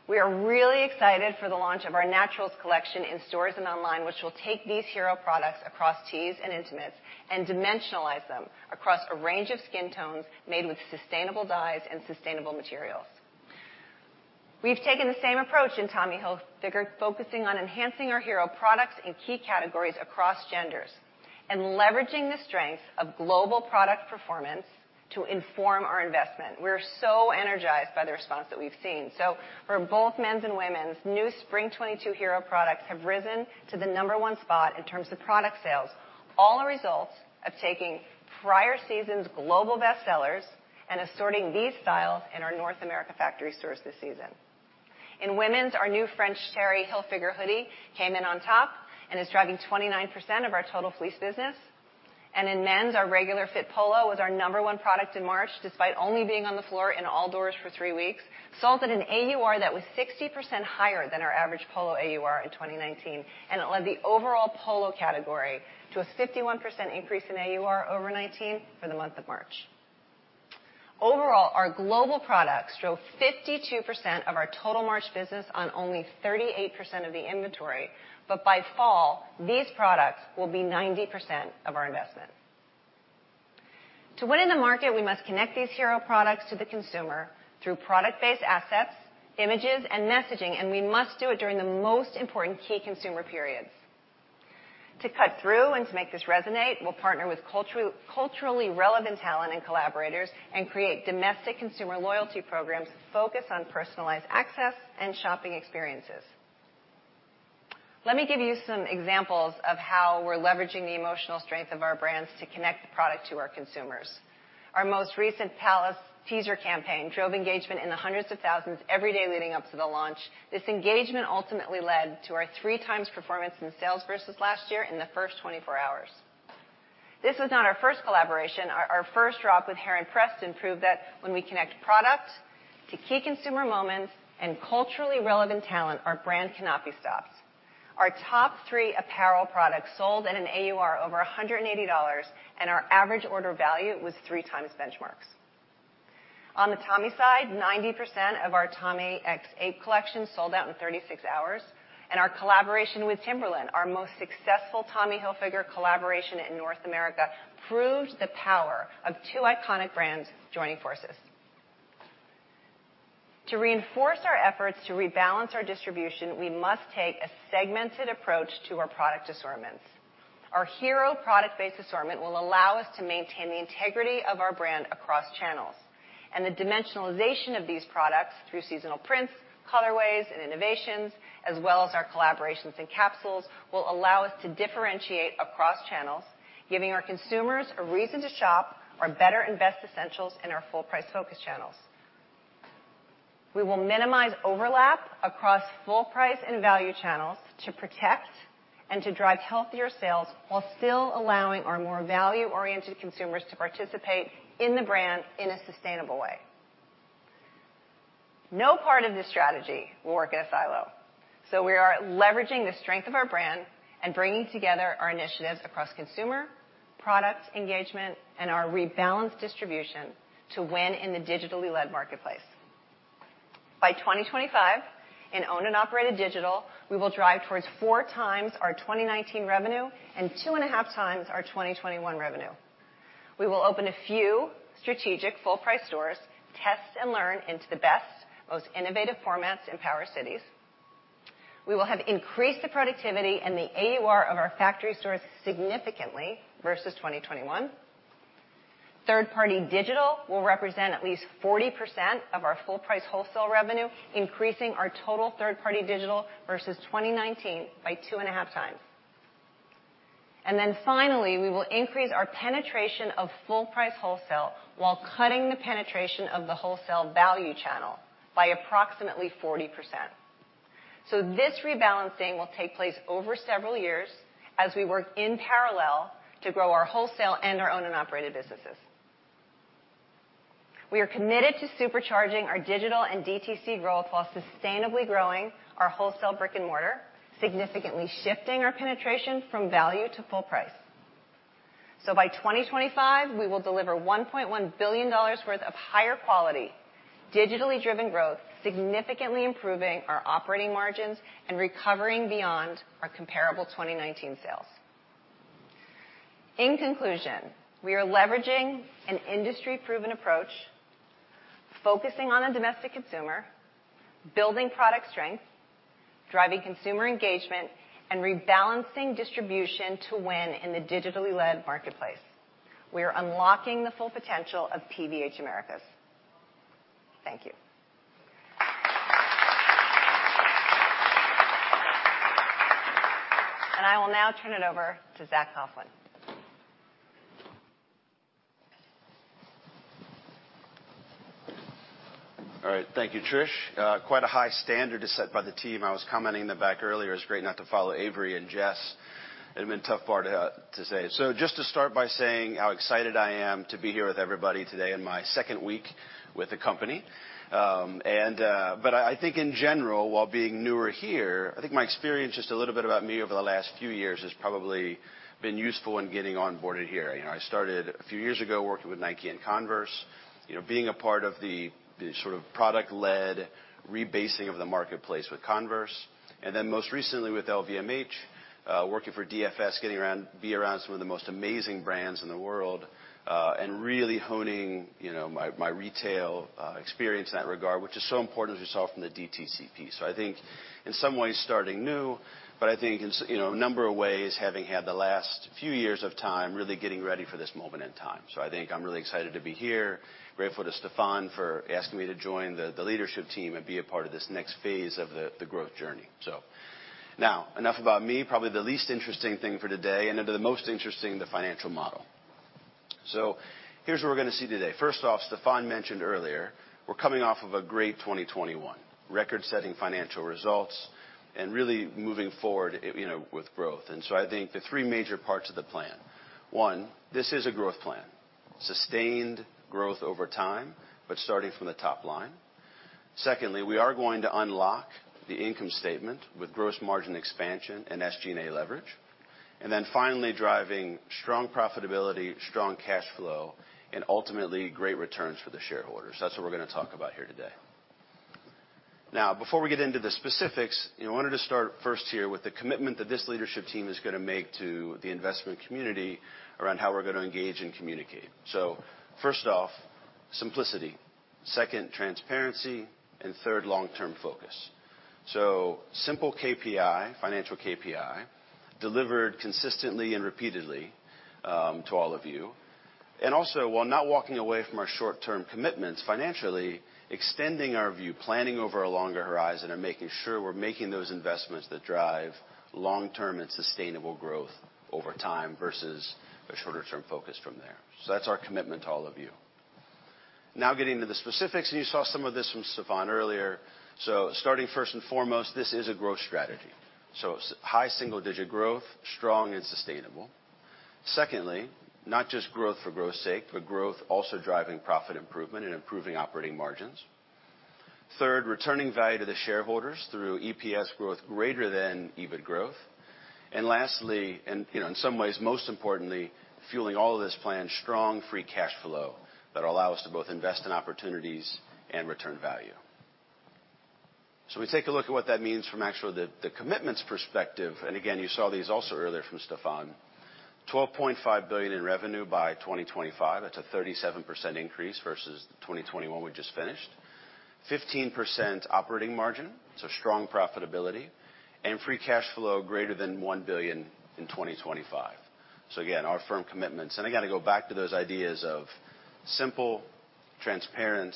We are really excited for the launch of our Naturals collection in stores and online, which will take these hero products across tees and intimates and dimensionalize them across a range of skin tones made with sustainable dyes and sustainable materials. We've taken the same approach in Tommy Hilfiger, focusing on enhancing our hero products in key categories across genders and leveraging the strength of global product performance to inform our investment. We're so energized by the response that we've seen. For both men's and women's, new spring 2022 hero products have risen to the number one spot in terms of product sales, all a result of taking prior season's global bestsellers and assorting these styles in our North America factory stores this season. In women's, our new French Terry Hilfiger hoodie came in on top and is driving 29% of our total fleece business. In men's, our regular fit polo was our number 1 product in March, despite only being on the floor in all doors for 3 weeks, sold at an AUR that was 60% higher than our average polo AUR in 2019, and it led the overall polo category to a 51% increase in AUR over 2019 for the month of March. Overall, our global products drove 52% of our total March business on only 38% of the inventory, but by fall, these products will be 90% of our investment. To win in the market, we must connect these hero products to the consumer through product-based assets, images, and messaging, and we must do it during the most important key consumer periods. To cut through and to make this resonate, we'll partner with culturally relevant talent and collaborators and create domestic consumer loyalty programs focused on personalized access and shopping experiences. Let me give you some examples of how we're leveraging the emotional strength of our brands to connect the product to our consumers. Our most recent Palace teaser campaign drove engagement in the hundreds of thousands every day leading up to the launch. This engagement ultimately led to our 3 times performance in sales versus last year in the first 24 hours. This was not our first collaboration. Our first drop with Heron Preston proved that when we connect product to key consumer moments and culturally relevant talent, our brand cannot be stopped. Our top three apparel products sold at an AUR over $180, and our average order value was 3 times benchmarks. On the Tommy side, 90% of our Tommy x AAPE collection sold out in 36 hours, and our collaboration with Timberland, our most successful Tommy Hilfiger collaboration in North America, proved the power of two iconic brands joining forces. To reinforce our efforts to rebalance our distribution, we must take a segmented approach to our product assortments. Our hero product-based assortment will allow us to maintain the integrity of our brand across channels, and the dimensionalization of these products through seasonal prints, colorways, and innovations, as well as our collaborations and capsules, will allow us to differentiate across channels, giving our consumers a reason to shop our better and best essentials in our full price focus channels. We will minimize overlap across full price and value channels to protect and to drive healthier sales while still allowing our more value-oriented consumers to participate in the brand in a sustainable way. No part of this strategy will work in a silo, so we are leveraging the strength of our brand and bringing together our initiatives across consumer, product engagement, and our rebalanced distribution to win in the digitally led marketplace. By 2025, in owned and operated digital, we will drive towards 4 times our 2019 revenue and 2.5 times our 2021 revenue. We will open a few strategic full price stores, test and learn into the best, most innovative formats in power cities. We will have increased the productivity and the AUR of our factory stores significantly versus 2021. Third-party digital will represent at least 40% of our full price wholesale revenue, increasing our total third-party digital versus 2019 by 2.5 times. Finally, we will increase our penetration of full-price wholesale while cutting the penetration of the wholesale value channel by approximately 40%. This rebalancing will take place over several years as we work in parallel to grow our wholesale and our owned and operated businesses. We are committed to supercharging our digital and DTC growth while sustainably growing our wholesale brick and mortar, significantly shifting our penetration from value to full price. By 2025, we will deliver $1.1 billion worth of higher quality, digitally driven growth, significantly improving our operating margins and recovering beyond our comparable 2019 sales. In conclusion, we are leveraging an industry-proven approach, focusing on a domestic consumer, building product strength, driving consumer engagement, and rebalancing distribution to win in the digitally led marketplace. We are unlocking the full potential of PVH Americas. Thank you. I will now turn it over to Zac Coughlin. All right. Thank you, Trish. Quite a high standard is set by the team. I was commenting in the back earlier, it's great not to follow Avery and Jess. It'd been a tough bar to set. Just to start by saying how excited I am to be here with everybody today in my second week with the company. I think in general, while being newer here, I think my experience, just a little bit about me over the last few years, has probably been useful in getting onboarded here. You know, I started a few years ago working with Nike and Converse, you know, being a part of the sort of product-led rebasing of the marketplace with Converse, and then most recently with LVMH, working for DFS, being around some of the most amazing brands in the world, and really honing, you know, my retail experience in that regard, which is so important as we saw from the DTC. I think in some ways, starting new, but I think in a number of ways, having had the last few years of time really getting ready for this moment in time. I think I'm really excited to be here, grateful to Stefan for asking me to join the leadership team and be a part of this next phase of the growth journey. Now enough about me, probably the least interesting thing for today, and then to the most interesting, the financial model. Here's what we're gonna see today. First off, Stefan mentioned earlier, we're coming off of a great 2021. Record-setting financial results and really moving forward, you know, with growth. I think the three major parts of the plan. One, this is a growth plan. Sustained growth over time, but starting from the top line. Secondly, we are going to unlock the income statement with gross margin expansion and SG&A leverage. Finally, driving strong profitability, strong cash flow, and ultimately great returns for the shareholders. That's what we're gonna talk about here today. Now, before we get into the specifics, I wanted to start first here with the commitment that this leadership team is gonna make to the investment community around how we're gonna engage and communicate. First off, simplicity. Second, transparency. Third, long-term focus. Simple KPI, financial KPI, delivered consistently and repeatedly to all of you. Also, while not walking away from our short-term commitments financially, extending our view, planning over a longer horizon, and making sure we're making those investments that drive long-term and sustainable growth over time versus a shorter term focus from there. That's our commitment to all of you. Now getting to the specifics, and you saw some of this from Stephan earlier. Starting first and foremost, this is a growth strategy. High single digit growth, strong and sustainable. Secondly, not just growth for growth's sake, but growth also driving profit improvement and improving operating margins. Third, returning value to the shareholders through EPS growth greater than EBIT growth. Lastly, you know, in some ways, most importantly, fueling all of this plan, strong free cash flow that allow us to both invest in opportunities and return value. We take a look at what that means from actually the commitments perspective. Again, you saw these also earlier from Stefan. $12.5 billion in revenue by 2025. That's a 37% increase versus 2021 we just finished. 15% operating margin, so strong profitability. Free cash flow greater than $1 billion in 2025. Again, our firm commitments, and I gotta go back to those ideas of simple, transparent,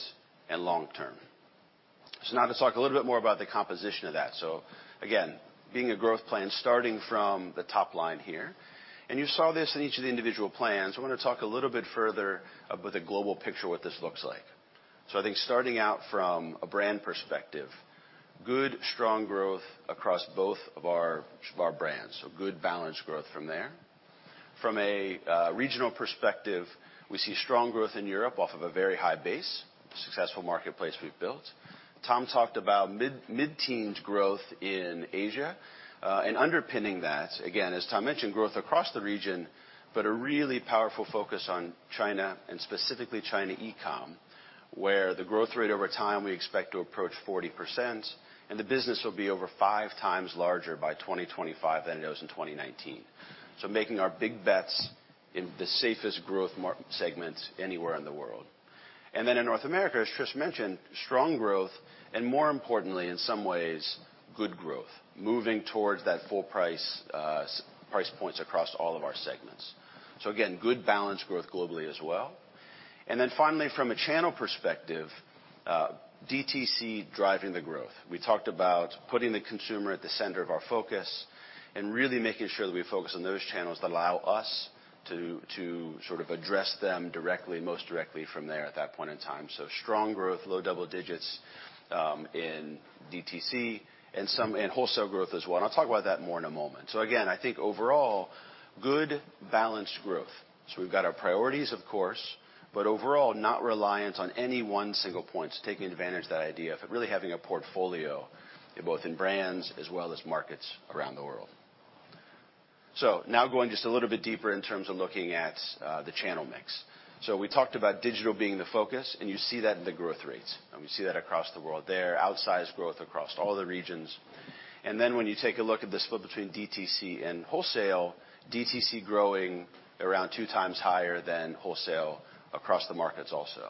and long-term. Now let's talk a little bit more about the composition of that. Again, being a growth plan, starting from the top line here, and you saw this in each of the individual plans. I wanna talk a little bit further about the global picture, what this looks like. I think starting out from a brand perspective, good strong growth across both of our brands. Good balanced growth from there. From a regional perspective, we see strong growth in Europe off of a very high base, successful marketplace we've built. Tom talked about mid-teens growth in Asia and underpinning that, again, as Tom mentioned, growth across the region, but a really powerful focus on China and specifically China e-com, where the growth rate over time we expect to approach 40%, and the business will be over five times larger by 2025 than it was in 2019. Making our big bets in the safest growth market segments anywhere in the world. In North America, as Trish mentioned, strong growth and more importantly, in some ways, good growth, moving towards that full price selling price points across all of our segments. Again, good balanced growth globally as well. Finally, from a channel perspective, DTC driving the growth. We talked about putting the consumer at the center of our focus and really making sure that we focus on those channels that allow us to sort of address them directly, most directly from there at that point in time. Strong growth, low double digits%, in DTC and wholesale growth as well. I'll talk about that more in a moment. Again, I think overall, good balanced growth. We've got our priorities, of course, but overall, not reliant on any one single point, taking advantage of that idea of really having a portfolio both in brands as well as markets around the world. Now going just a little bit deeper in terms of looking at the channel mix. We talked about digital being the focus, and you see that in the growth rates, and we see that across the world there, outsized growth across all the regions. When you take a look at the split between DTC and wholesale, DTC growing around two times higher than wholesale across the markets also.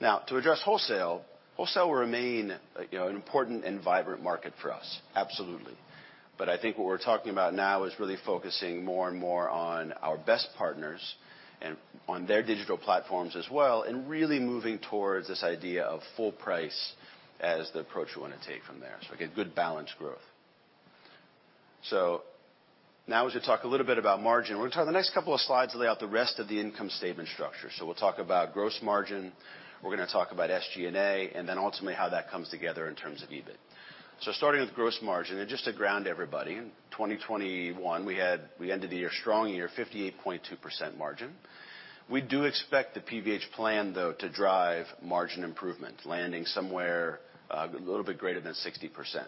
Now, to address wholesale will remain, you know, an important and vibrant market for us. Absolutely. I think what we're talking about now is really focusing more and more on our best partners and on their digital platforms as well, and really moving towards this idea of full price as the approach we wanna take from there. Again, good balanced growth. Now we should talk a little bit about margin. We're gonna talk the next couple of slides to lay out the rest of the income statement structure. We'll talk about gross margin. We're gonna talk about SG&A, and then ultimately how that comes together in terms of EBIT. Starting with gross margin, and just to ground everybody, in 2021, we ended the year strong, 58.2% margin. We do expect the PVH plan, though, to drive margin improvement, landing somewhere, a little bit greater than 60%.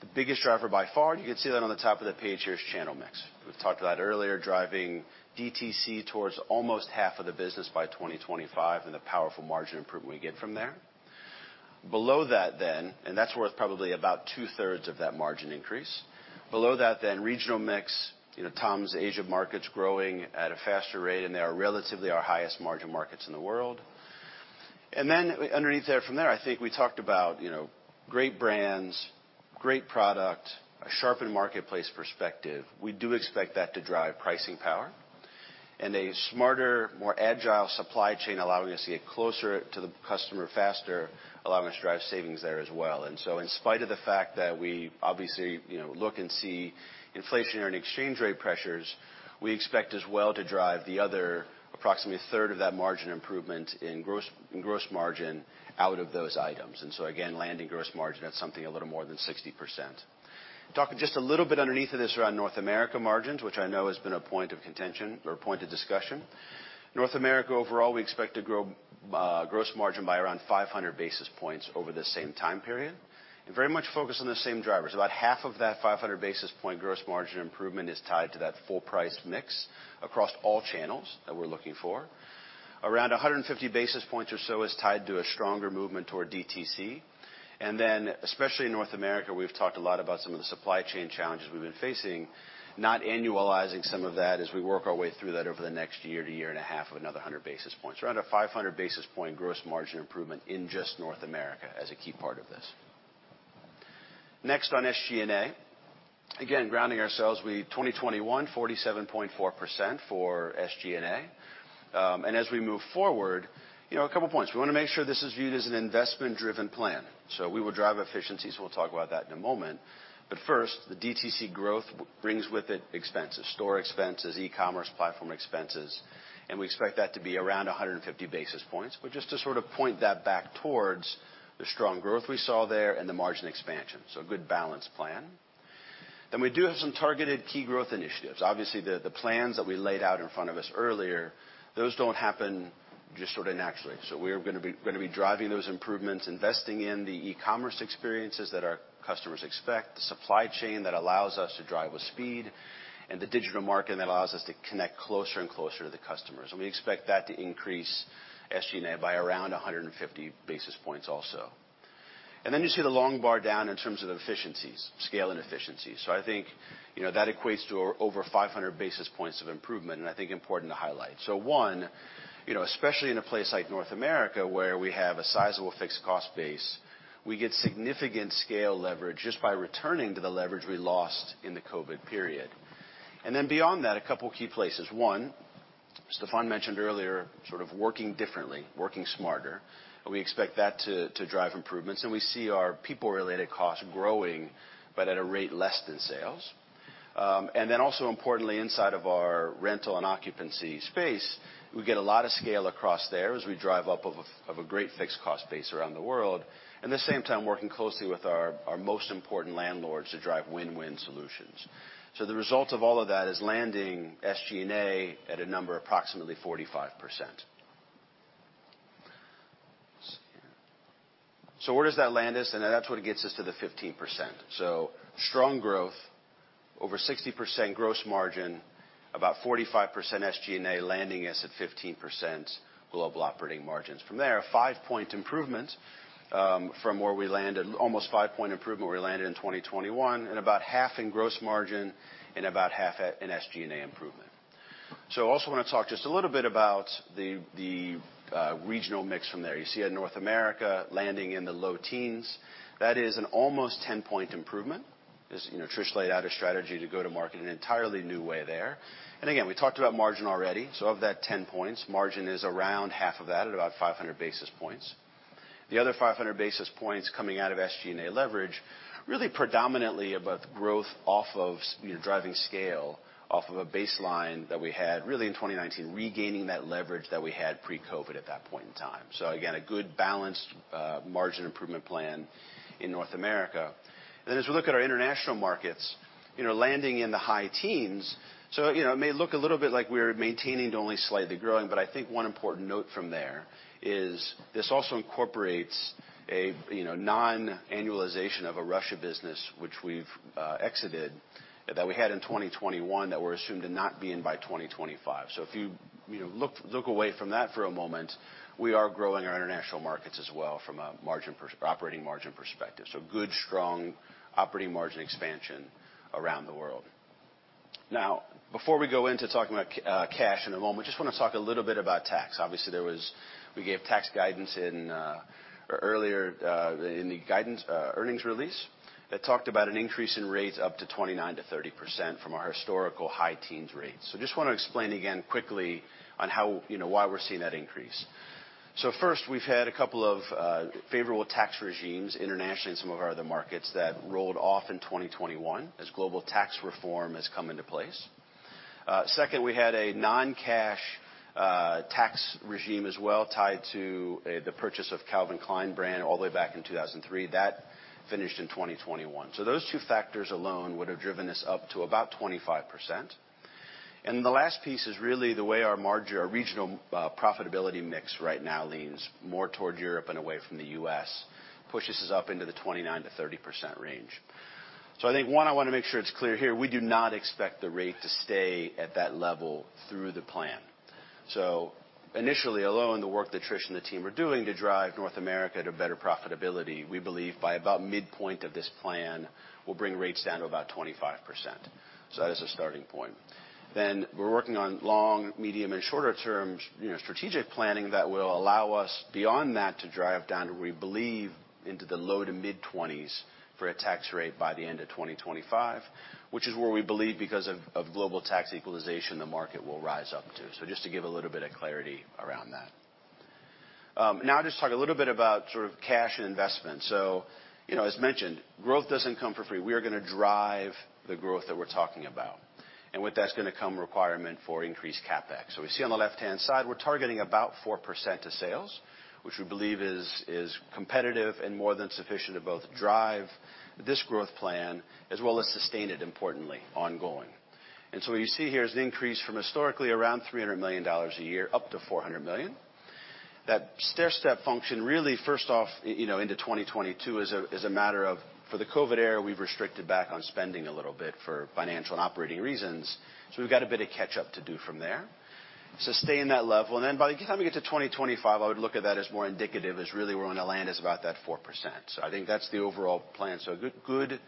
The biggest driver by far, and you can see that on the top of the page here, is channel mix. We've talked about earlier driving DTC towards almost half of the business by 2025 and the powerful margin improvement we get from there. Below that then, and that's worth probably about two-thirds of that margin increase. Below that, regional mix, you know, Tom's Asia markets growing at a faster rate, and they are relatively our highest margin markets in the world. Underneath there, from there, I think we talked about, you know, great brands, great product, a sharpened marketplace perspective. We do expect that to drive pricing power. A smarter, more agile supply chain allowing us to get closer to the customer faster, allowing us to drive savings there as well. In spite of the fact that we obviously, you know, look and see inflation or in exchange rate pressures, we expect as well to drive the other approximately a third of that margin improvement in gross margin out of those items. Again, landing gross margin at something a little more than 60%. Talking just a little bit underneath of this around North America margins, which I know has been a point of contention or a point of discussion. North America overall, we expect to grow gross margin by around 500 basis points over the same time period, and very much focused on the same drivers. About half of that 500 basis point gross margin improvement is tied to that full price mix across all channels that we're looking for. Around 150 basis points or so is tied to a stronger movement toward DTC. Especially in North America, we've talked a lot about some of the supply chain challenges we've been facing, not annualizing some of that as we work our way through that over the next year to year and a half of another 100 basis points. Around a 500 basis point gross margin improvement in just North America as a key part of this. Next on SG&A. Again, grounding ourselves in 2021, 47.4% for SG&A. And as we move forward, you know, a couple points. We wanna make sure this is viewed as an investment-driven plan. We will drive efficiencies. We'll talk about that in a moment. First, the DTC growth brings with it expenses, store expenses, e-commerce platform expenses, and we expect that to be around 150 basis points. Just to sort of point that back towards the strong growth we saw there and the margin expansion. A good balanced plan. We do have some targeted key growth initiatives. Obviously, the plans that we laid out in front of us earlier, those don't happen just sort of naturally. We're gonna be driving those improvements, investing in the e-commerce experiences that our customers expect, the supply chain that allows us to drive with speed, and the digital marketing that allows us to connect closer and closer to the customers. We expect that to increase SG&A by around 150 basis points also. You see the long bar down in terms of efficiencies, scale and efficiency. I think, you know, that equates to over 500 basis points of improvement, and I think important to highlight. One, you know, especially in a place like North America, where we have a sizable fixed cost base, we get significant scale leverage just by returning to the leverage we lost in the COVID period. Beyond that, a couple key places. Stefan mentioned earlier sort of working differently, working smarter, and we expect that to drive improvements. We see our people-related costs growing, but at a rate less than sales. Then also importantly, inside of our rental and occupancy space, we get a lot of scale across there as we drive out of a great fixed cost base around the world, and at the same time, working closely with our most important landlords to drive win-win solutions. The result of all of that is landing SG&A at a number approximately 45%. Let's see here. Where does that land us? That's what gets us to the 15%. Strong growth, over 60% gross margin, about 45% SG&A landing us at 15% global operating margins. From there, a 5-point improvement from where we landed. almost 5-point improvement where we landed in 2021, and about half in gross margin and about half at, in SG&A improvement. I also wanna talk just a little bit about the regional mix from there. You see in North America landing in the low teens. That is an almost 10-point improvement. As you know, Trish laid out a strategy to go to market in an entirely new way there. Again, we talked about margin already. Of that 10 points, margin is around half of that at about 500 basis points. The other 500 basis points coming out of SG&A leverage, really predominantly about growth off of you know, driving scale off of a baseline that we had really in 2019, regaining that leverage that we had pre-COVID at that point in time. Again, a good balanced margin improvement plan in North America. Then as we look at our international markets, you know, landing in the high teens. You know, it may look a little bit like we're maintaining to only slightly growing, but I think one important note from there is this also incorporates a, you know, non-annualization of a Russia business which we've exited that we had in 2021 that we're assumed to not be in by 2025. If you know, look away from that for a moment, we are growing our international markets as well from a margin operating margin perspective. Good, strong operating margin expansion around the world. Now, before we go into talking about cash in a moment, just wanna talk a little bit about tax. Obviously, there was... We gave tax guidance earlier in the guidance earnings release that talked about an increase in rates up to 29%-30% from our historical high teens rates. Just wanna explain again quickly on how, you know, why we're seeing that increase. First, we've had a couple of favorable tax regimes internationally in some of our other markets that rolled off in 2021 as global tax reform has come into place. Second, we had a non-cash tax regime as well tied to the purchase of Calvin Klein brand all the way back in 2003. That finished in 2021. Those two factors alone would have driven us up to about 25%. The last piece is really the way our regional profitability mix right now leans more towards Europe and away from the U.S., pushes us up into the 29%-30% range. I think, one, I wanna make sure it's clear here, we do not expect the rate to stay at that level through the plan. Initially alone, the work that Trish and the team are doing to drive North America to better profitability, we believe by about midpoint of this plan, we'll bring rates down to about 25%. That is a starting point. We're working on long, medium, and shorter term, you know, strategic planning that will allow us beyond that to drive down to, we believe, into the low- to mid-20s% for a tax rate by the end of 2025, which is where we believe because of global tax equalization the market will rise up to. Just to give a little bit of clarity around that. Now I'll just talk a little bit about sort of cash and investment. You know, as mentioned, growth doesn't come for free. We are gonna drive the growth that we're talking about. With that it's gonna come a requirement for increased CapEx. We see on the left-hand side, we're targeting about 4% of sales, which we believe is competitive and more than sufficient to both drive this growth plan as well as sustain it importantly ongoing. What you see here is an increase from historically around $300 million a year up to $400 million. That stairstep function really first off, you know, into 2022 is a matter of for the COVID era, we've restricted back on spending a little bit for financial and operating reasons. We've got a bit of catch up to do from there. Sustain that level, and then by the time we get to 2025, I would look at that as more indicative as really where we wanna land is about that 4%. I think that's the overall plan. Good,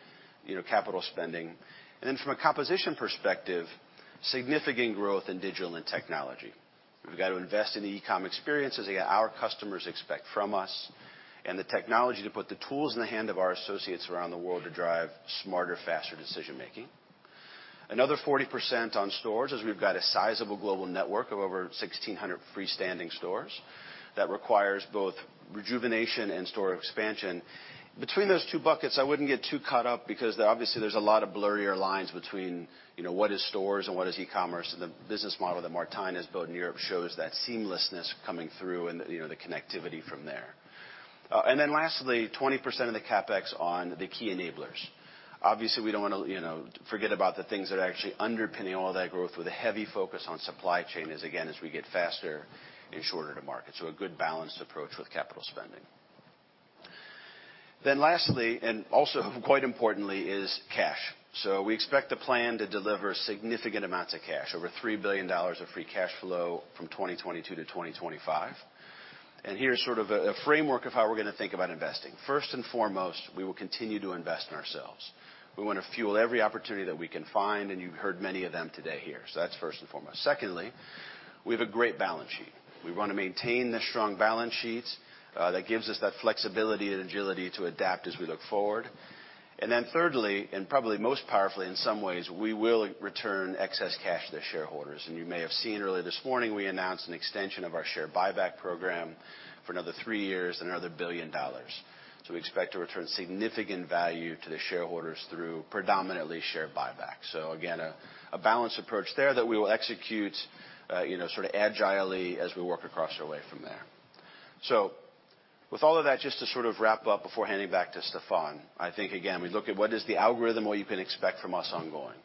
you know, capital spending. From a composition perspective, significant growth in digital and technology. We've got to invest in the e-com experiences our customers expect from us and the technology to put the tools in the hand of our associates around the world to drive smarter, faster decision-making. Another 40% on stores as we've got a sizable global network of over 1,600 freestanding stores that requires both rejuvenation and store expansion. Between those two buckets, I wouldn't get too caught up because there obviously is a lot of blurrier lines between, you know, what is stores and what is e-commerce. The business model that Martijn has built in Europe shows that seamlessness coming through and, you know, the connectivity from there. Then lastly, 20% of the CapEx on the key enablers. Obviously, we don't wanna, you know, forget about the things that are actually underpinning all that growth with a heavy focus on supply chain as, again, as we get faster and shorter to market. A good balanced approach with capital spending. Lastly, and also quite importantly, is cash. We expect the plan to deliver significant amounts of cash, over $3 billion of free cash flow from 2022 to 2025. Here's sort of a framework of how we're gonna think about investing. First and foremost, we will continue to invest in ourselves. We wanna fuel every opportunity that we can find, and you've heard many of them today here. That's first and foremost. Secondly, we have a great balance sheet. We want to maintain the strong balance sheets that gives us that flexibility and agility to adapt as we look forward. Then thirdly, and probably most powerfully in some ways, we will return excess cash to shareholders. You may have seen earlier this morning, we announced an extension of our share buyback program for another 3 years, another $1 billion. We expect to return significant value to the shareholders through predominantly share buyback. Again, a balanced approach there that we will execute sort of agilely as we work across our way from there. With all of that, just to sort of wrap up before handing back to Stefan, I think again, we look at what is the algorithm, what you can expect from us ongoing.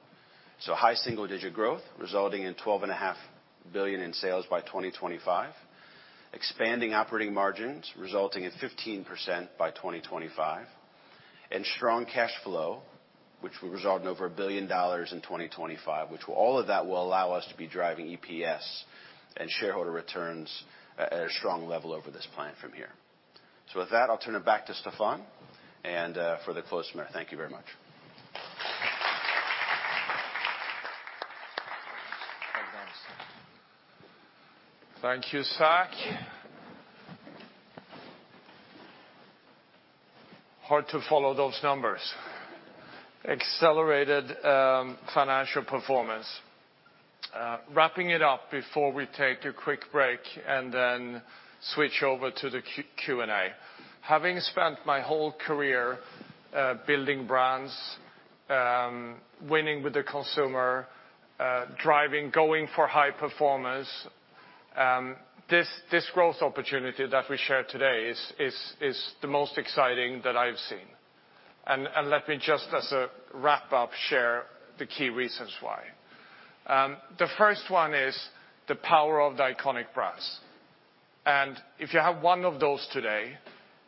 High single-digit growth resulting in $12.5 billion in sales by 2025. Expanding operating margins resulting in 15% by 2025. Strong cash flow, which will result in over $1 billion in 2025, which all of that will allow us to be driving EPS and shareholder returns at a strong level over this plan from here. With that, I'll turn it back to Stefan and for the closing remark. Thank you very much. Thank you, Zac. Hard to follow those numbers. Accelerated financial performance. Wrapping it up before we take a quick break and then switch over to the Q&A. Having spent my whole career building brands, winning with the consumer, driving, going for high performance, this growth opportunity that we shared today is the most exciting that I've seen. Let me just as a wrap-up, share the key reasons why. The first one is the power of the iconic brands. If you have one of those today,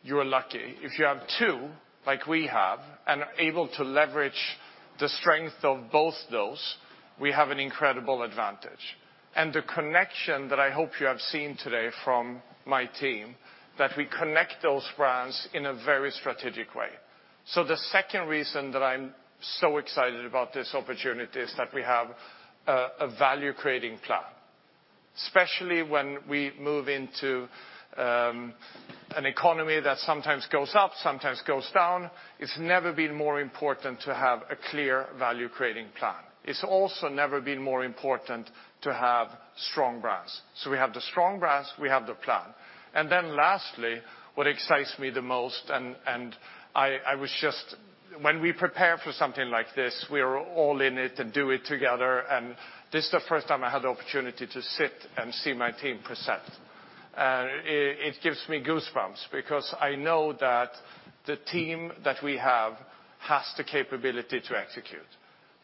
you are lucky. If you have two, like we have, and are able to leverage the strength of both those, we have an incredible advantage. The connection that I hope you have seen today from my team, that we connect those brands in a very strategic way. The second reason that I'm so excited about this opportunity is that we have a value-creating plan. Especially when we move into an economy that sometimes goes up, sometimes goes down, it's never been more important to have a clear value-creating plan. It's also never been more important to have strong brands. We have the strong brands, we have the plan. Lastly, what excites me the most was just when we prepare for something like this, we are all in it and do it together. This is the first time I had the opportunity to sit and see my team present. It gives me goosebumps because I know that the team that we have has the capability to execute.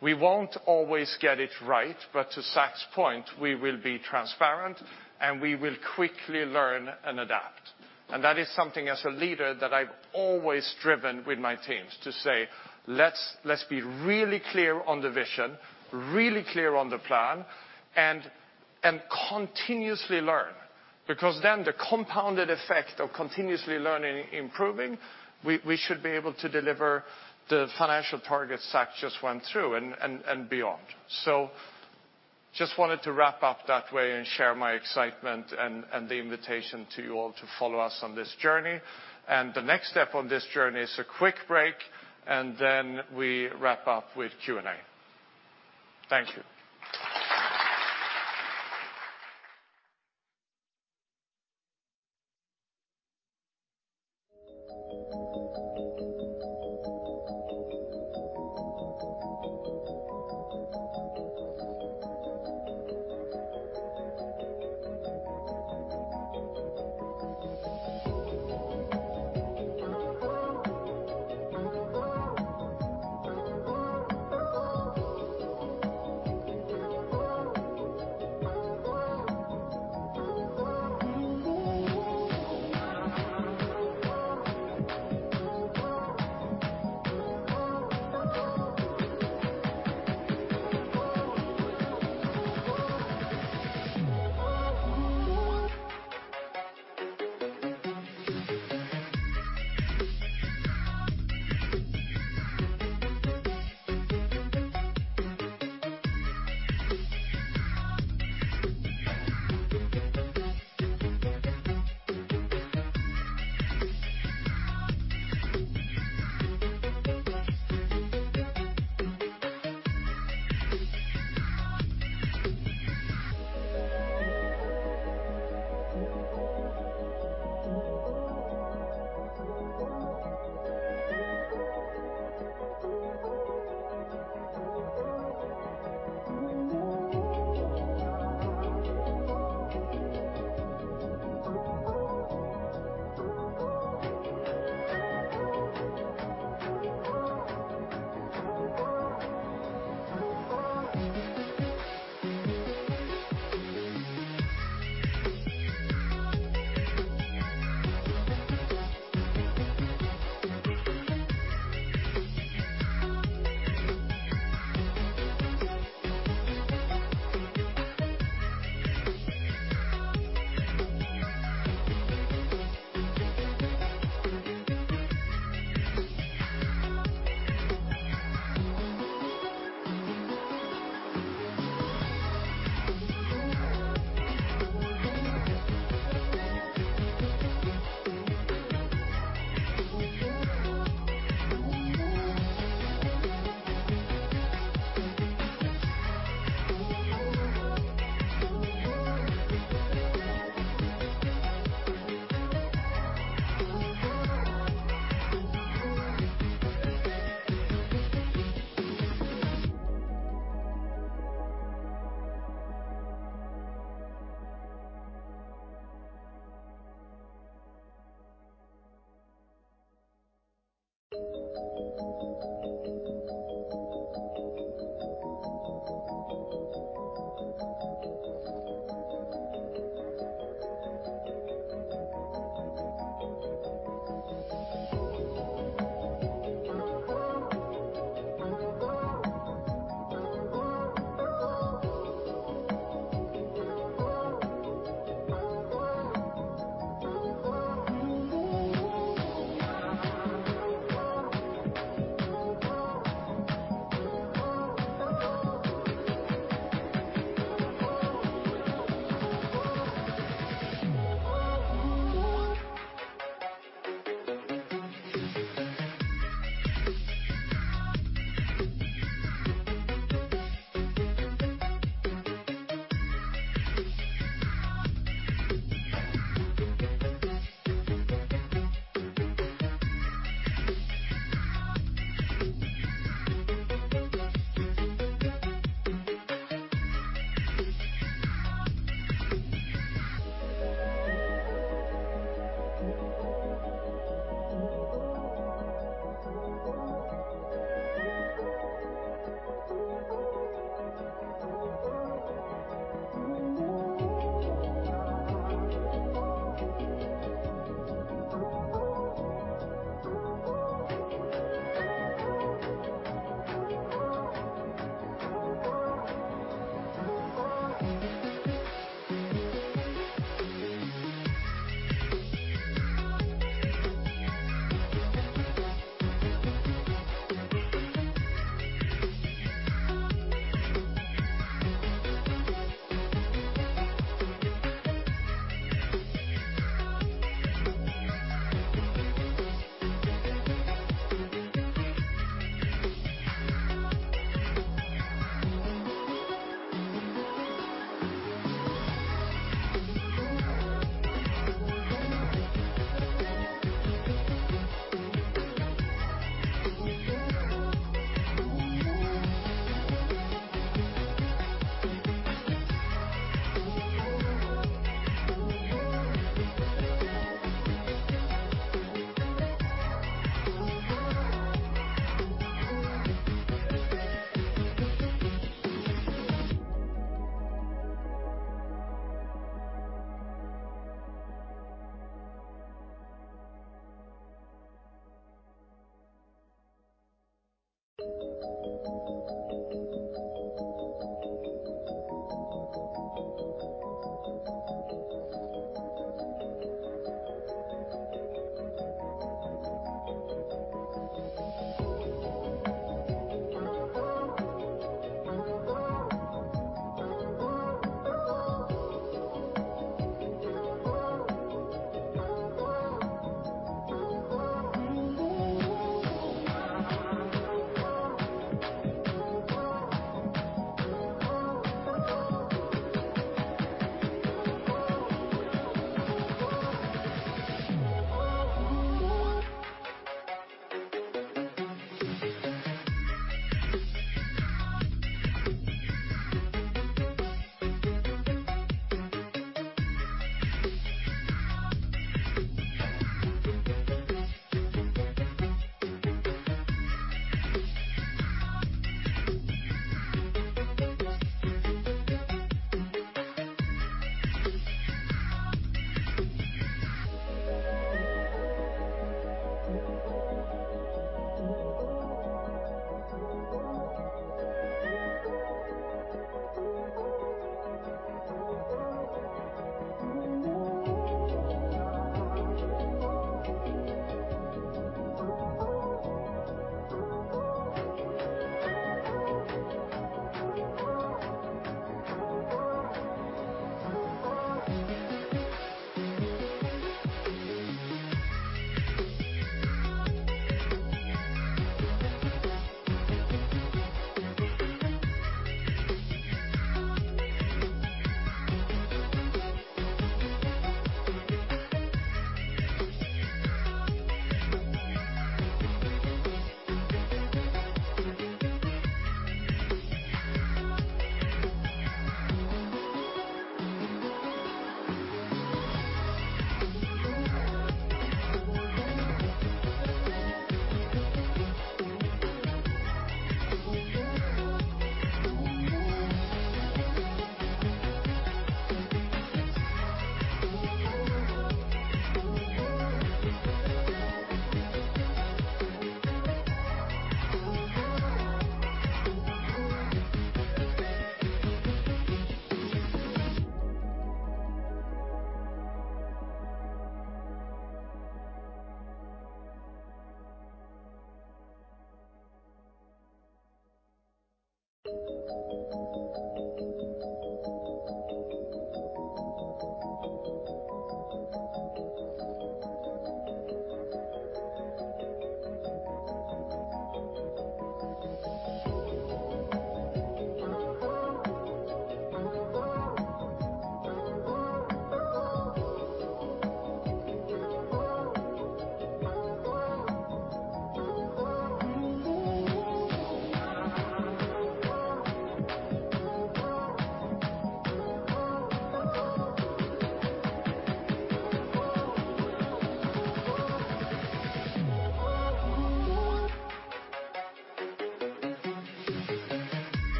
We won't always get it right, but to Zac's point, we will be transparent, and we will quickly learn and adapt. That is something as a leader that I've always driven with my teams to say, "Let's be really clear on the vision, really clear on the plan, and continuously learn." Because then the compounded effect of continuously learning and improving, we should be able to deliver the financial targets Zac just went through and beyond. Just wanted to wrap up that way and share my excitement and the invitation to you all to follow us on this journey. The next step on this journey is a quick break, and then we wrap up with Q&A. Thank you.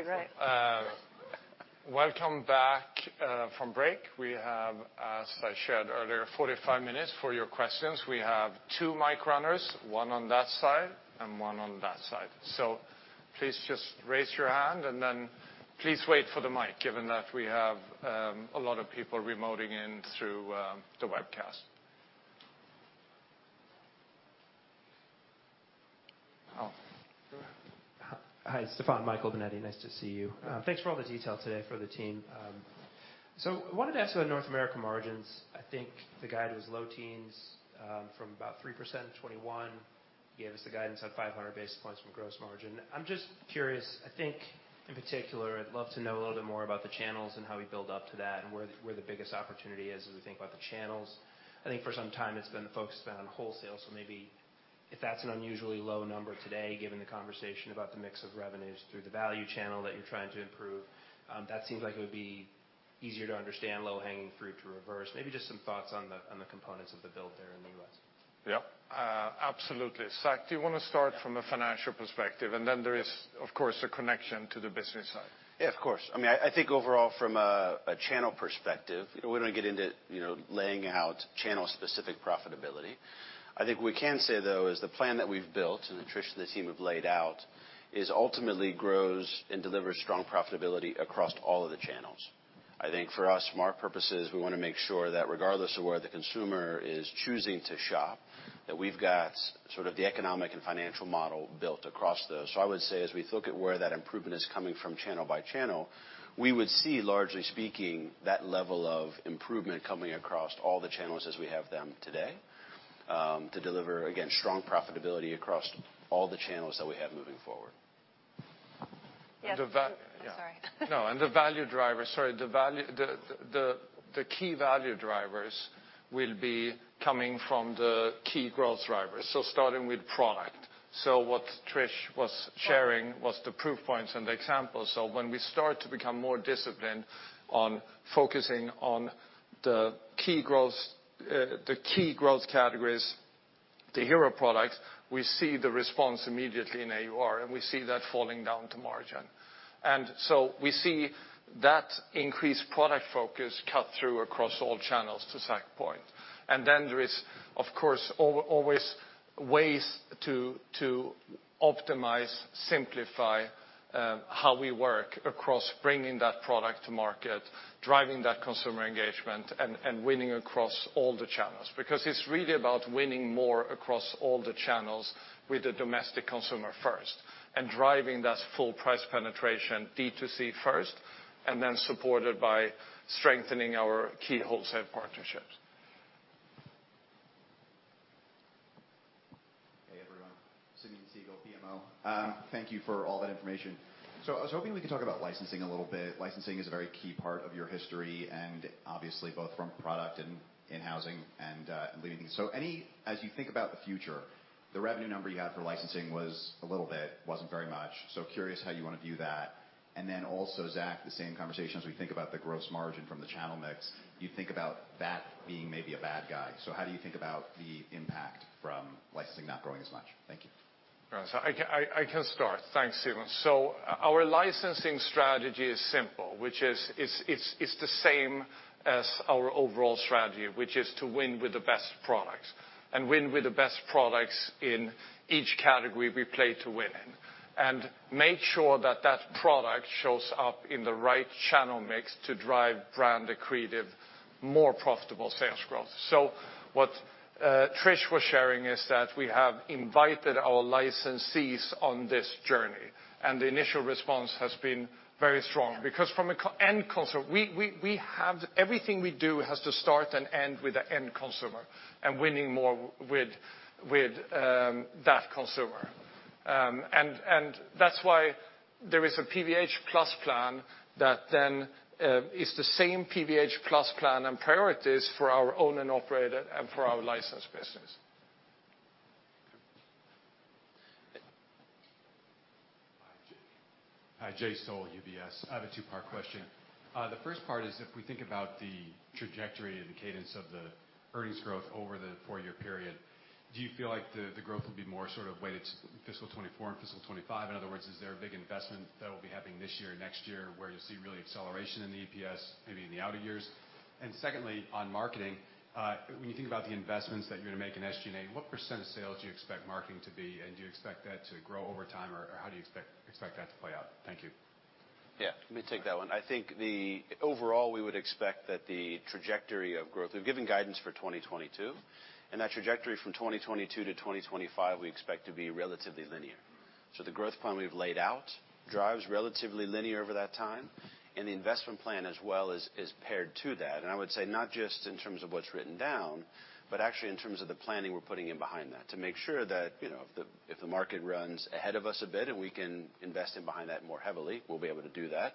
Oh, wow. It's pretty great. Welcome back from break. We have, as I shared earlier, 45 minutes for your questions. We have two mic runners, one on that side and one on that side. Please just raise your hand and then please wait for the mic, given that we have a lot of people remoting in through the webcast. Hi, Stefan. It's Michael Binetti. Nice to see you. Thanks for all the detail today for the team. I wanted to ask about North America margins. I think the guide was low teens, from about 3% in 2021. You gave us the guidance on 500 basis points from gross margin. I'm just curious. I think, in particular, I'd love to know a little bit more about the channels and how we build up to that and where the biggest opportunity is as we think about the channels. I think for some time it's been the focus on wholesale, so maybe if that's an unusually low number today, given the conversation about the mix of revenues through the value channel that you're trying to improve, that seems like it would be easier to understand low-hanging fruit to reverse. Maybe just some thoughts on the components of the build there in the U.S. Yeah, absolutely. Zac, do you want to start from a financial perspective, and then there is, of course, a connection to the business side? Yeah, of course. I mean, I think overall from a channel perspective, we don't get into, you know, laying out channel-specific profitability. I think what we can say, though, is the plan that we've built, and that Trish and the team have laid out, is ultimately grows and delivers strong profitability across all of the channels. I think for us, from our purposes, we want to make sure that regardless of where the consumer is choosing to shop, that we've got sort of the economic and financial model built across those. I would say as we look at where that improvement is coming from channel by channel, we would see, largely speaking, that level of improvement coming across all the channels as we have them today to deliver, again, strong profitability across all the channels that we have moving forward. Yeah. The va- Sorry. No, the key value drivers will be coming from the key growth drivers, starting with product. What Trish was sharing was the proof points and the examples. When we start to become more disciplined on focusing on the key growth categories, the hero products, we see the response immediately in AUR, and we see that flowing down to margin. We see that increased product focus cut through across all channels to Zac's point. Then there is, of course, always ways to optimize, simplify how we work across bringing that product to market, driving that consumer engagement, and winning across all the channels. Because it's really about winning more across all the channels with the domestic consumer first and driving that full price penetration D2C first, and then supported by strengthening our key wholesale partnerships. Hey, everyone. Simeon Siegel, BMO. Thank you for all that information. I was hoping we could talk about licensing a little bit. Licensing is a very key part of your history, and obviously both from product and in housing and in leading. As you think about the future, the revenue number you had for licensing was a little bit. Wasn't very much. Curious how you want to view that. Then also, Zac, the same conversation, as we think about the gross margin from the channel mix, you think about that being maybe a bad guy. How do you think about the impact from licensing not growing as much? Thank you. I can start. Thanks, Simeon. Our licensing strategy is simple, which is it's the same as our overall strategy, which is to win with the best products in each category we play to win in, and make sure that product shows up in the right channel mix to drive brand accretive, more profitable sales growth. What Trish was sharing is that we have invited our licensees on this journey, and the initial response has been very strong. Yeah. Because from a consumer, we have everything we do has to start and end with the end consumer and winning more with that consumer. That's why there is a PVH+ Plan that then is the same PVH+ Plan and priorities for our owned and operated and for our licensed business. Okay. Hi, Jay. Hi, Jay Sole, UBS. I have a two-part question. The first part is, if we think about the trajectory and the cadence of the earnings growth over the four-year period, do you feel like the growth will be more sort of weighted to FY 2024 and FY 2025? In other words, is there a big investment that we'll be having this year or next year where you'll see really acceleration in the EPS maybe in the outer years? And secondly, on marketing, when you think about the investments that you're going to make in SG&A, what % of sales do you expect marketing to be? And do you expect that to grow over time, or how do you expect that to play out? Thank you. Yeah. Let me take that one. I think the overall, we would expect that the trajectory of growth, we've given guidance for 2022, and that trajectory from 2022 to 2025 we expect to be relatively linear. The growth plan we've laid out drives relatively linear over that time, and the investment plan as well is paired to that. I would say not just in terms of what's written down, but actually in terms of the planning we're putting in behind that to make sure that, you know, if the market runs ahead of us a bit and we can invest in behind that more heavily, we'll be able to do that.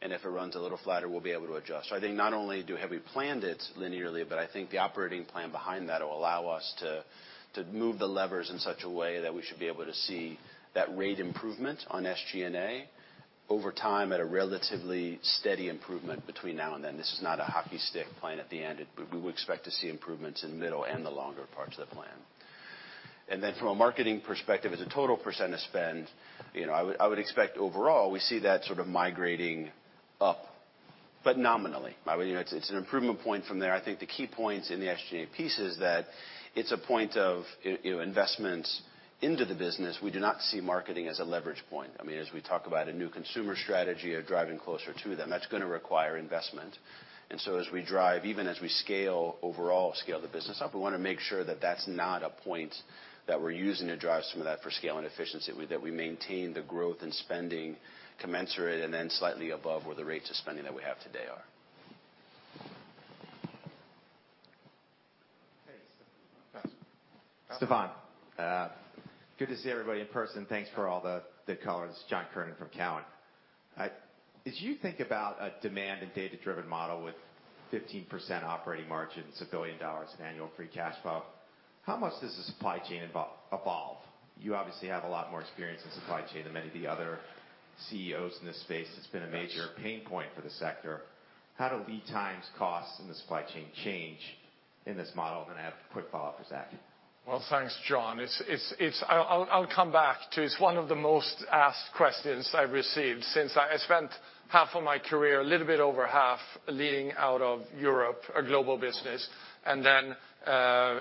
If it runs a little flatter, we'll be able to adjust. I think not only have we planned it linearly, but I think the operating plan behind that will allow us to move the levers in such a way that we should be able to see that rate improvement on SG&A over time at a relatively steady improvement between now and then. This is not a hockey stick plan at the end. We would expect to see improvements in the middle and the longer parts of the plan. From a marketing perspective, as a total % of spend, you know, I would expect overall, we see that sort of migrating up, but nominally. I mean, you know, it's an improvement point from there. I think the key points in the SG&A piece is that it's a point of—you know—investments into the business. We do not see marketing as a leverage point. I mean, as we talk about a new consumer strategy or driving closer to them, that's gonna require investment. As we drive, even as we scale overall, scale the business up, we wanna make sure that that's not a point that we're using to drive some of that for scale and efficiency, that we maintain the growth in spending commensurate and then slightly above where the rates of spending that we have today are. Stefan, good to see everybody in person. Thanks for all the colors. John Kernan from Cowen. As you think about a demand and data-driven model with 15% operating margins, $1 billion in annual free cash flow, how much does the supply chain evolve? You obviously have a lot more experience in supply chain than many of the other CEOs in this space. It's been a major pain point for the sector. How do lead times, costs, and the supply chain change in this model? Then I have a quick follow-up for Zac. Well, thanks, John. I'll come back to it. It's one of the most asked questions I've received since I spent half of my career, a little bit over half leading out of Europe or global business and then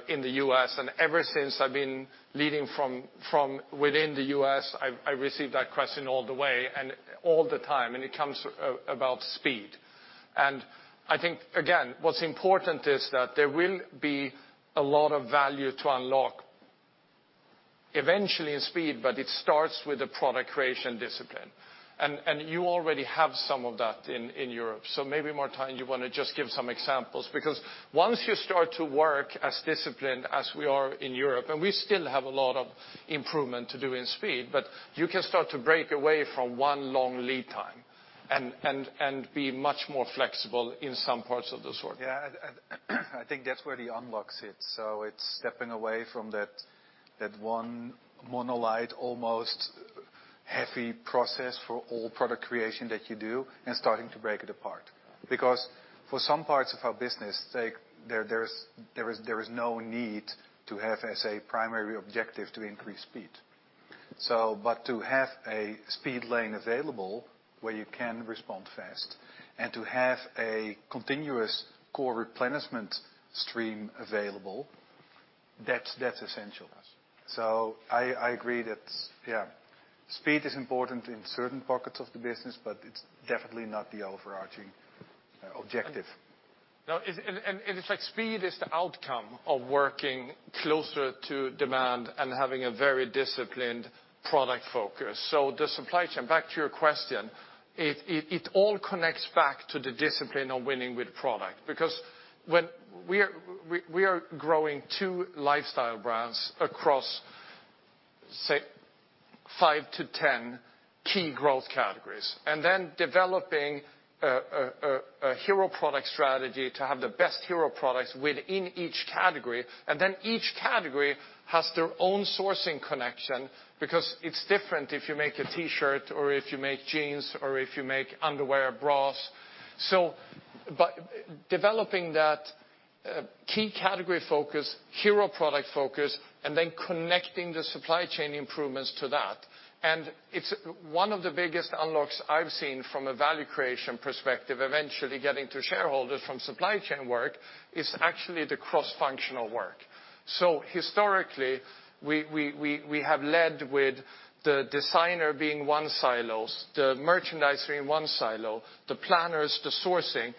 in the U.S. Ever since I've been leading from within the U.S., I've received that question all the way and all the time, and it comes about speed. I think, again, what's important is that there will be a lot of value to unlock eventually in speed, but it starts with the product creation discipline. You already have some of that in Europe. Maybe, Martijn, you wanna just give some examples, because once you start to work as disciplined as we are in Europe, and we still have a lot of improvement to do in speed, but you can start to break away from one long lead time and be much more flexible in some parts of the sort. Yeah. I think that's where the unlocks hit. It's stepping away from that one monolithic, almost heavy process for all product creation that you do and starting to break it apart. Because for some parts of our business, like, there is no need to have as a primary objective to increase speed. But to have a speed lane available where you can respond fast and to have a continuous core replenishment stream available, that's essential. I agree that, yeah, speed is important in certain pockets of the business, but it's definitely not the overarching objective. No. It's like speed is the outcome of working closer to demand and having a very disciplined product focus. The supply chain, back to your question, it all connects back to the discipline of winning with product. Because we are growing two lifestyle brands across, say, 5-10 key growth categories, and then developing a hero product strategy to have the best hero products within each category. Each category has their own sourcing connection because it's different if you make a T-shirt or if you make jeans or if you make underwear bras. Developing that key category focus, hero product focus, and then connecting the supply chain improvements to that. It's one of the biggest unlocks I've seen from a value creation perspective, eventually getting to shareholders from supply chain work is actually the cross-functional work. Historically, we have led with the designer being one silo, the merchandiser in one silo, the planners, the sourcing.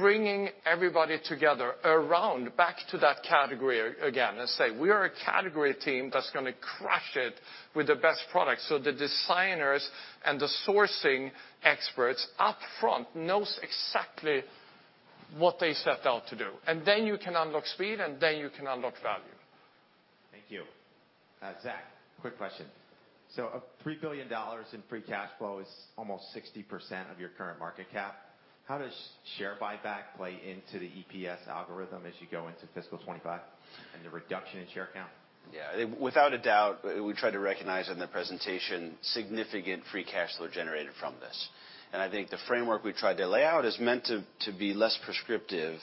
Bringing everybody together around back to that category again and say, "We are a category team that's gonna crush it with the best product." The designers and the sourcing experts up front knows exactly what they set out to do. Then you can unlock speed, and then you can unlock value. Thank you. Zac, quick question. Three billion dollars in free cash flow is almost 60% of your current market cap. How does share buyback play into the EPS algorithm as you go into fiscal 2025 and the reduction in share count? Yeah. Without a doubt, we try to recognize in the presentation significant free cash flow generated from this. I think the framework we tried to lay out is meant to be less prescriptive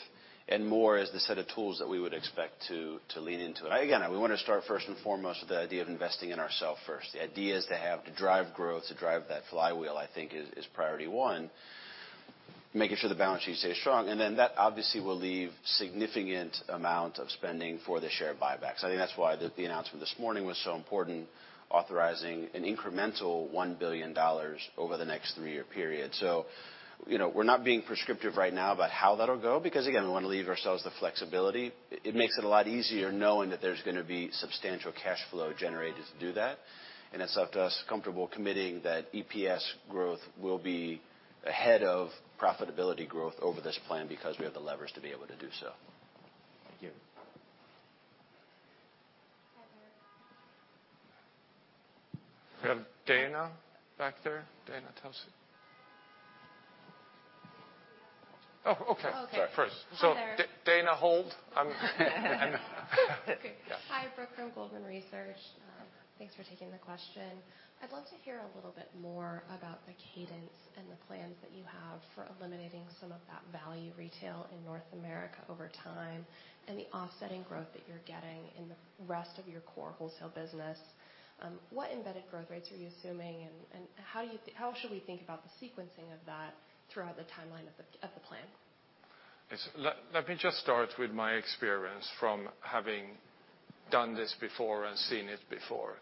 and more as the set of tools that we would expect to lean into. Again, we wanna start first and foremost with the idea of investing in ourself first. The idea is to have to drive growth, to drive that flywheel. I think is priority one, making sure the balance sheet stays strong. Then that obviously will leave significant amount of spending for the share buybacks. I think that's why the announcement this morning was so important, authorizing an incremental $1 billion over the next three-year period. You know, we're not being prescriptive right now about how that'll go, because again, we wanna leave ourselves the flexibility. It makes it a lot easier knowing that there's gonna be substantial cash flow generated to do that. It's left us comfortable committing that EPS growth will be ahead of profitability growth over this plan because we have the levers to be able to do so. Thank you. We have Dana back there. Dana Telsey. Oh, okay. Okay. Sorry. First. Hi there. Dana, hold. I'm Okay. Yeah. Hi, Brooke from Goldman Sachs. Thanks for taking the question. I'd love to hear a little bit more about the cadence and the plans that you have for eliminating some of that value retail in North America over time and the offsetting growth that you're getting in the rest of your core wholesale business. What embedded growth rates are you assuming? How should we think about the sequencing of that throughout the timeline of the plan? Yes. Let me just start with my experience from having done this before and seen it before.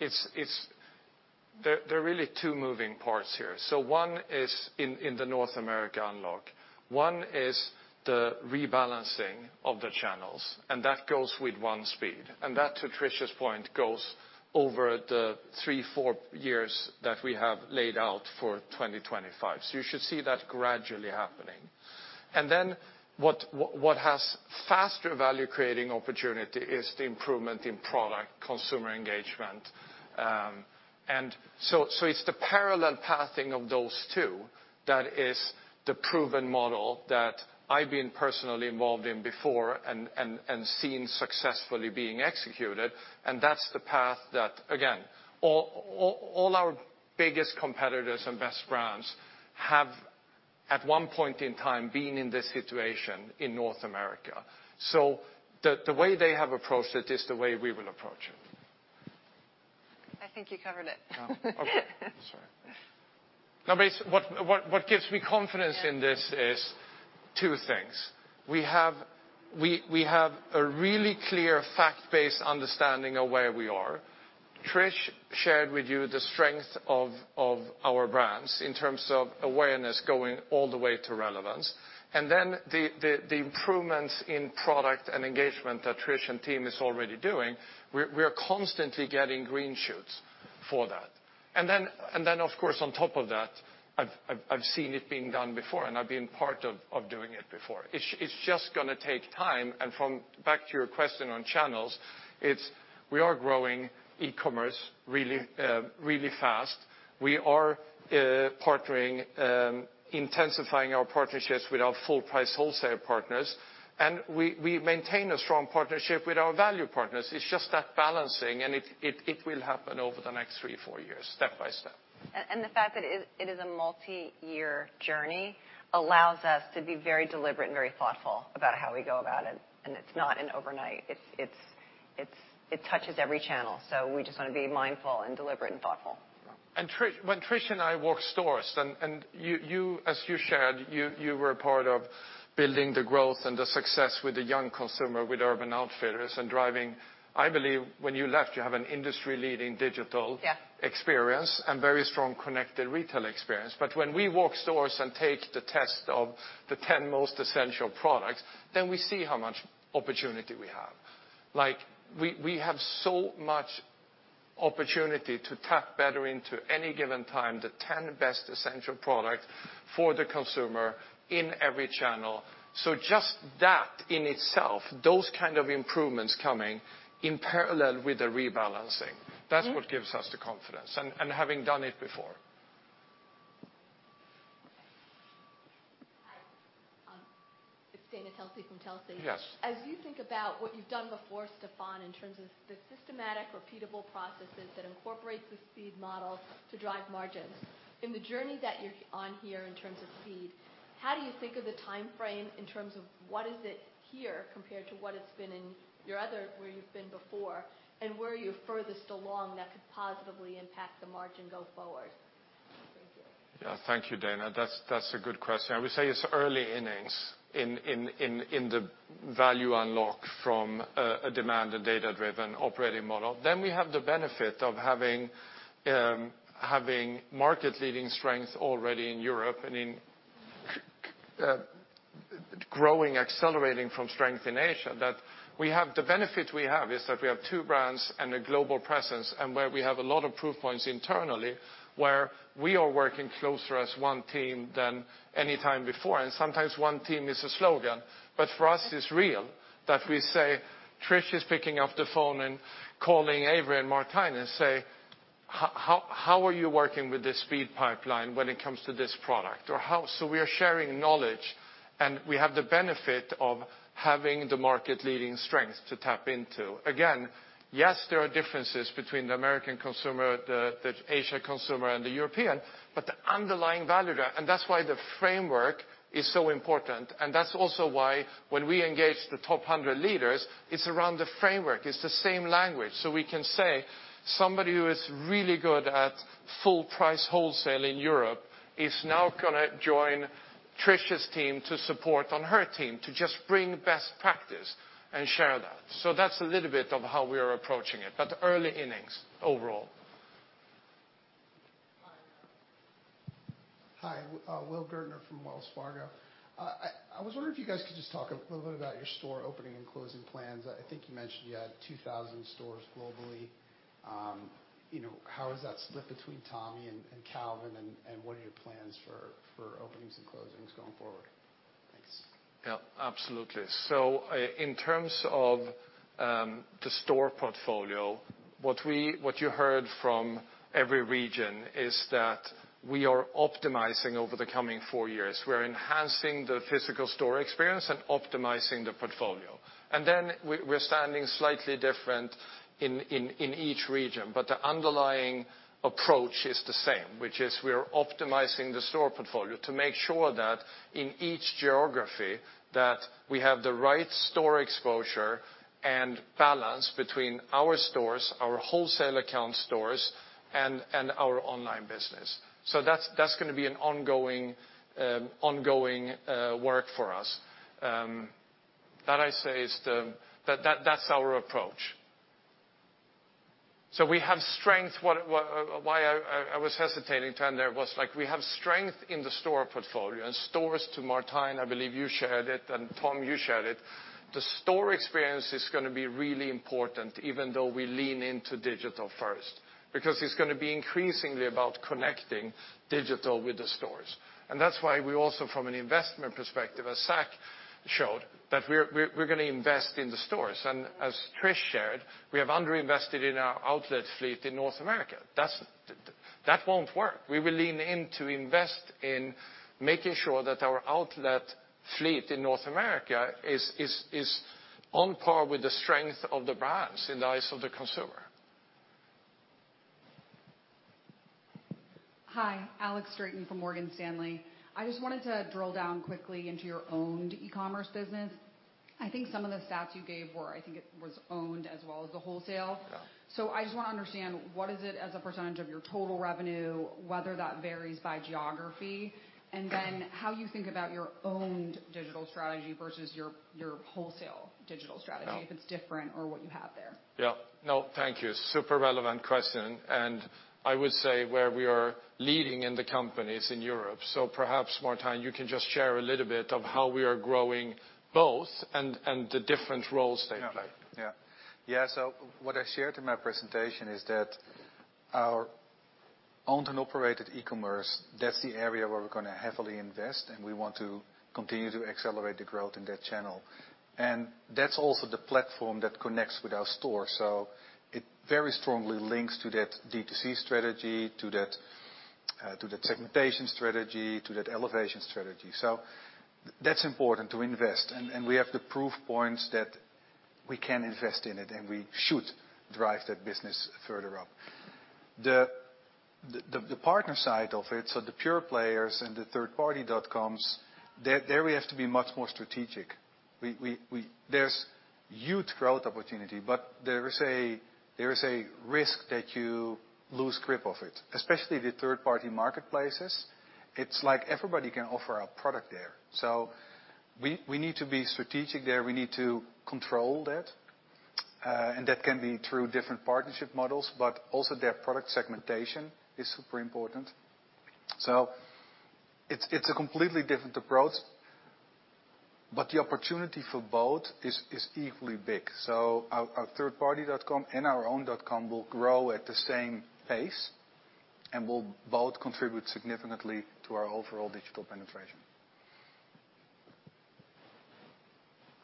It's. There are really two moving parts here. One is in the North America unlock. One is the rebalancing of the channels, and that goes with one speed. That, to Trish's point, goes over the three, four years that we have laid out for 2025. You should see that gradually happening. Then what has faster value creating opportunity is the improvement in product, consumer engagement. It's the parallel pathing of those two that is the proven model that I've been personally involved in before and seen successfully being executed. That's the path that, again, all our biggest competitors and best brands have, at one point in time, been in this situation in North America. The way they have approached it is the way we will approach it. I think you covered it. What gives me confidence in this is two things. We have a really clear fact-based understanding of where we are. Trish shared with you the strength of our brands in terms of awareness going all the way to relevance. The improvements in product and engagement that Trish and team is already doing, we're constantly getting green shoots for that. Of course, on top of that, I've seen it being done before, and I've been part of doing it before. It's just gonna take time, and from back to your question on channels, it's we are growing e-commerce really fast. We are partnering, intensifying our partnerships with our full price wholesale partners, and we maintain a strong partnership with our value partners. It's just that balancing, and it will happen over the next 3-4 years, step by step. The fact that it is a multiyear journey allows us to be very deliberate and very thoughtful about how we go about it, and it's not an overnight. It touches every channel, so we just wanna be mindful and deliberate and thoughtful. Trish, when Trish and I walk stores, and you, as you shared, you were a part of building the growth and the success with the young consumer, with Urban Outfitters and driving. I believe when you left, you have an industry-leading digital- Yeah... experience and very strong connected retail experience. When we walk stores and take the test of the 10 most essential products, then we see how much opportunity we have. Like, we have so much opportunity to tap better into any given time, the 10 best essential product for the consumer in every channel. Just that in itself, those kind of improvements coming in parallel with the rebalancing. Mm-hmm. That's what gives us the confidence, and having done it before. Hi. It's Dana Telsey from Telsey. Yes. As you think about what you've done before, Stefan, in terms of the systematic repeatable processes that incorporates the speed model to drive margins, in the journey that you're on here in terms of speed, how do you think of the timeframe in terms of what is it here compared to what it's been in your other, where you've been before, and where are you furthest along that could positively impact the margin go forward? Thank you. Yeah. Thank you, Dana. That's a good question. I would say it's early innings in the value unlock from a demand and data-driven operating model. We have the benefit of having market-leading strength already in Europe and growing, accelerating from strength in Asia. The benefit we have is that we have two brands and a global presence and where we have a lot of proof points internally where we are working closer as one team than any time before. Sometimes one team is a slogan, but for us it's real, that we say Trish is picking up the phone and calling Avery and Martijn and say, "How are you working with this speed pipeline when it comes to this product?" We are sharing knowledge, and we have the benefit of having the market-leading strength to tap into. Again, yes, there are differences between the American consumer, the Asia consumer and the European, but the underlying value there, and that's why the framework is so important. That's also why when we engage the top 100 leaders, it's around the framework. It's the same language. We can say somebody who is really good at full price wholesale in Europe is now gonna join Trish's team to support on her team to just bring best practice and share that. That's a little bit of how we are approaching it, but early innings overall. Hi. Hi, [Will Gartner] from Wells Fargo. I was wondering if you guys could just talk a little bit about your store opening and closing plans. I think you mentioned you had 2000 stores globally. You know, how is that split between Tommy and Calvin, and what are your plans for openings and closings going forward? Thanks. Yeah, absolutely. In terms of the store portfolio, what you heard from every region is that we are optimizing over the coming four years. We're enhancing the physical store experience and optimizing the portfolio. We are standing slightly different in each region, but the underlying approach is the same, which is we're optimizing the store portfolio to make sure that in each geography, that we have the right store exposure and balance between our stores, our wholesale account stores, and our online business. That's gonna be an ongoing work for us. That is our approach. We have strength. Why I was hesitating, Tan, there was like we have strength in the store portfolio. Stores, to Martijn, I believe you shared it, and Tom, you shared it, the store experience is gonna be really important even though we lean into digital first. Because it's gonna be increasingly about connecting digital with the stores. That's why we also from an investment perspective, as Zac showed, that we're gonna invest in the stores. As Trish shared, we have underinvested in our outlet fleet in North America. That's. That won't work. We will lean in to invest in making sure that our outlet fleet in North America is on par with the strength of the brands in the eyes of the consumer. Hi, Alex Straton from Morgan Stanley. I just wanted to drill down quickly into your owned e-commerce business. I think some of the stats you gave were, I think it was owned as well as the wholesale. Yeah. I just wanna understand what is it as a percentage of your total revenue, whether that varies by geography, and then how you think about your owned digital strategy versus your wholesale digital strategy. Yeah. If it's different or what you have there. Yeah. No, thank you. Super relevant question. I would say where we are leading in the company is in Europe. Perhaps, Martijn, you can just share a little bit of how we are growing both and the different roles they play. Yeah. Yeah. What I shared in my presentation is that our owned and operated e-commerce, that's the area where we're gonna heavily invest, and we want to continue to accelerate the growth in that channel. That's also the platform that connects with our store. It very strongly links to that D2C strategy, to that segmentation strategy, to that elevation strategy. That's important to invest. We have the proof points that we can invest in it and we should drive that business further up. The partner side of it, so the pure players and the third party dot coms, there we have to be much more strategic. There's huge growth opportunity, but there is a risk that you lose grip of it, especially the third party marketplaces. It's like everybody can offer a product there. We need to be strategic there. We need to control that. That can be through different partnership models, but also their product segmentation is super important. It's a completely different approach, but the opportunity for both is equally big. Our third party dot com and our own dot com will grow at the same pace and will both contribute significantly to our overall digital penetration.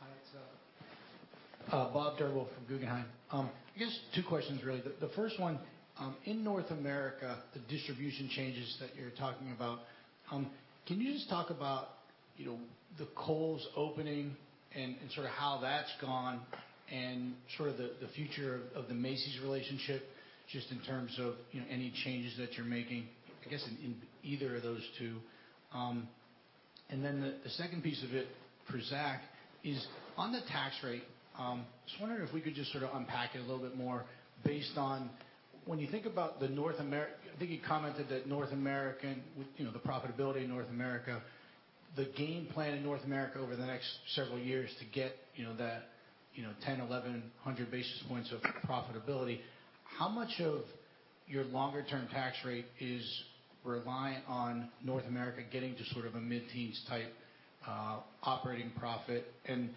Hi, it's Bob Drbul from Guggenheim. I guess two questions really. The first one, in North America, the distribution changes that you're talking about, can you just talk about, you know, the Kohl's opening and sort of how that's gone and sort of the future of the Macy's relationship just in terms of, you know, any changes that you're making, I guess in either of those two? The second piece of it for Zac is on the tax rate. I was wondering if we could just sort of unpack it a little bit more based on I think you commented that North America, you know, the profitability in North America, the game plan in North America over the next several years to get, you know, that, you know, 10-1100 basis points of profitability. How much of your longer term tax rate is reliant on North America getting to sort of a mid-teens type operating profit? And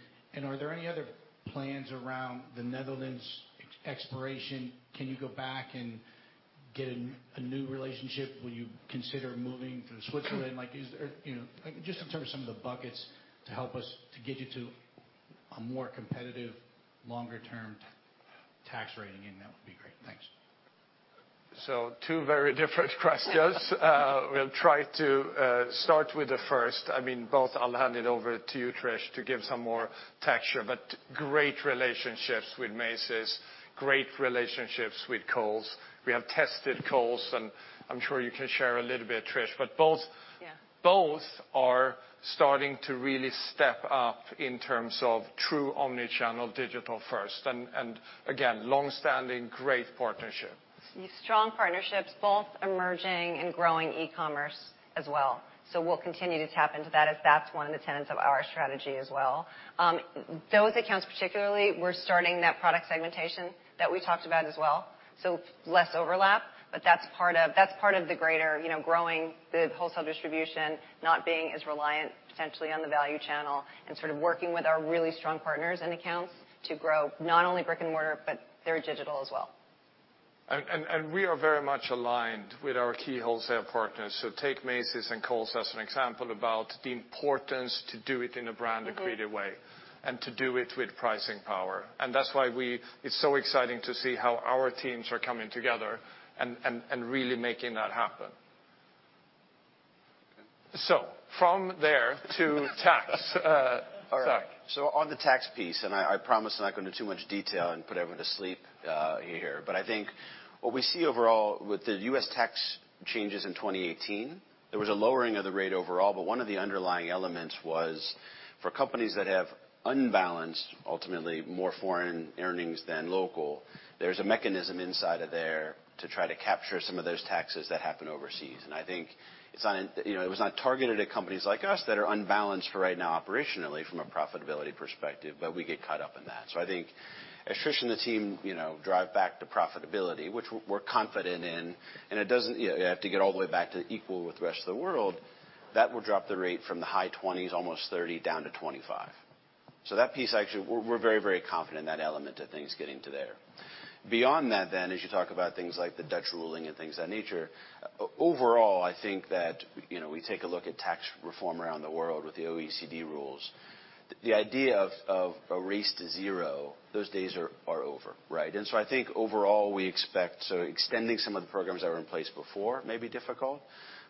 are there any other plans around the Netherlands exploitation? Can you go back and get a new relationship? Will you consider moving to Switzerland? Like just in terms of some of the buckets to help us to get you to a more competitive, longer-term credit rating, and that would be great. Thanks. Two very different questions. We'll try to start with the first. I mean, both I'll hand it over to you, Trish, to give some more texture, but great relationships with Macy's, great relationships with Kohl's. We have tested Kohl's and I'm sure you can share a little bit, Trish, but both- Yeah. Both are starting to really step up in terms of true omni-channel digital-first and again, long-standing great partnership. Strong partnerships, both emerging and growing e-commerce as well. We'll continue to tap into that as that's one of the tenets of our strategy as well. Those accounts particularly, we're starting that product segmentation that we talked about as well, so less overlap, but that's part of the greater, you know, growing the wholesale distribution, not being as reliant potentially on the value channel and sort of working with our really strong partners and accounts to grow not only brick and mortar, but their digital as well. we are very much aligned with our key wholesale partners. Take Macy's and Kohl's as an example about the importance to do it in a brand and creative way. Mm-hmm. To do it with pricing power. That's why it's so exciting to see how our teams are coming together and really making that happen. From there to Zac. All right. On the tax piece, and I promise not go into too much detail and put everyone to sleep, here. I think what we see overall with the U.S. tax changes in 2018, there was a lowering of the rate overall, but one of the underlying elements was for companies that have unbalanced ultimately more foreign earnings than local, there's a mechanism inside of that to try to capture some of those taxes that happen overseas. I think it's not, you know, it was not targeted at companies like us that are unbalanced for right now operationally from a profitability perspective, but we get caught up in that. I think as Trish and the team, you know, drive back to profitability, which we're confident in. You have to get all the way back to equal with the rest of the world. That will drop the rate from the high 20s%, almost 30%, down to 25%. That piece, actually, we're very confident in that element of things getting to there. Beyond that then, as you talk about things like the Dutch ruling and things of that nature, overall, I think that, you know, we take a look at tax reform around the world with the OECD rules. The idea of a race to zero, those days are over, right? I think overall, we expect. Extending some of the programs that were in place before may be difficult.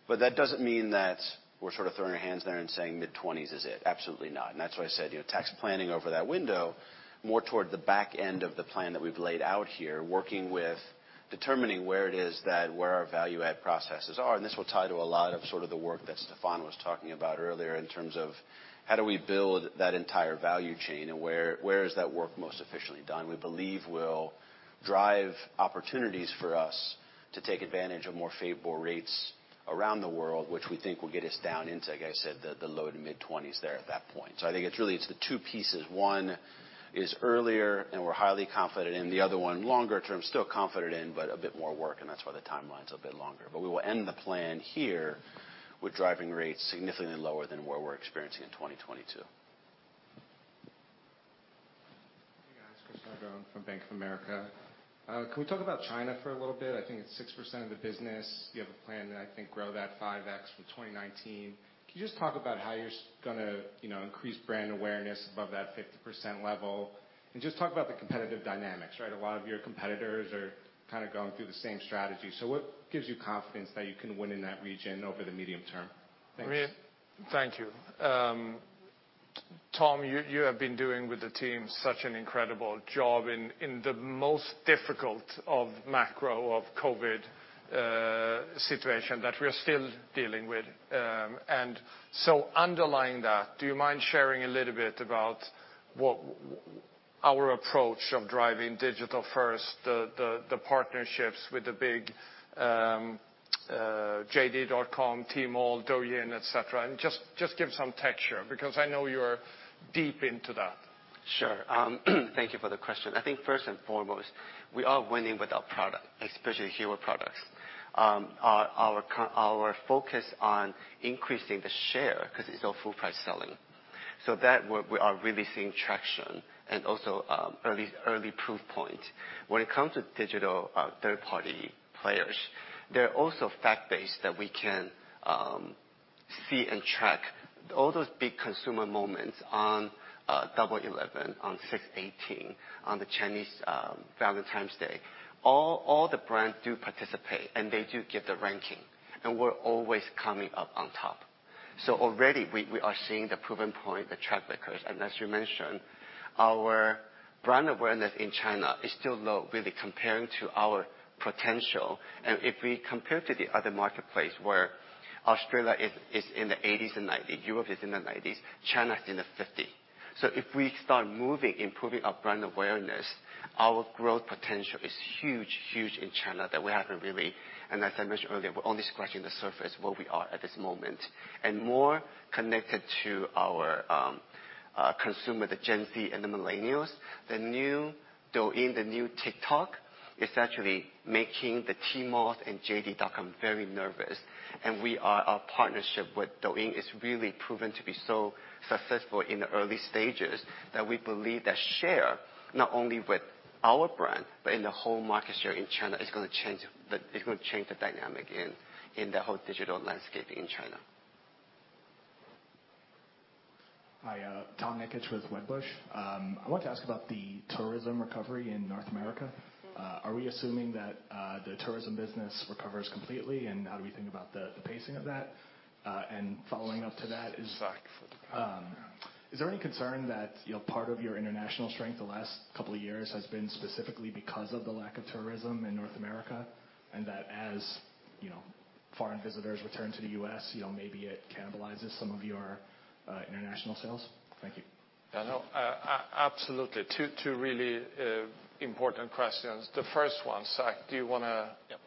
That doesn't mean that we're sort of throwing our hands up there and saying mid-20s% is it. Absolutely not. That's why I said, you know, tax planning over that window, more toward the back end of the plan that we've laid out here, working with determining where it is that our value-add processes are. This will tie to a lot of sort of the work that Stefan was talking about earlier in terms of how do we build that entire value chain, and where is that work most efficiently done. We believe will drive opportunities for us to take advantage of more favorable rates around the world, which we think will get us down into, like I said, the low- to mid-20s% there at that point. I think it's really the two pieces. One is earlier, and we're highly confident in. The other one, longer term, still confident in, but a bit more work, and that's why the timeline's a bit longer. We will end the plan here with driving rates significantly lower than where we're experiencing in 2022. Hey, guys. Christopher Nardone from Bank of America. Can we talk about China for a little bit? I think it's 6% of the business. You have a plan to, I think, grow that 5x for 2019. Can you just talk about how you're gonna, you know, increase brand awareness above that 50% level? Just talk about the competitive dynamics, right? A lot of your competitors are kinda going through the same strategy. What gives you confidence that you can win in that region over the medium term? Thanks. I mean, thank you. Tom, you have been doing with the team such an incredible job in the most difficult macro COVID situation that we are still dealing with. Underlying that, do you mind sharing a little bit about our approach of driving digital first, the partnerships with the big JD.com, Tmall, Douyin, et cetera? Just give some texture because I know you're deep into that. Sure. Thank you for the question. I think first and foremost, we are winning with our product, especially hero products. Our focus on increasing the share because it's all full-price selling. That work, we are really seeing traction and also early proof point. When it comes to digital, third-party players, they're also fact-based that we can see and track all those big consumer moments on Double Eleven, on 618, on the Chinese Valentine's Day. All the brands do participate, and they do get the ranking, and we're always coming up on top. Already we are seeing the proof point, the track records. As you mentioned, our brand awareness in China is still low, really comparing to our potential. If we compare to the other marketplace where Australia is in the 80%-90%, Europe is in the 90s, China is in the 50s. If we start moving, improving our brand awareness, our growth potential is huge in China that we haven't really. As I mentioned earlier, we're only scratching the surface of where we are at this moment. More connected to our consumer, the Gen Z and the millennials. The new Douyin, the new TikTok, is actually making the Tmall and JD.com very nervous. Our partnership with Douyin is really proven to be so successful in the early stages that we believe that share, not only with our brand, but in the whole market share in China, is gonna change the dynamic in the whole digital landscape in China. Hi, Tom Nikic with Wedbush. I want to ask about the tourism recovery in North America. Are we assuming that the tourism business recovers completely, and how do we think about the pacing of that? Following up to that, is there any concern that, you know, part of your international strength the last couple of years has been specifically because of the lack of tourism in North America, and that as, you know, foreign visitors return to the U.S., you know, maybe it cannibalizes some of your international sales? Thank you. Yeah, no, absolutely. Two really important questions. The first one, Zac, do you wanna... Yep.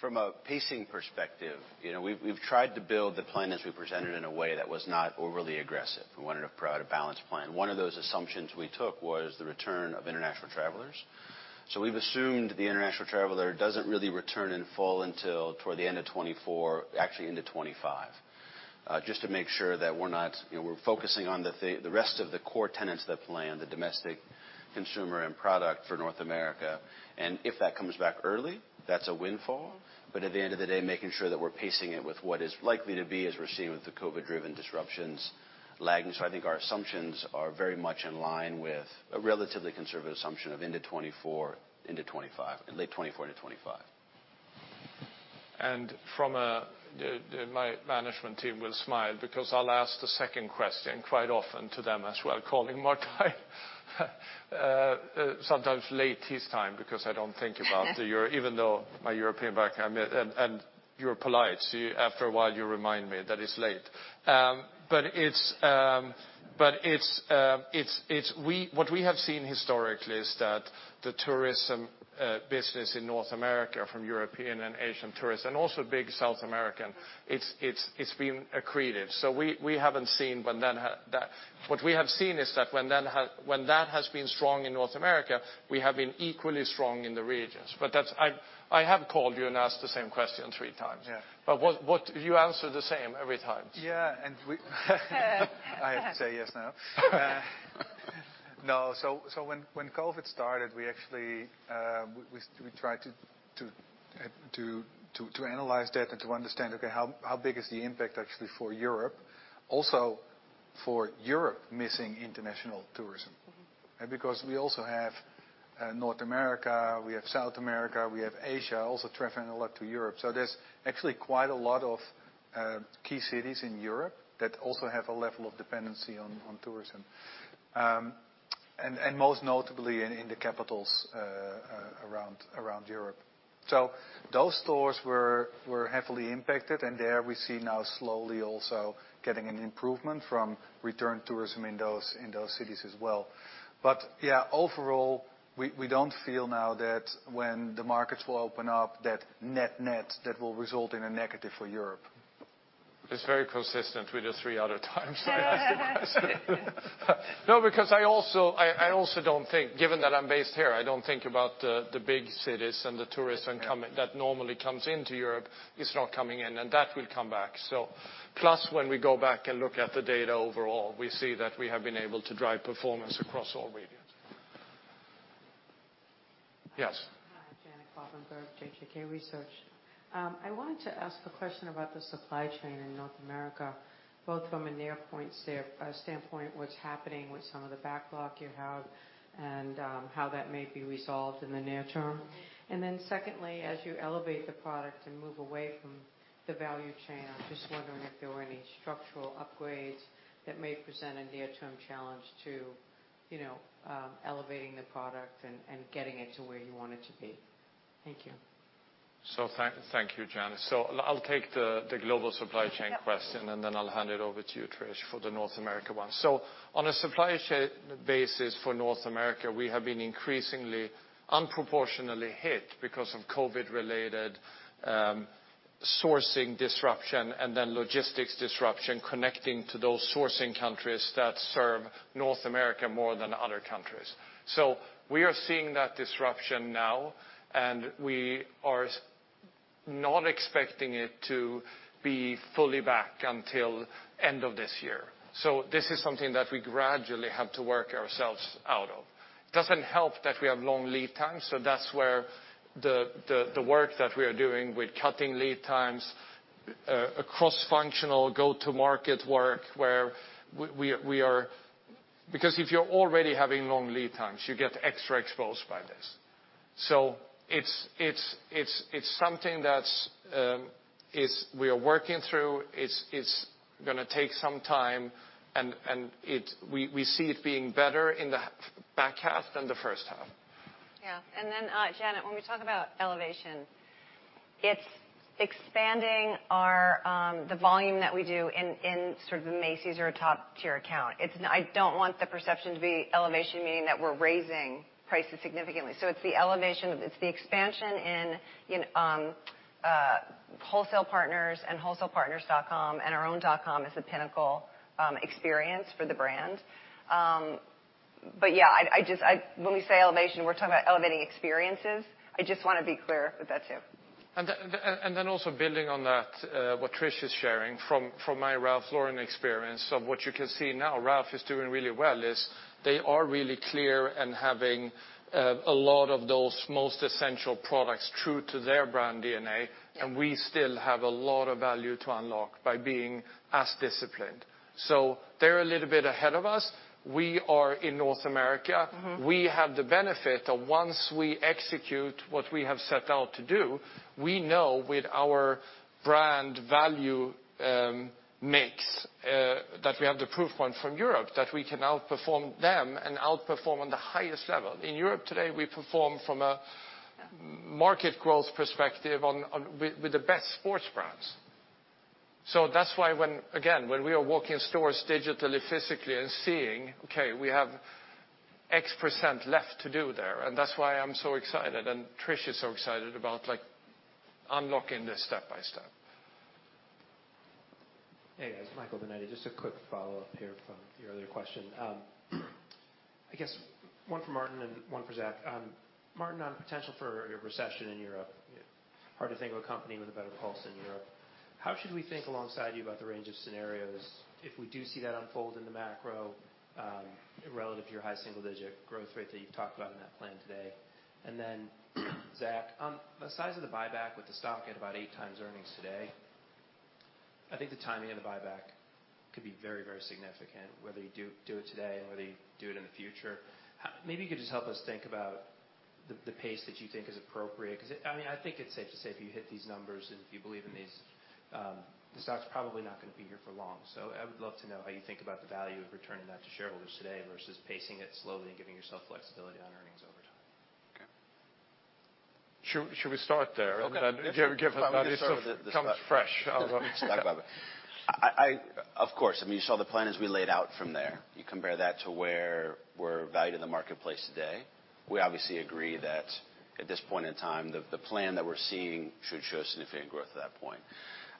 From a pacing perspective, you know, we've tried to build the plan as we presented in a way that was not overly aggressive. We wanted a balanced plan. One of those assumptions we took was the return of international travelers. We've assumed the international traveler doesn't really return in full until toward the end of 2024, actually into 2025. Just to make sure that we're not. You know, we're focusing on the rest of the core tenets of that plan, the domestic consumer and product for North America. If that comes back early, that's a windfall. At the end of the day, making sure that we're pacing it with what is likely to be, as we're seeing with the COVID-driven disruptions lagging. I think our assumptions are very much in line with a relatively conservative assumption going into 2024, into 2025, late 2024 into 2025. My management team will smile because I'll ask the second question quite often to them as well, calling Martijn sometimes late, his time, because I don't think about Europe even though my European background. I mean, you're polite, so after a while, you remind me that it's late. What we have seen historically is that the tourism business in North America from European and Asian tourists, and also big South American, it's been accretive. We haven't seen that. What we have seen is that when that has been strong in North America, we have been equally strong in the regions. That's. I have called you and asked the same question three times. Yeah. What you answer the same every time. When COVID started, we actually tried to analyze data to understand how big the impact is actually for Europe. Also, for Europe missing international tourism. Mm-hmm. Because we also have North America, we have South America, we have Asia also traveling a lot to Europe. So there's actually quite a lot of key cities in Europe that also have a level of dependency on tourism, most notably in the capitals around Europe. Those stores were heavily impacted, and there we see now slowly also getting an improvement from return tourism in those cities as well. Yeah, overall, we don't feel now that when the markets will open up, that net-net, that will result in a negative for Europe. It's very consistent with the three other times I asked the question. No, because I also don't think, given that I'm based here, I don't think about the big cities and the tourists and coming- Yeah. that normally comes into Europe, it's not coming in, and that will come back. Plus when we go back and look at the data overall, we see that we have been able to drive performance across all regions. Yes. Hi, Janet Kloppenburg, JJK Associates. I wanted to ask a question about the supply chain in North America, both from a standpoint, what's happening with some of the backlog you have and how that may be resolved in the near term. Secondly, as you elevate the product and move away from the value chain, I'm just wondering if there were any structural upgrades that may present a near-term challenge to, you know, elevating the product and getting it to where you want it to be. Thank you. Thank you, Janet. I'll take the global supply chain question- Yep. I'll hand it over to you, Trish, for the North America one. On a supply chain basis for North America, we have been increasingly disproportionately hit because of COVID-related sourcing disruption and then logistics disruption connecting to those sourcing countries that serve North America more than other countries. We are seeing that disruption now, and we are not expecting it to be fully back until end of this year. This is something that we gradually have to work ourselves out of. Doesn't help that we have long lead times, that's where the work that we are doing with cutting lead times, cross-functional go-to-market work, where we are. Because if you're already having long lead times, you get extra exposed by this. It's something that we are working through. It's gonna take some time, and we see it being better in the back half than the first half. Yeah. Janet, when we talk about elevation, it's expanding our the volume that we do in sort of a Macy's or a top-tier account. I don't want the perception to be elevation, meaning that we're raising prices significantly. It's the elevation, it's the expansion in wholesale partners and wholesale partners.com and our own.com as a pinnacle experience for the brand. Yeah, I just, when we say elevation, we're talking about elevating experiences. I just wanna be clear with that too. also building on that, what Trish is sharing, from my Ralph Lauren experience of what you can see now, Ralph is doing really well is, they are really clear and having a lot of those most essential products true to their brand DNA. Yeah. We still have a lot of value to unlock by being as disciplined. They're a little bit ahead of us. We are in North America. Mm-hmm. We have the benefit of once we execute what we have set out to do, we know with our brand value, mix, that we have the proof point from Europe that we can outperform them and outperform on the highest level. In Europe today, we perform from a- Yeah From a market growth perspective on with the best sports brands. That's why when, again, we are walking stores digitally, physically, and seeing, okay, we have X% left to do there, and that's why I'm so excited and Trish is so excited about, like, unlocking this step by step. Hey, guys. Michael Binetti. Just a quick follow-up here from your other question. I guess one for Martijn and one for Zac Coughlin. Martijn, on potential for a recession in Europe, hard to think of a company with a better pulse in Europe. How should we think alongside you about the range of scenarios if we do see that unfold in the macro, relative to your high single-digit growth rate that you've talked about in that plan today? Then, Zac Coughlin, on the size of the buyback with the stock at about 8x earnings today. I think the timing of the buyback could be very, very significant, whether you do it today, whether you do it in the future. Maybe you could just help us think about the pace that you think is appropriate. 'Cause I mean, I think it's safe to say if you hit these numbers and if you believe in these, the stock's probably not gonna be here for long. I would love to know how you think about the value of returning that to shareholders today versus pacing it slowly and giving yourself flexibility on earnings over time. Okay. Should we start there? Okay. Give come fresh. Let's talk about it. Of course, I mean, you saw the plan as we laid out from there. You compare that to where we're valued in the marketplace today. We obviously agree that at this point in time, the plan that we're seeing should show significant growth at that point.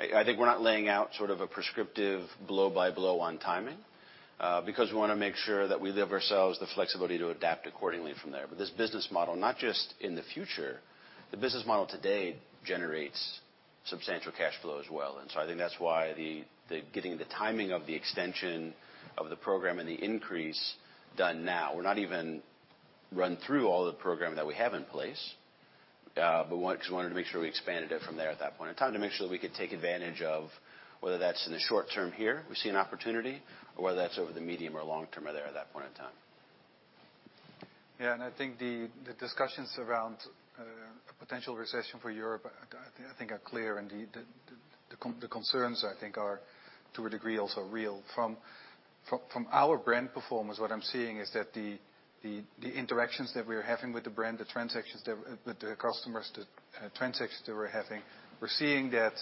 I think we're not laying out sort of a prescriptive blow-by-blow on timing, because we wanna make sure that we leave ourselves the flexibility to adapt accordingly from there. This business model, not just in the future, the business model today generates substantial cash flow as well. I think that's why getting the timing of the extension of the program and the increase done now. We're not even run through all the program that we have in place, but just wanted to make sure we expanded it from there at that point in time to make sure that we could take advantage of whether that's in the short term here, we see an opportunity, or whether that's over the medium or long term at that point in time. Yeah, I think the discussions around a potential recession for Europe are clear indeed. The concerns I think are, to a degree, also real. From our brand performance, what I'm seeing is that the interactions that we are having with the brand, the transactions that we're having with the customers, we're seeing that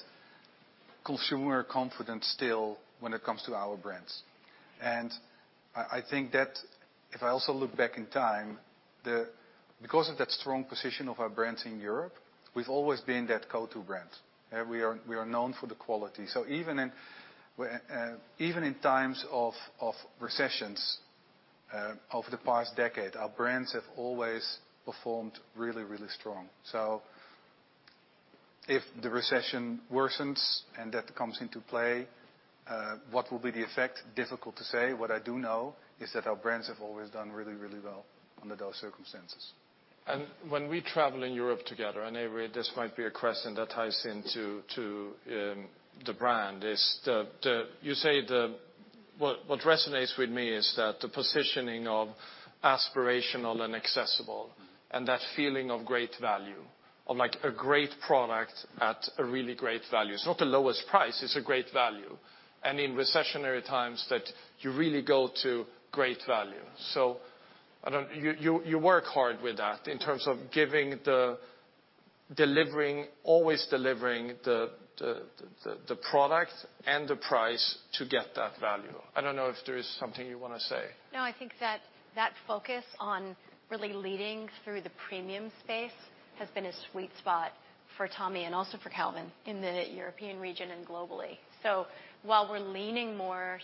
consumer confidence still when it comes to our brands. I think that if I also look back in time, because of that strong position of our brands in Europe, we've always been that go-to brand. We are known for the quality. So even in times of recessions over the past decade, our brands have always performed really strong. If the recession worsens and that comes into play, what will be the effect? Difficult to say. What I do know is that our brands have always done really well under those circumstances. When we travel in Europe together, Avery, this might be a question that ties into the brand. What resonates with me is that the positioning of aspirational and accessible and that feeling of great value, of like a great product at a really great value. It's not the lowest price, it's a great value. In recessionary times that you really go to great value. You work hard with that in terms of delivering, always delivering the product and the price to get that value. I don't know if there is something you wanna say. No, I think that focus on really leading through the premium space has been a sweet spot for Tommy and also for Calvin in the European region and globally. While we're leaning more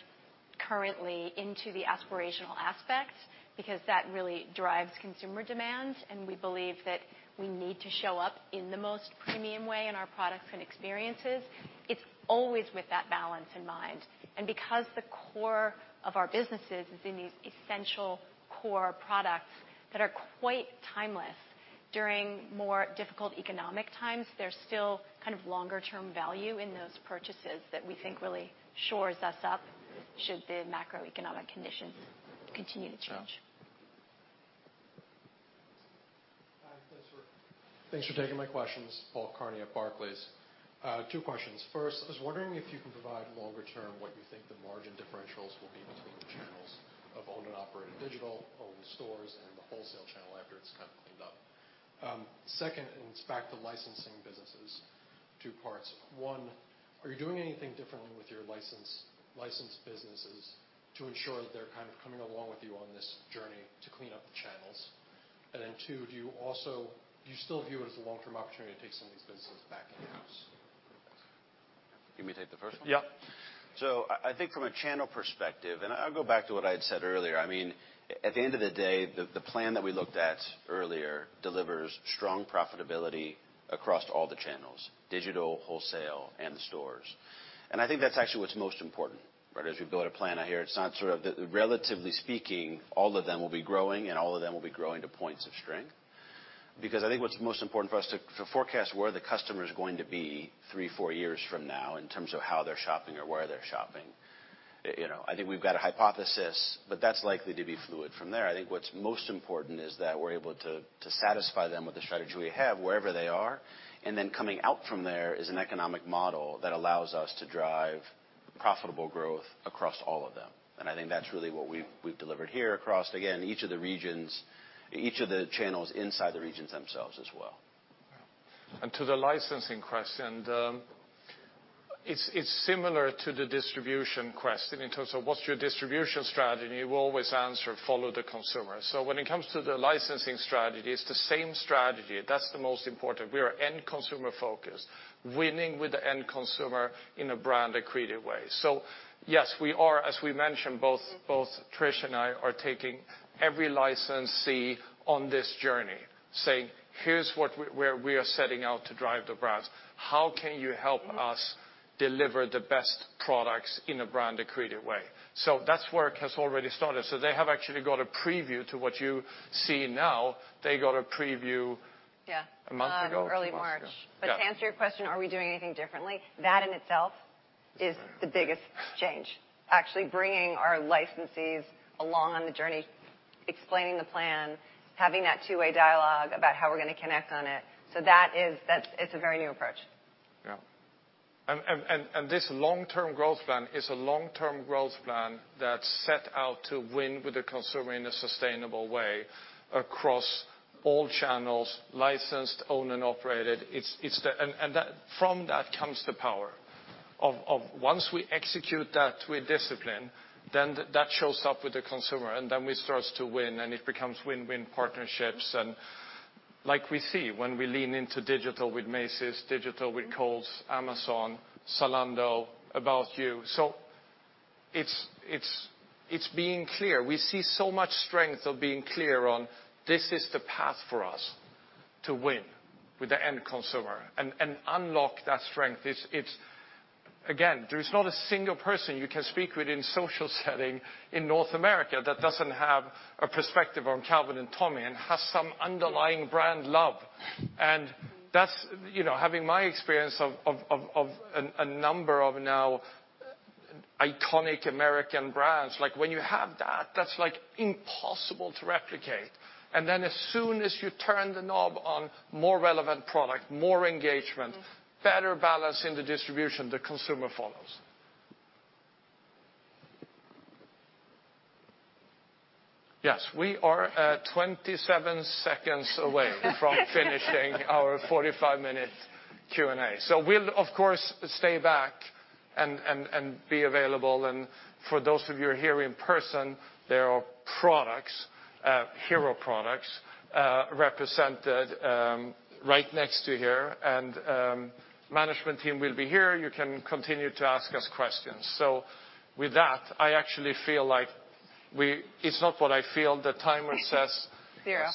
currently into the aspirational aspect, because that really drives consumer demand, and we believe that we need to show up in the most premium way in our products and experiences, it's always with that balance in mind. Because the core of our businesses is in these essential core products that are quite timeless during more difficult economic times, there's still kind of longer term value in those purchases that we think really shores us up should the macroeconomic conditions continue to change. Sure. Hi, thanks for taking my questions. Paul Kearney at Barclays. Two questions. First, I was wondering if you can provide longer term what you think the margin differentials will be between the channels of owned and operated digital, owned stores, and the wholesale channel after it's kind of cleaned up. Second, it's back to licensing businesses, two parts. One, are you doing anything differently with your licensed businesses to ensure that they're kind of coming along with you on this journey to clean up the channels? And then two, do you still view it as a long-term opportunity to take some of these businesses back in-house? You want me to take the first one? Yeah. I think from a channel perspective, and I'll go back to what I had said earlier. I mean, at the end of the day, the plan that we looked at earlier delivers strong profitability across all the channels, digital, wholesale, and the stores. I think that's actually what's most important, right? As we build a plan out here, it's not sort of the relatively speaking, all of them will be growing to points of strength. I think what's most important for us to forecast where the customer is going to be 3, 4 years from now in terms of how they're shopping or where they're shopping. You know, I think we've got a hypothesis, but that's likely to be fluid from there. I think what's most important is that we're able to satisfy them with the strategy we have wherever they are. Then coming out from there is an economic model that allows us to drive profitable growth across all of them. I think that's really what we've delivered here across, again, each of the regions, each of the channels inside the regions themselves as well. To the licensing question, it's similar to the distribution question in terms of what's your distribution strategy, and you always answer, follow the consumer. When it comes to the licensing strategy, it's the same strategy. That's the most important. We are end consumer focused, winning with the end consumer in a brand and creative way. Yes, we are, as we mentioned, both Trish and I are taking every licensee on this journey, saying, "Here's where we are setting out to drive the brands. How can you help us deliver the best products in a brand and creative way?" That work has already started, so they have actually got a preview to what you see now. They got a preview. Yeah A month ago. In early March. Yeah. To answer your question, are we doing anything differently? That in itself is the biggest change. Actually bringing our licensees along on the journey, explaining the plan, having that two-way dialogue about how we're gonna connect on it. That is. It's a very new approach. This long-term growth plan is a long-term growth plan that's set out to win with the consumer in a sustainable way across all channels, licensed, owned, and operated. From that comes the power of once we execute that with discipline, then that shows up with the consumer, and then we starts to win, and it becomes win-win partnerships. Like we see when we lean into digital with Macy's, digital with Kohl's, Amazon, Zalando, About You. It's being clear. We see so much strength of being clear on this is the path for us to win with the end consumer and unlock that strength. It's Again, there is not a single person you can speak with in social setting in North America that doesn't have a perspective on Calvin and Tommy and has some underlying brand love. That's, you know, having my experience of a number of now iconic American brands, like, when you have that's, like, impossible to replicate. Then as soon as you turn the knob on more relevant product, more engagement. Mm-hmm Better balance in the distribution, the consumer follows. Yes, we are 27 seconds away from finishing our 45-minute Q&A. We'll of course stay back and be available. For those of you who are here in person, there are products, hero products, represented right next to here. Management team will be here. You can continue to ask us questions. With that, I actually feel like we. It's not what I feel, the timer says. Zero.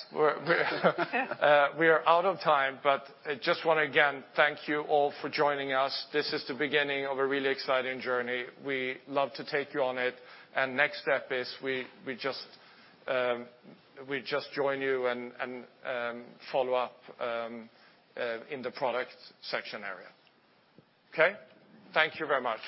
We are out of time, but I just wanna, again, thank you all for joining us. This is the beginning of a really exciting journey. We love to take you on it, and next step is we just join you and follow up in the product section area. Okay. Thank you very much.